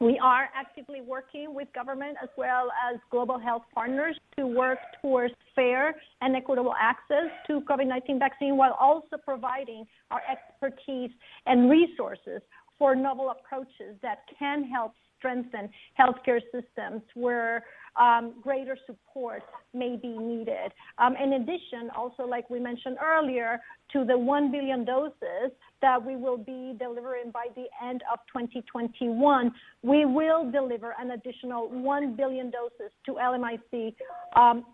We are actively working with government as well as global health partners to work towards fair and equitable access to COVID-19 vaccine, while also providing our expertise and resources for novel approaches that can help strengthen healthcare systems where greater support may be needed. In addition, also like we mentioned earlier, to the 1 billion doses that we will be delivering by the end of 2021, we will deliver an additional 1 billion doses to LMIC,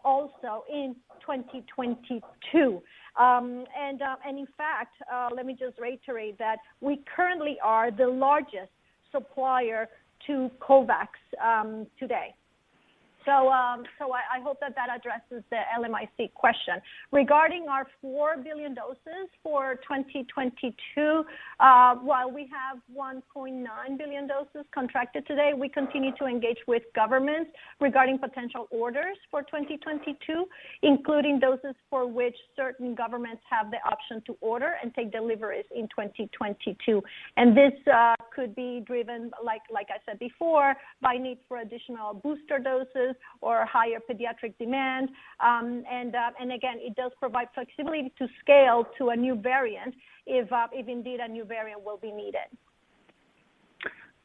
also in 2022. And in fact, let me just reiterate that we currently are the largest supplier to COVAX, today. So I hope that that addresses the LMIC question. Regarding our 4 billion doses for 2022, while we have 1.9 billion doses contracted today, we continue to engage with governments regarding potential orders for 2022, including doses for which certain governments have the option to order and take deliveries in 2022. This could be driven like I said before, by need for additional booster doses or higher pediatric demand. Again, it does provide flexibility to scale to a new variant if indeed a new variant will be needed.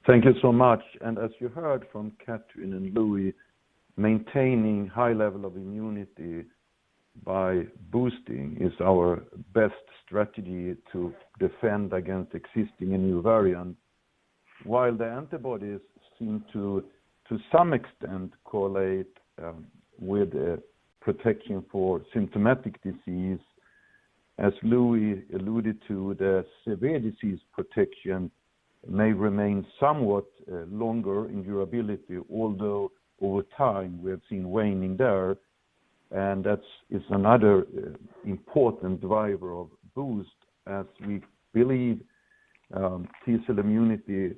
Thank you so much. As you heard from Kathrin and Luis, maintaining high level of immunity by boosting is our best strategy to defend against existing and new variant. While the antibodies seem to some extent correlate with a protection for symptomatic disease, as Luis alluded to, the severe disease protection may remain somewhat longer in durability, although over time we have seen waning there. That's another important driver of boost as we believe. T-cell immunity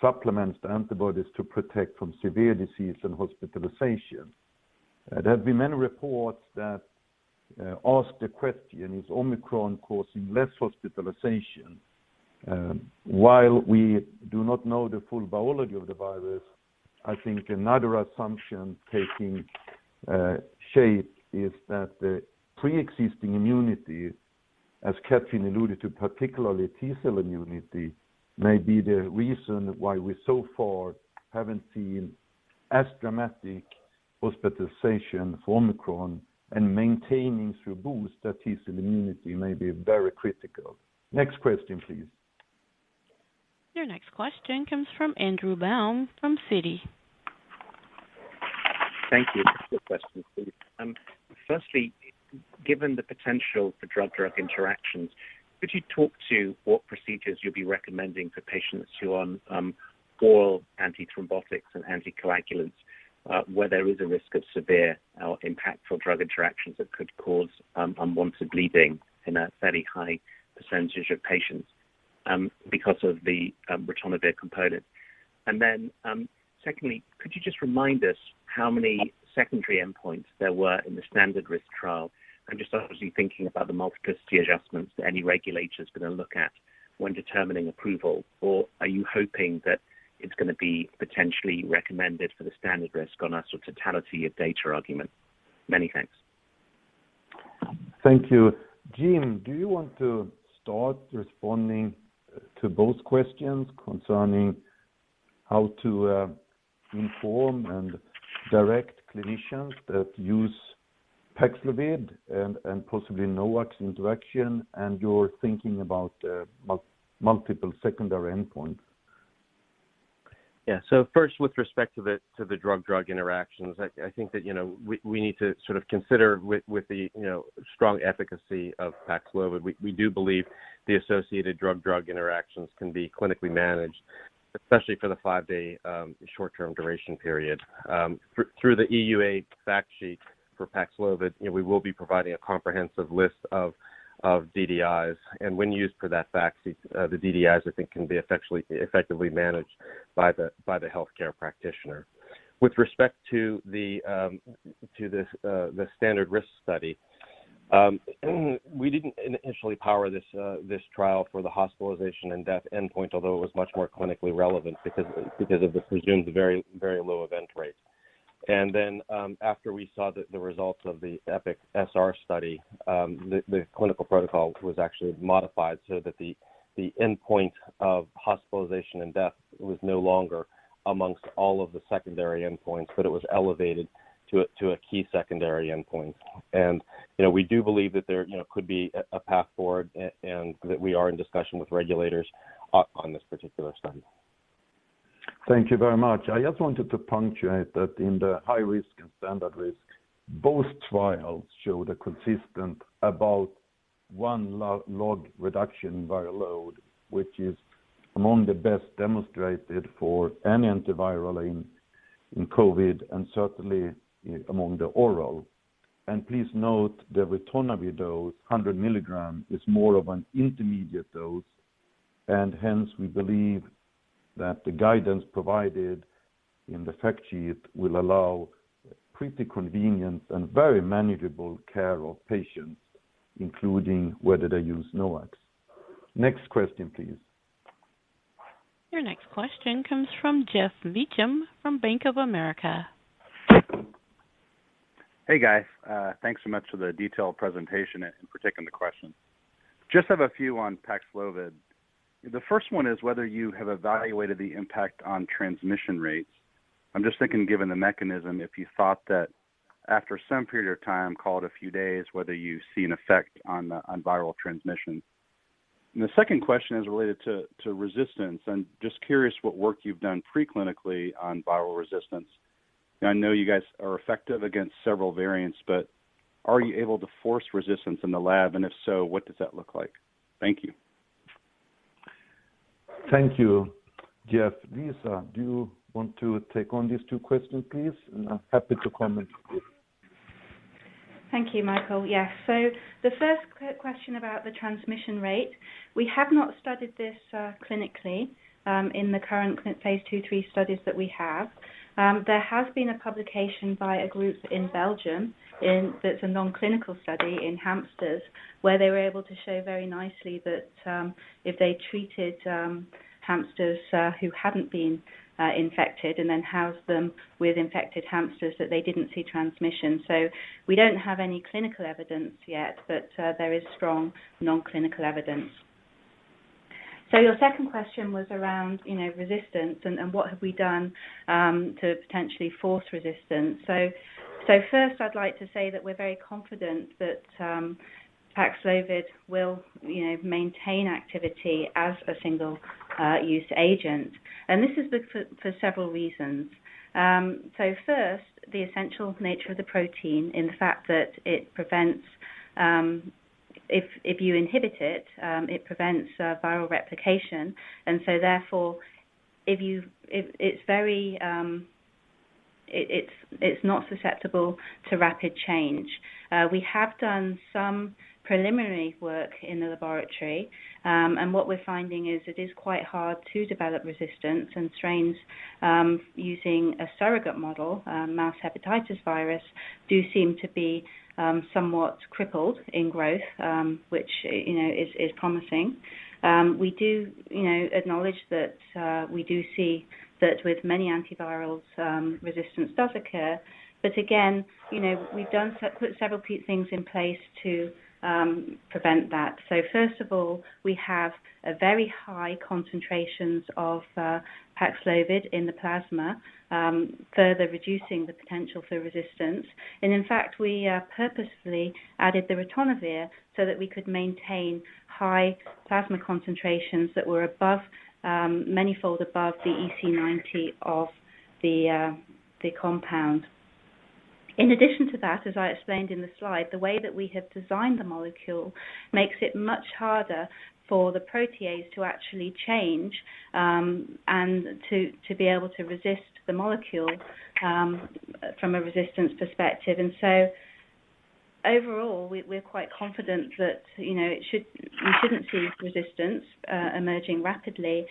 supplements the antibodies to protect from severe disease and hospitalization. There have been many reports that ask the question, is Omicron causing less hospitalization? While we do not know the full biology of the virus, I think another assumption taking shape is that the preexisting immunity, as Kathrin alluded to, particularly T-cell immunity, may be the reason why we so far haven't seen as dramatic hospitalization for Omicron and maintaining through boost that T-cell immunity may be very critical. Next question, please. Your next question comes from Andrew Baum from Citi. Thank you. Two questions, please. Firstly, given the potential for drug-drug interactions, could you talk to what procedures you'll be recommending for patients who are on oral antithrombotics and anticoagulants, where there is a risk of severe or impactful drug interactions that could cause unwanted bleeding in a fairly high percentage of patients, because of the ritonavir component? Secondly, could you just remind us how many secondary endpoints there were in the standard risk trial? I'm just obviously thinking about the multiplicity adjustments that any regulator is going to look at when determining approval, or are you hoping that it's going to be potentially recommended for the standard risk on a sort of totality of data argument? Many thanks. Thank you. Jim, do you want to start responding to both questions concerning how to inform and direct clinicians that use PAXLOVID and possibly NOACs interaction and your thinking about multiple secondary endpoints? First, with respect to the drug-drug interactions, I think that, you know, we need to sort of consider with the, you know, strong efficacy of PAXLOVID, we do believe the associated drug-drug interactions can be clinically managed, especially for the five day short-term duration period. Through the EUA fact sheet for PAXLOVID, you know, we will be providing a comprehensive list of DDIs. When used per that fact sheet, the DDIs, I think, can be effectively managed by the healthcare practitioner. With respect to the standard risk study, we didn't initially power this trial for the hospitalization and death endpoint, although it was much more clinically relevant because of the presumed very low event rate. After we saw the results of the EPIC-SR study, the clinical protocol was actually modified so that the endpoint of hospitalization and death was no longer amongst all of the secondary endpoints, but it was elevated to a key secondary endpoint. You know, we do believe that there, you know, could be a path forward and that we are in discussion with regulators on this particular study. Thank you very much. I just wanted to punctuate that in the high risk and standard risk, both trials showed a consistent about one log reduction viral load, which is among the best demonstrated for any antiviral in COVID, and certainly among the oral. Please note, the ritonavir dose, 100 milligrams, is more of an intermediate dose, and hence we believe that the guidance provided in the fact sheet will allow pretty convenient and very manageable care of patients, including whether they use NOACs. Next question, please. Your next question comes from Geoff Meacham from Bank of America. Hey, guys. Thanks so much for the detailed presentation and for taking the questions. Just have a few on PAXLOVID. The first one is whether you have evaluated the impact on transmission rates. I'm just thinking, given the mechanism, if you thought that after some period of time, call it a few days, whether you see an effect on viral transmission. The second question is related to resistance. I'm just curious what work you've done pre-clinically on viral resistance. I know you guys are effective against several variants, but are you able to force resistance in the lab? And if so, what does that look like? Thank you. Thank you, Geoff. Lisa, do you want to take on these two questions, please? I'm happy to comment. Thank you, Mikael. Yes. The first question about the transmission rate, we have not studied this, clinically, in the current phase II/III studies that we have. There has been a publication by a group in Belgium that's a non-clinical study in hamsters, where they were able to show very nicely that, if they treated hamsters who hadn't been infected and then housed them with infected hamsters, that they didn't see transmission. We don't have any clinical evidence yet, but there is strong non-clinical evidence. Your second question was around, you know, resistance and what have we done to potentially force resistance. First, I'd like to say that we're very confident that PAXLOVID will, you know, maintain activity as a single use agent. This is for several reasons. First, the essential nature of the protein is the fact that if you inhibit it prevents viral replication. Therefore, it is not susceptible to rapid change. We have done some preliminary work in the laboratory, and what we're finding is it is quite hard to develop resistance in strains, using a surrogate model. Mouse hepatitis virus do seem to be somewhat crippled in growth, which, you know, is promising. We do, you know, acknowledge that, we do see that with many antivirals, resistance does occur. Again, you know, we've put several key things in place to prevent that. First of all, we have a very high concentrations of PAXLOVID in the plasma, further reducing the potential for resistance. In fact, we purposefully added the ritonavir so that we could maintain high plasma concentrations that were above manyfold above the EC90 of the compound. In addition to that, as I explained in the slide, the way that we have designed the molecule makes it much harder for the protease to actually change and to be able to resist the molecule from a resistance perspective. Overall we're quite confident that you know we shouldn't see resistance emerging rapidly.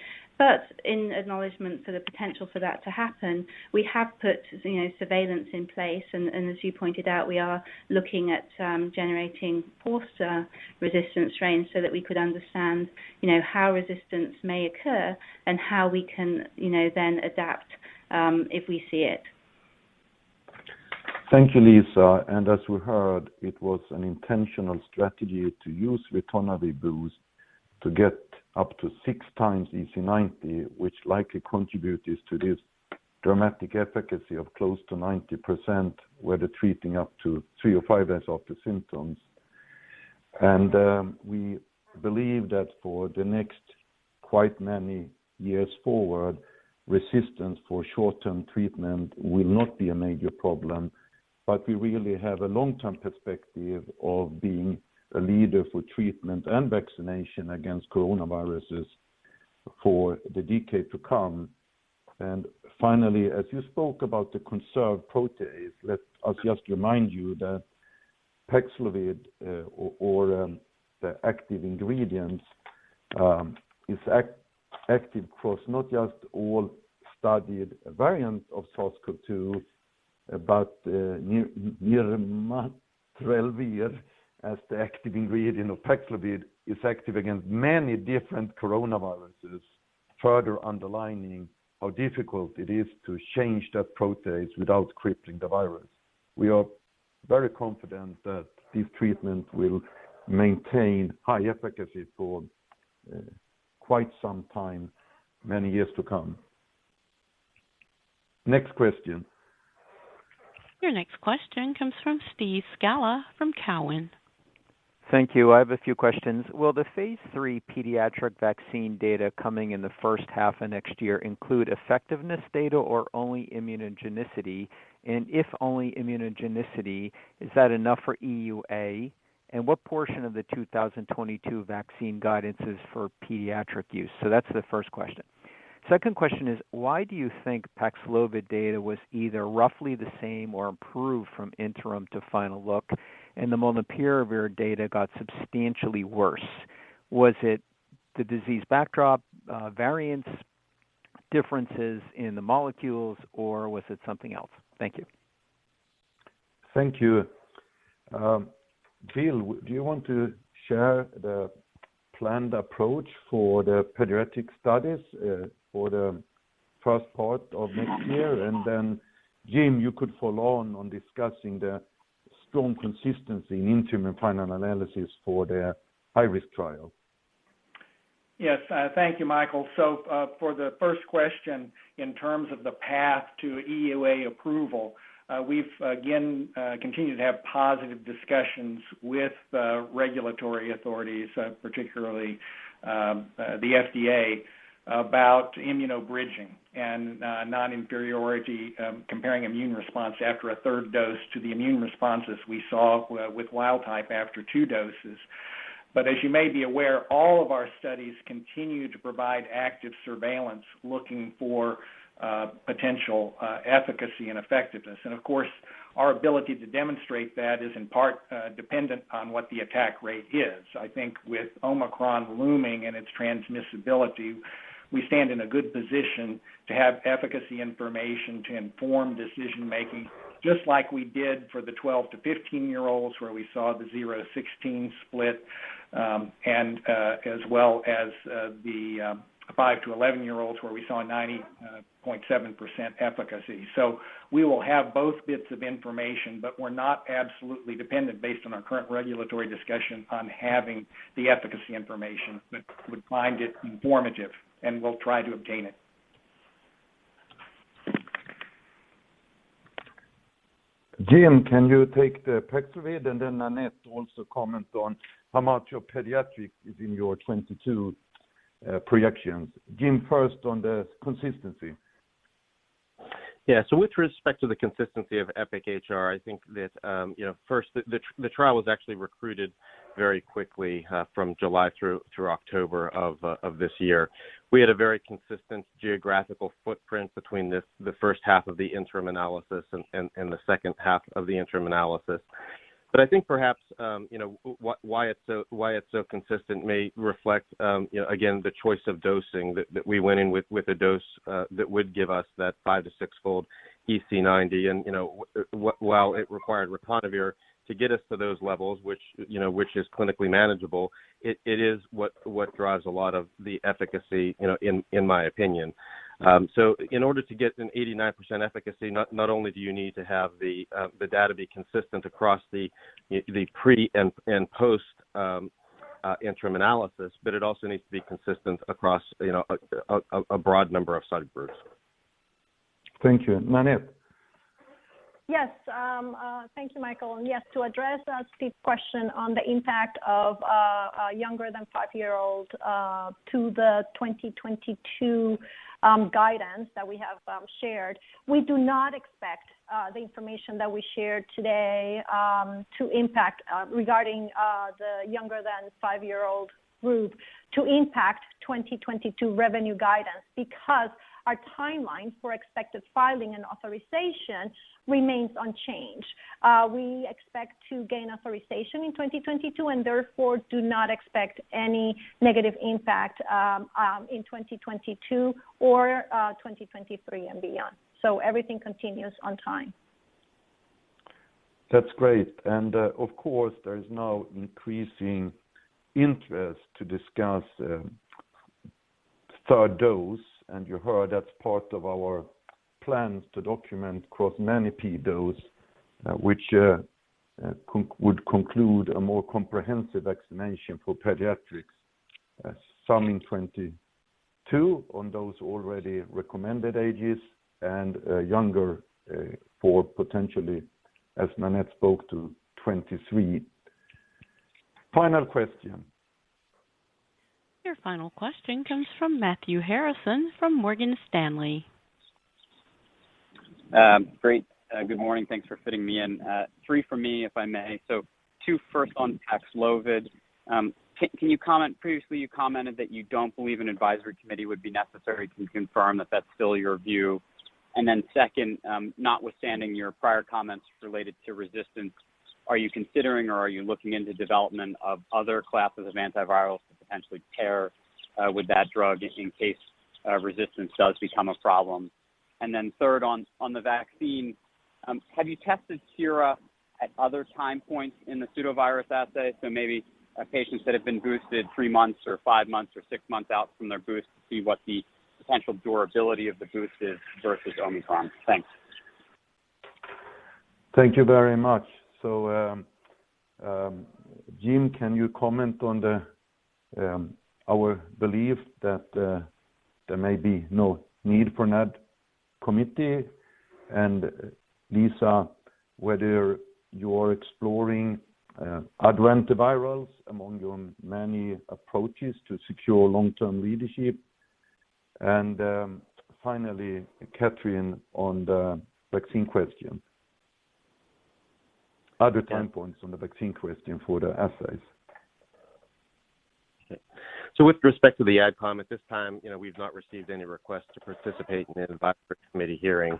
In acknowledgement for the potential for that to happen, we have put you know surveillance in place. As you pointed out, we are looking at generating forced resistance strains so that we could understand, you know, how resistance may occur and how we can, you know, then adapt if we see it. Thank you, Lisa. As we heard, it was an intentional strategy to use ritonavir boost to get up to 6x EC90, which likely contributes to this dramatic efficacy of close to 90%, whether treating up to three or five days after symptoms. We believe that for the next quite many years forward, resistance for short-term treatment will not be a major problem. We really have a long-term perspective of being a leader for treatment and vaccination against coronaviruses for the decade to come. Finally, as you spoke about the conserved protease, let us just remind you that PAXLOVID, or the active ingredients, is active across not just all studied variants of SARS-CoV-2, but nearly all known coronaviruses, as the active ingredient of PAXLOVID is active against many different coronaviruses, further underlining how difficult it is to change that protease without crippling the virus. We are very confident that this treatment will maintain high efficacy for quite some time, many years to come. Next question. Your next question comes from Steve Scala from Cowen. Thank you. I have a few questions. Will the phase III pediatric vaccine data coming in the first half of next year include effectiveness data or only immunogenicity? If only immunogenicity, is that enough for EUA? What portion of the 2022 vaccine guidance is for pediatric use? That's the first question. Second question is why do you think PAXLOVID data was either roughly the same or improved from interim to final look, and the molnupiravir data got substantially worse? Was it the disease backdrop, variant differences in the molecules, or was it something else? Thank you. Thank you. Bill, do you want to share the planned approach for the pediatric studies for the first part of next year? Jim, you could follow on discussing the strong consistency in interim and final analysis for the high-risk trial. Yes. Thank you, Mikael. For the first question, in terms of the path to EUA approval, we've again continued to have positive discussions with the regulatory authorities, particularly the FDA about immunobridging and non-inferiority, comparing immune response after a third dose to the immune responses we saw with wild type after two doses. As you may be aware, all of our studies continue to provide active surveillance looking for potential efficacy and effectiveness. Of course, our ability to demonstrate that is in part dependent on what the attack rate is. I think with Omicron looming and its transmissibility, we stand in a good position to have efficacy information to inform decision-making, just like we did for the 12-15 year olds, where we saw the 0-16 split, as well as the five to 11 year olds, where we saw 90.7% efficacy. We will have both bits of information, but we're not absolutely dependent based on our current regulatory discussion on having the efficacy information. We find it informative, and we'll try to obtain it. Jim, can you take the PAXLOVID, and then Nanette also comment on how much of pediatric is in your 2022 projections. Jim, first on the consistency. With respect to the consistency of EPIC-HR, I think that, you know, first, the trial was actually recruited very quickly, from July through October of this year. We had a very consistent geographical footprint between the first half of the interim analysis and the second half of the interim analysis. I think perhaps, you know, why it's so consistent may reflect, you know, again, the choice of dosing that we went in with a dose that would give us that five to sixfold EC90. And, you know, while it required ritonavir to get us to those levels, which, you know, is clinically manageable, it is what drives a lot of the efficacy, you know, in my opinion. So in order to get an 89% efficacy, not only do you need to have the data be consistent across the pre- and post- interim analysis, but it also needs to be consistent across, you know, a broad number of subject groups. Thank you. Nanette. Yes. Thank you, Mikael. Yes, to address Steve's question on the impact of younger than five year old to the 2022 guidance that we have shared, we do not expect the information that we shared today to impact regarding the younger than five year old group to impact 2022 revenue guidance because our timeline for expected filing and authorization remains unchanged. We expect to gain authorization in 2022, and therefore do not expect any negative impact in 2022 or 2023 and beyond. Everything continues on time. That's great. Of course, there is now increasing interest to discuss third dose, and you heard that's part of our plans to document across many peds, which would include a more comprehensive vaccination for pediatrics, some in 2022 on those already recommended ages and younger, for potentially, as Nanette spoke to 2023. Final question. Your final question comes from Matthew Harrison from Morgan Stanley. Great. Good morning. Thanks for fitting me in. Three for me, if I may. Two first on PAXLOVID. Can you comment. Previously, you commented that you don't believe an advisory committee would be necessary. Can you confirm that that's still your view? Then second, notwithstanding your prior comments related to resistance, are you considering or are you looking into development of other classes of antivirals to potentially pair with that drug in case resistance does become a problem? Then third on the vaccine, have you tested sera at other time points in the pseudovirus assay? Maybe patients that have been boosted three months or five months or six months out from their boost to see what the potential durability of the boost is versus Omicron. Thanks. Thank you very much. Jim, can you comment on our belief that there may be no need for an ad committee? Lisa, whether you're exploring antivirals among your many approaches to secure long-term leadership. Finally, Kathrin, on the vaccine question. Other time points on the vaccine question for the assays. With respect to the ad com, at this time, you know, we've not received any requests to participate in an advisory committee hearing.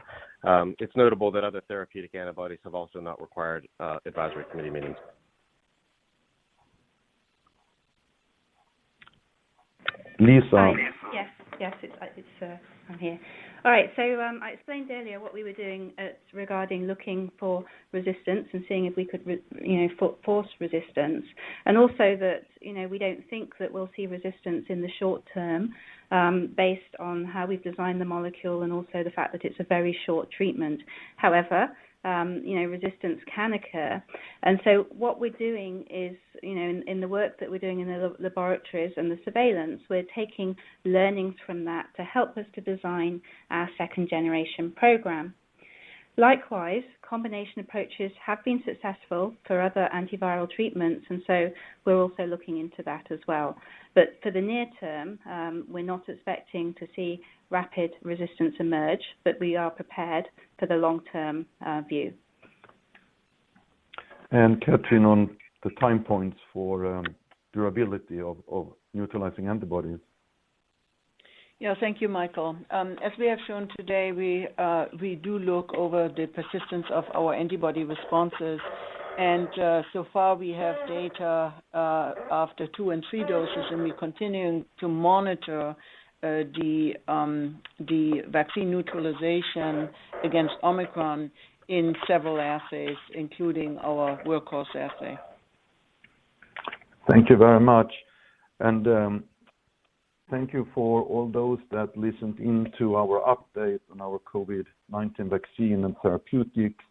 It's notable that other therapeutic antibodies have also not required advisory committee meetings. Lisa. Yes, I'm here. All right. I explained earlier what we were doing regarding looking for resistance and seeing if we could, you know, force resistance, and also that, you know, we don't think that we'll see resistance in the short term based on how we've designed the molecule and also the fact that it's a very short treatment. However, you know, resistance can occur. What we're doing is, you know, in the work that we're doing in the laboratories and the surveillance, we're taking learnings from that to help us to design our second generation program. Likewise, combination approaches have been successful for other antiviral treatments, and so we're also looking into that as well. For the near term, we're not expecting to see rapid resistance emerge, but we are prepared for the long-term view. Kathrin, on the time points for durability of neutralizing antibodies. Thank you, Mikael. As we have shown today, we do look over the persistence of our antibody responses. So far, we have data after two and three doses, and we're continuing to monitor the vaccine neutralization against Omicron in several assays, including our workhorse assay. Thank you very much. Thank you for all those that listened in to our update on our COVID-19 vaccine and therapeutics.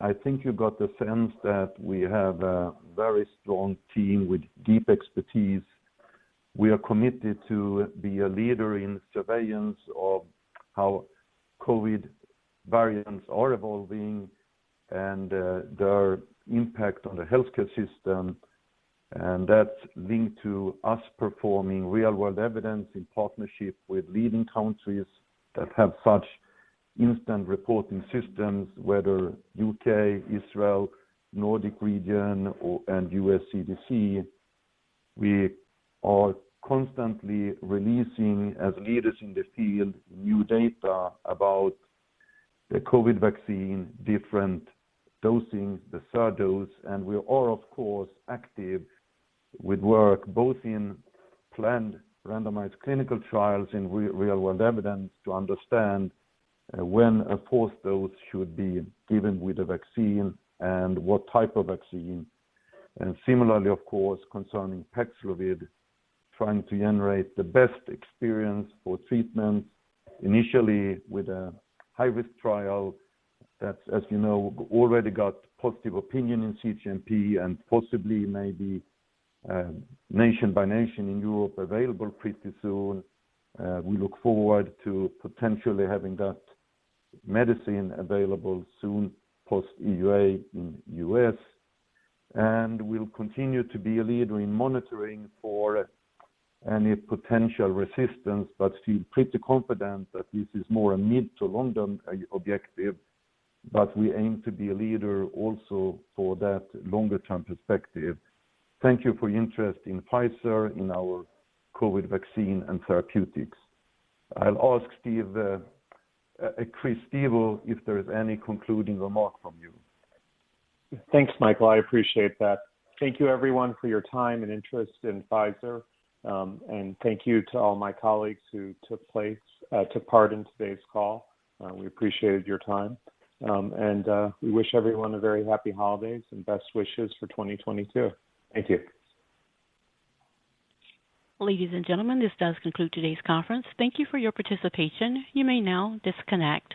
I think you got the sense that we have a very strong team with deep expertise. We are committed to be a leader in surveillance of how COVID variants are evolving and their impact on the healthcare system, and that's linked to us performing real world evidence in partnership with leading countries that have such instant reporting systems, whether U.K., Israel, Nordic region or, and U.S. CDC. We are constantly releasing, as leaders in the field, new data about the COVID vaccine, different dosing, the third dose. We are, of course, active with work both in planned randomized clinical trials and real world evidence to understand when a fourth dose should be given with the vaccine and what type of vaccine. Similarly, of course, concerning PAXLOVID, trying to generate the best experience for treatment, initially with a high-risk trial that's, as you know, already got positive opinion in CHMP and possibly maybe, nation by nation in Europe available pretty soon. We look forward to potentially having that medicine available soon, post EUA in U.S. We'll continue to be a leader in monitoring for any potential resistance, but feel pretty confident that this is more a mid- to long-term objective. We aim to be a leader also for that longer-term perspective. Thank you for your interest in Pfizer, in our COVID vaccine and therapeutics. I'll ask Stevo, Chris Stevo if there is any concluding remark from you. Thanks, Mikael. I appreciate that. Thank you everyone for your time and interest in Pfizer, and thank you to all my colleagues who took part in today's call. We appreciated your time. We wish everyone a very happy holidays and best wishes for 2022. Thank you. Ladies and gentlemen, this does conclude today's conference. Thank you for your participation. You may now disconnect.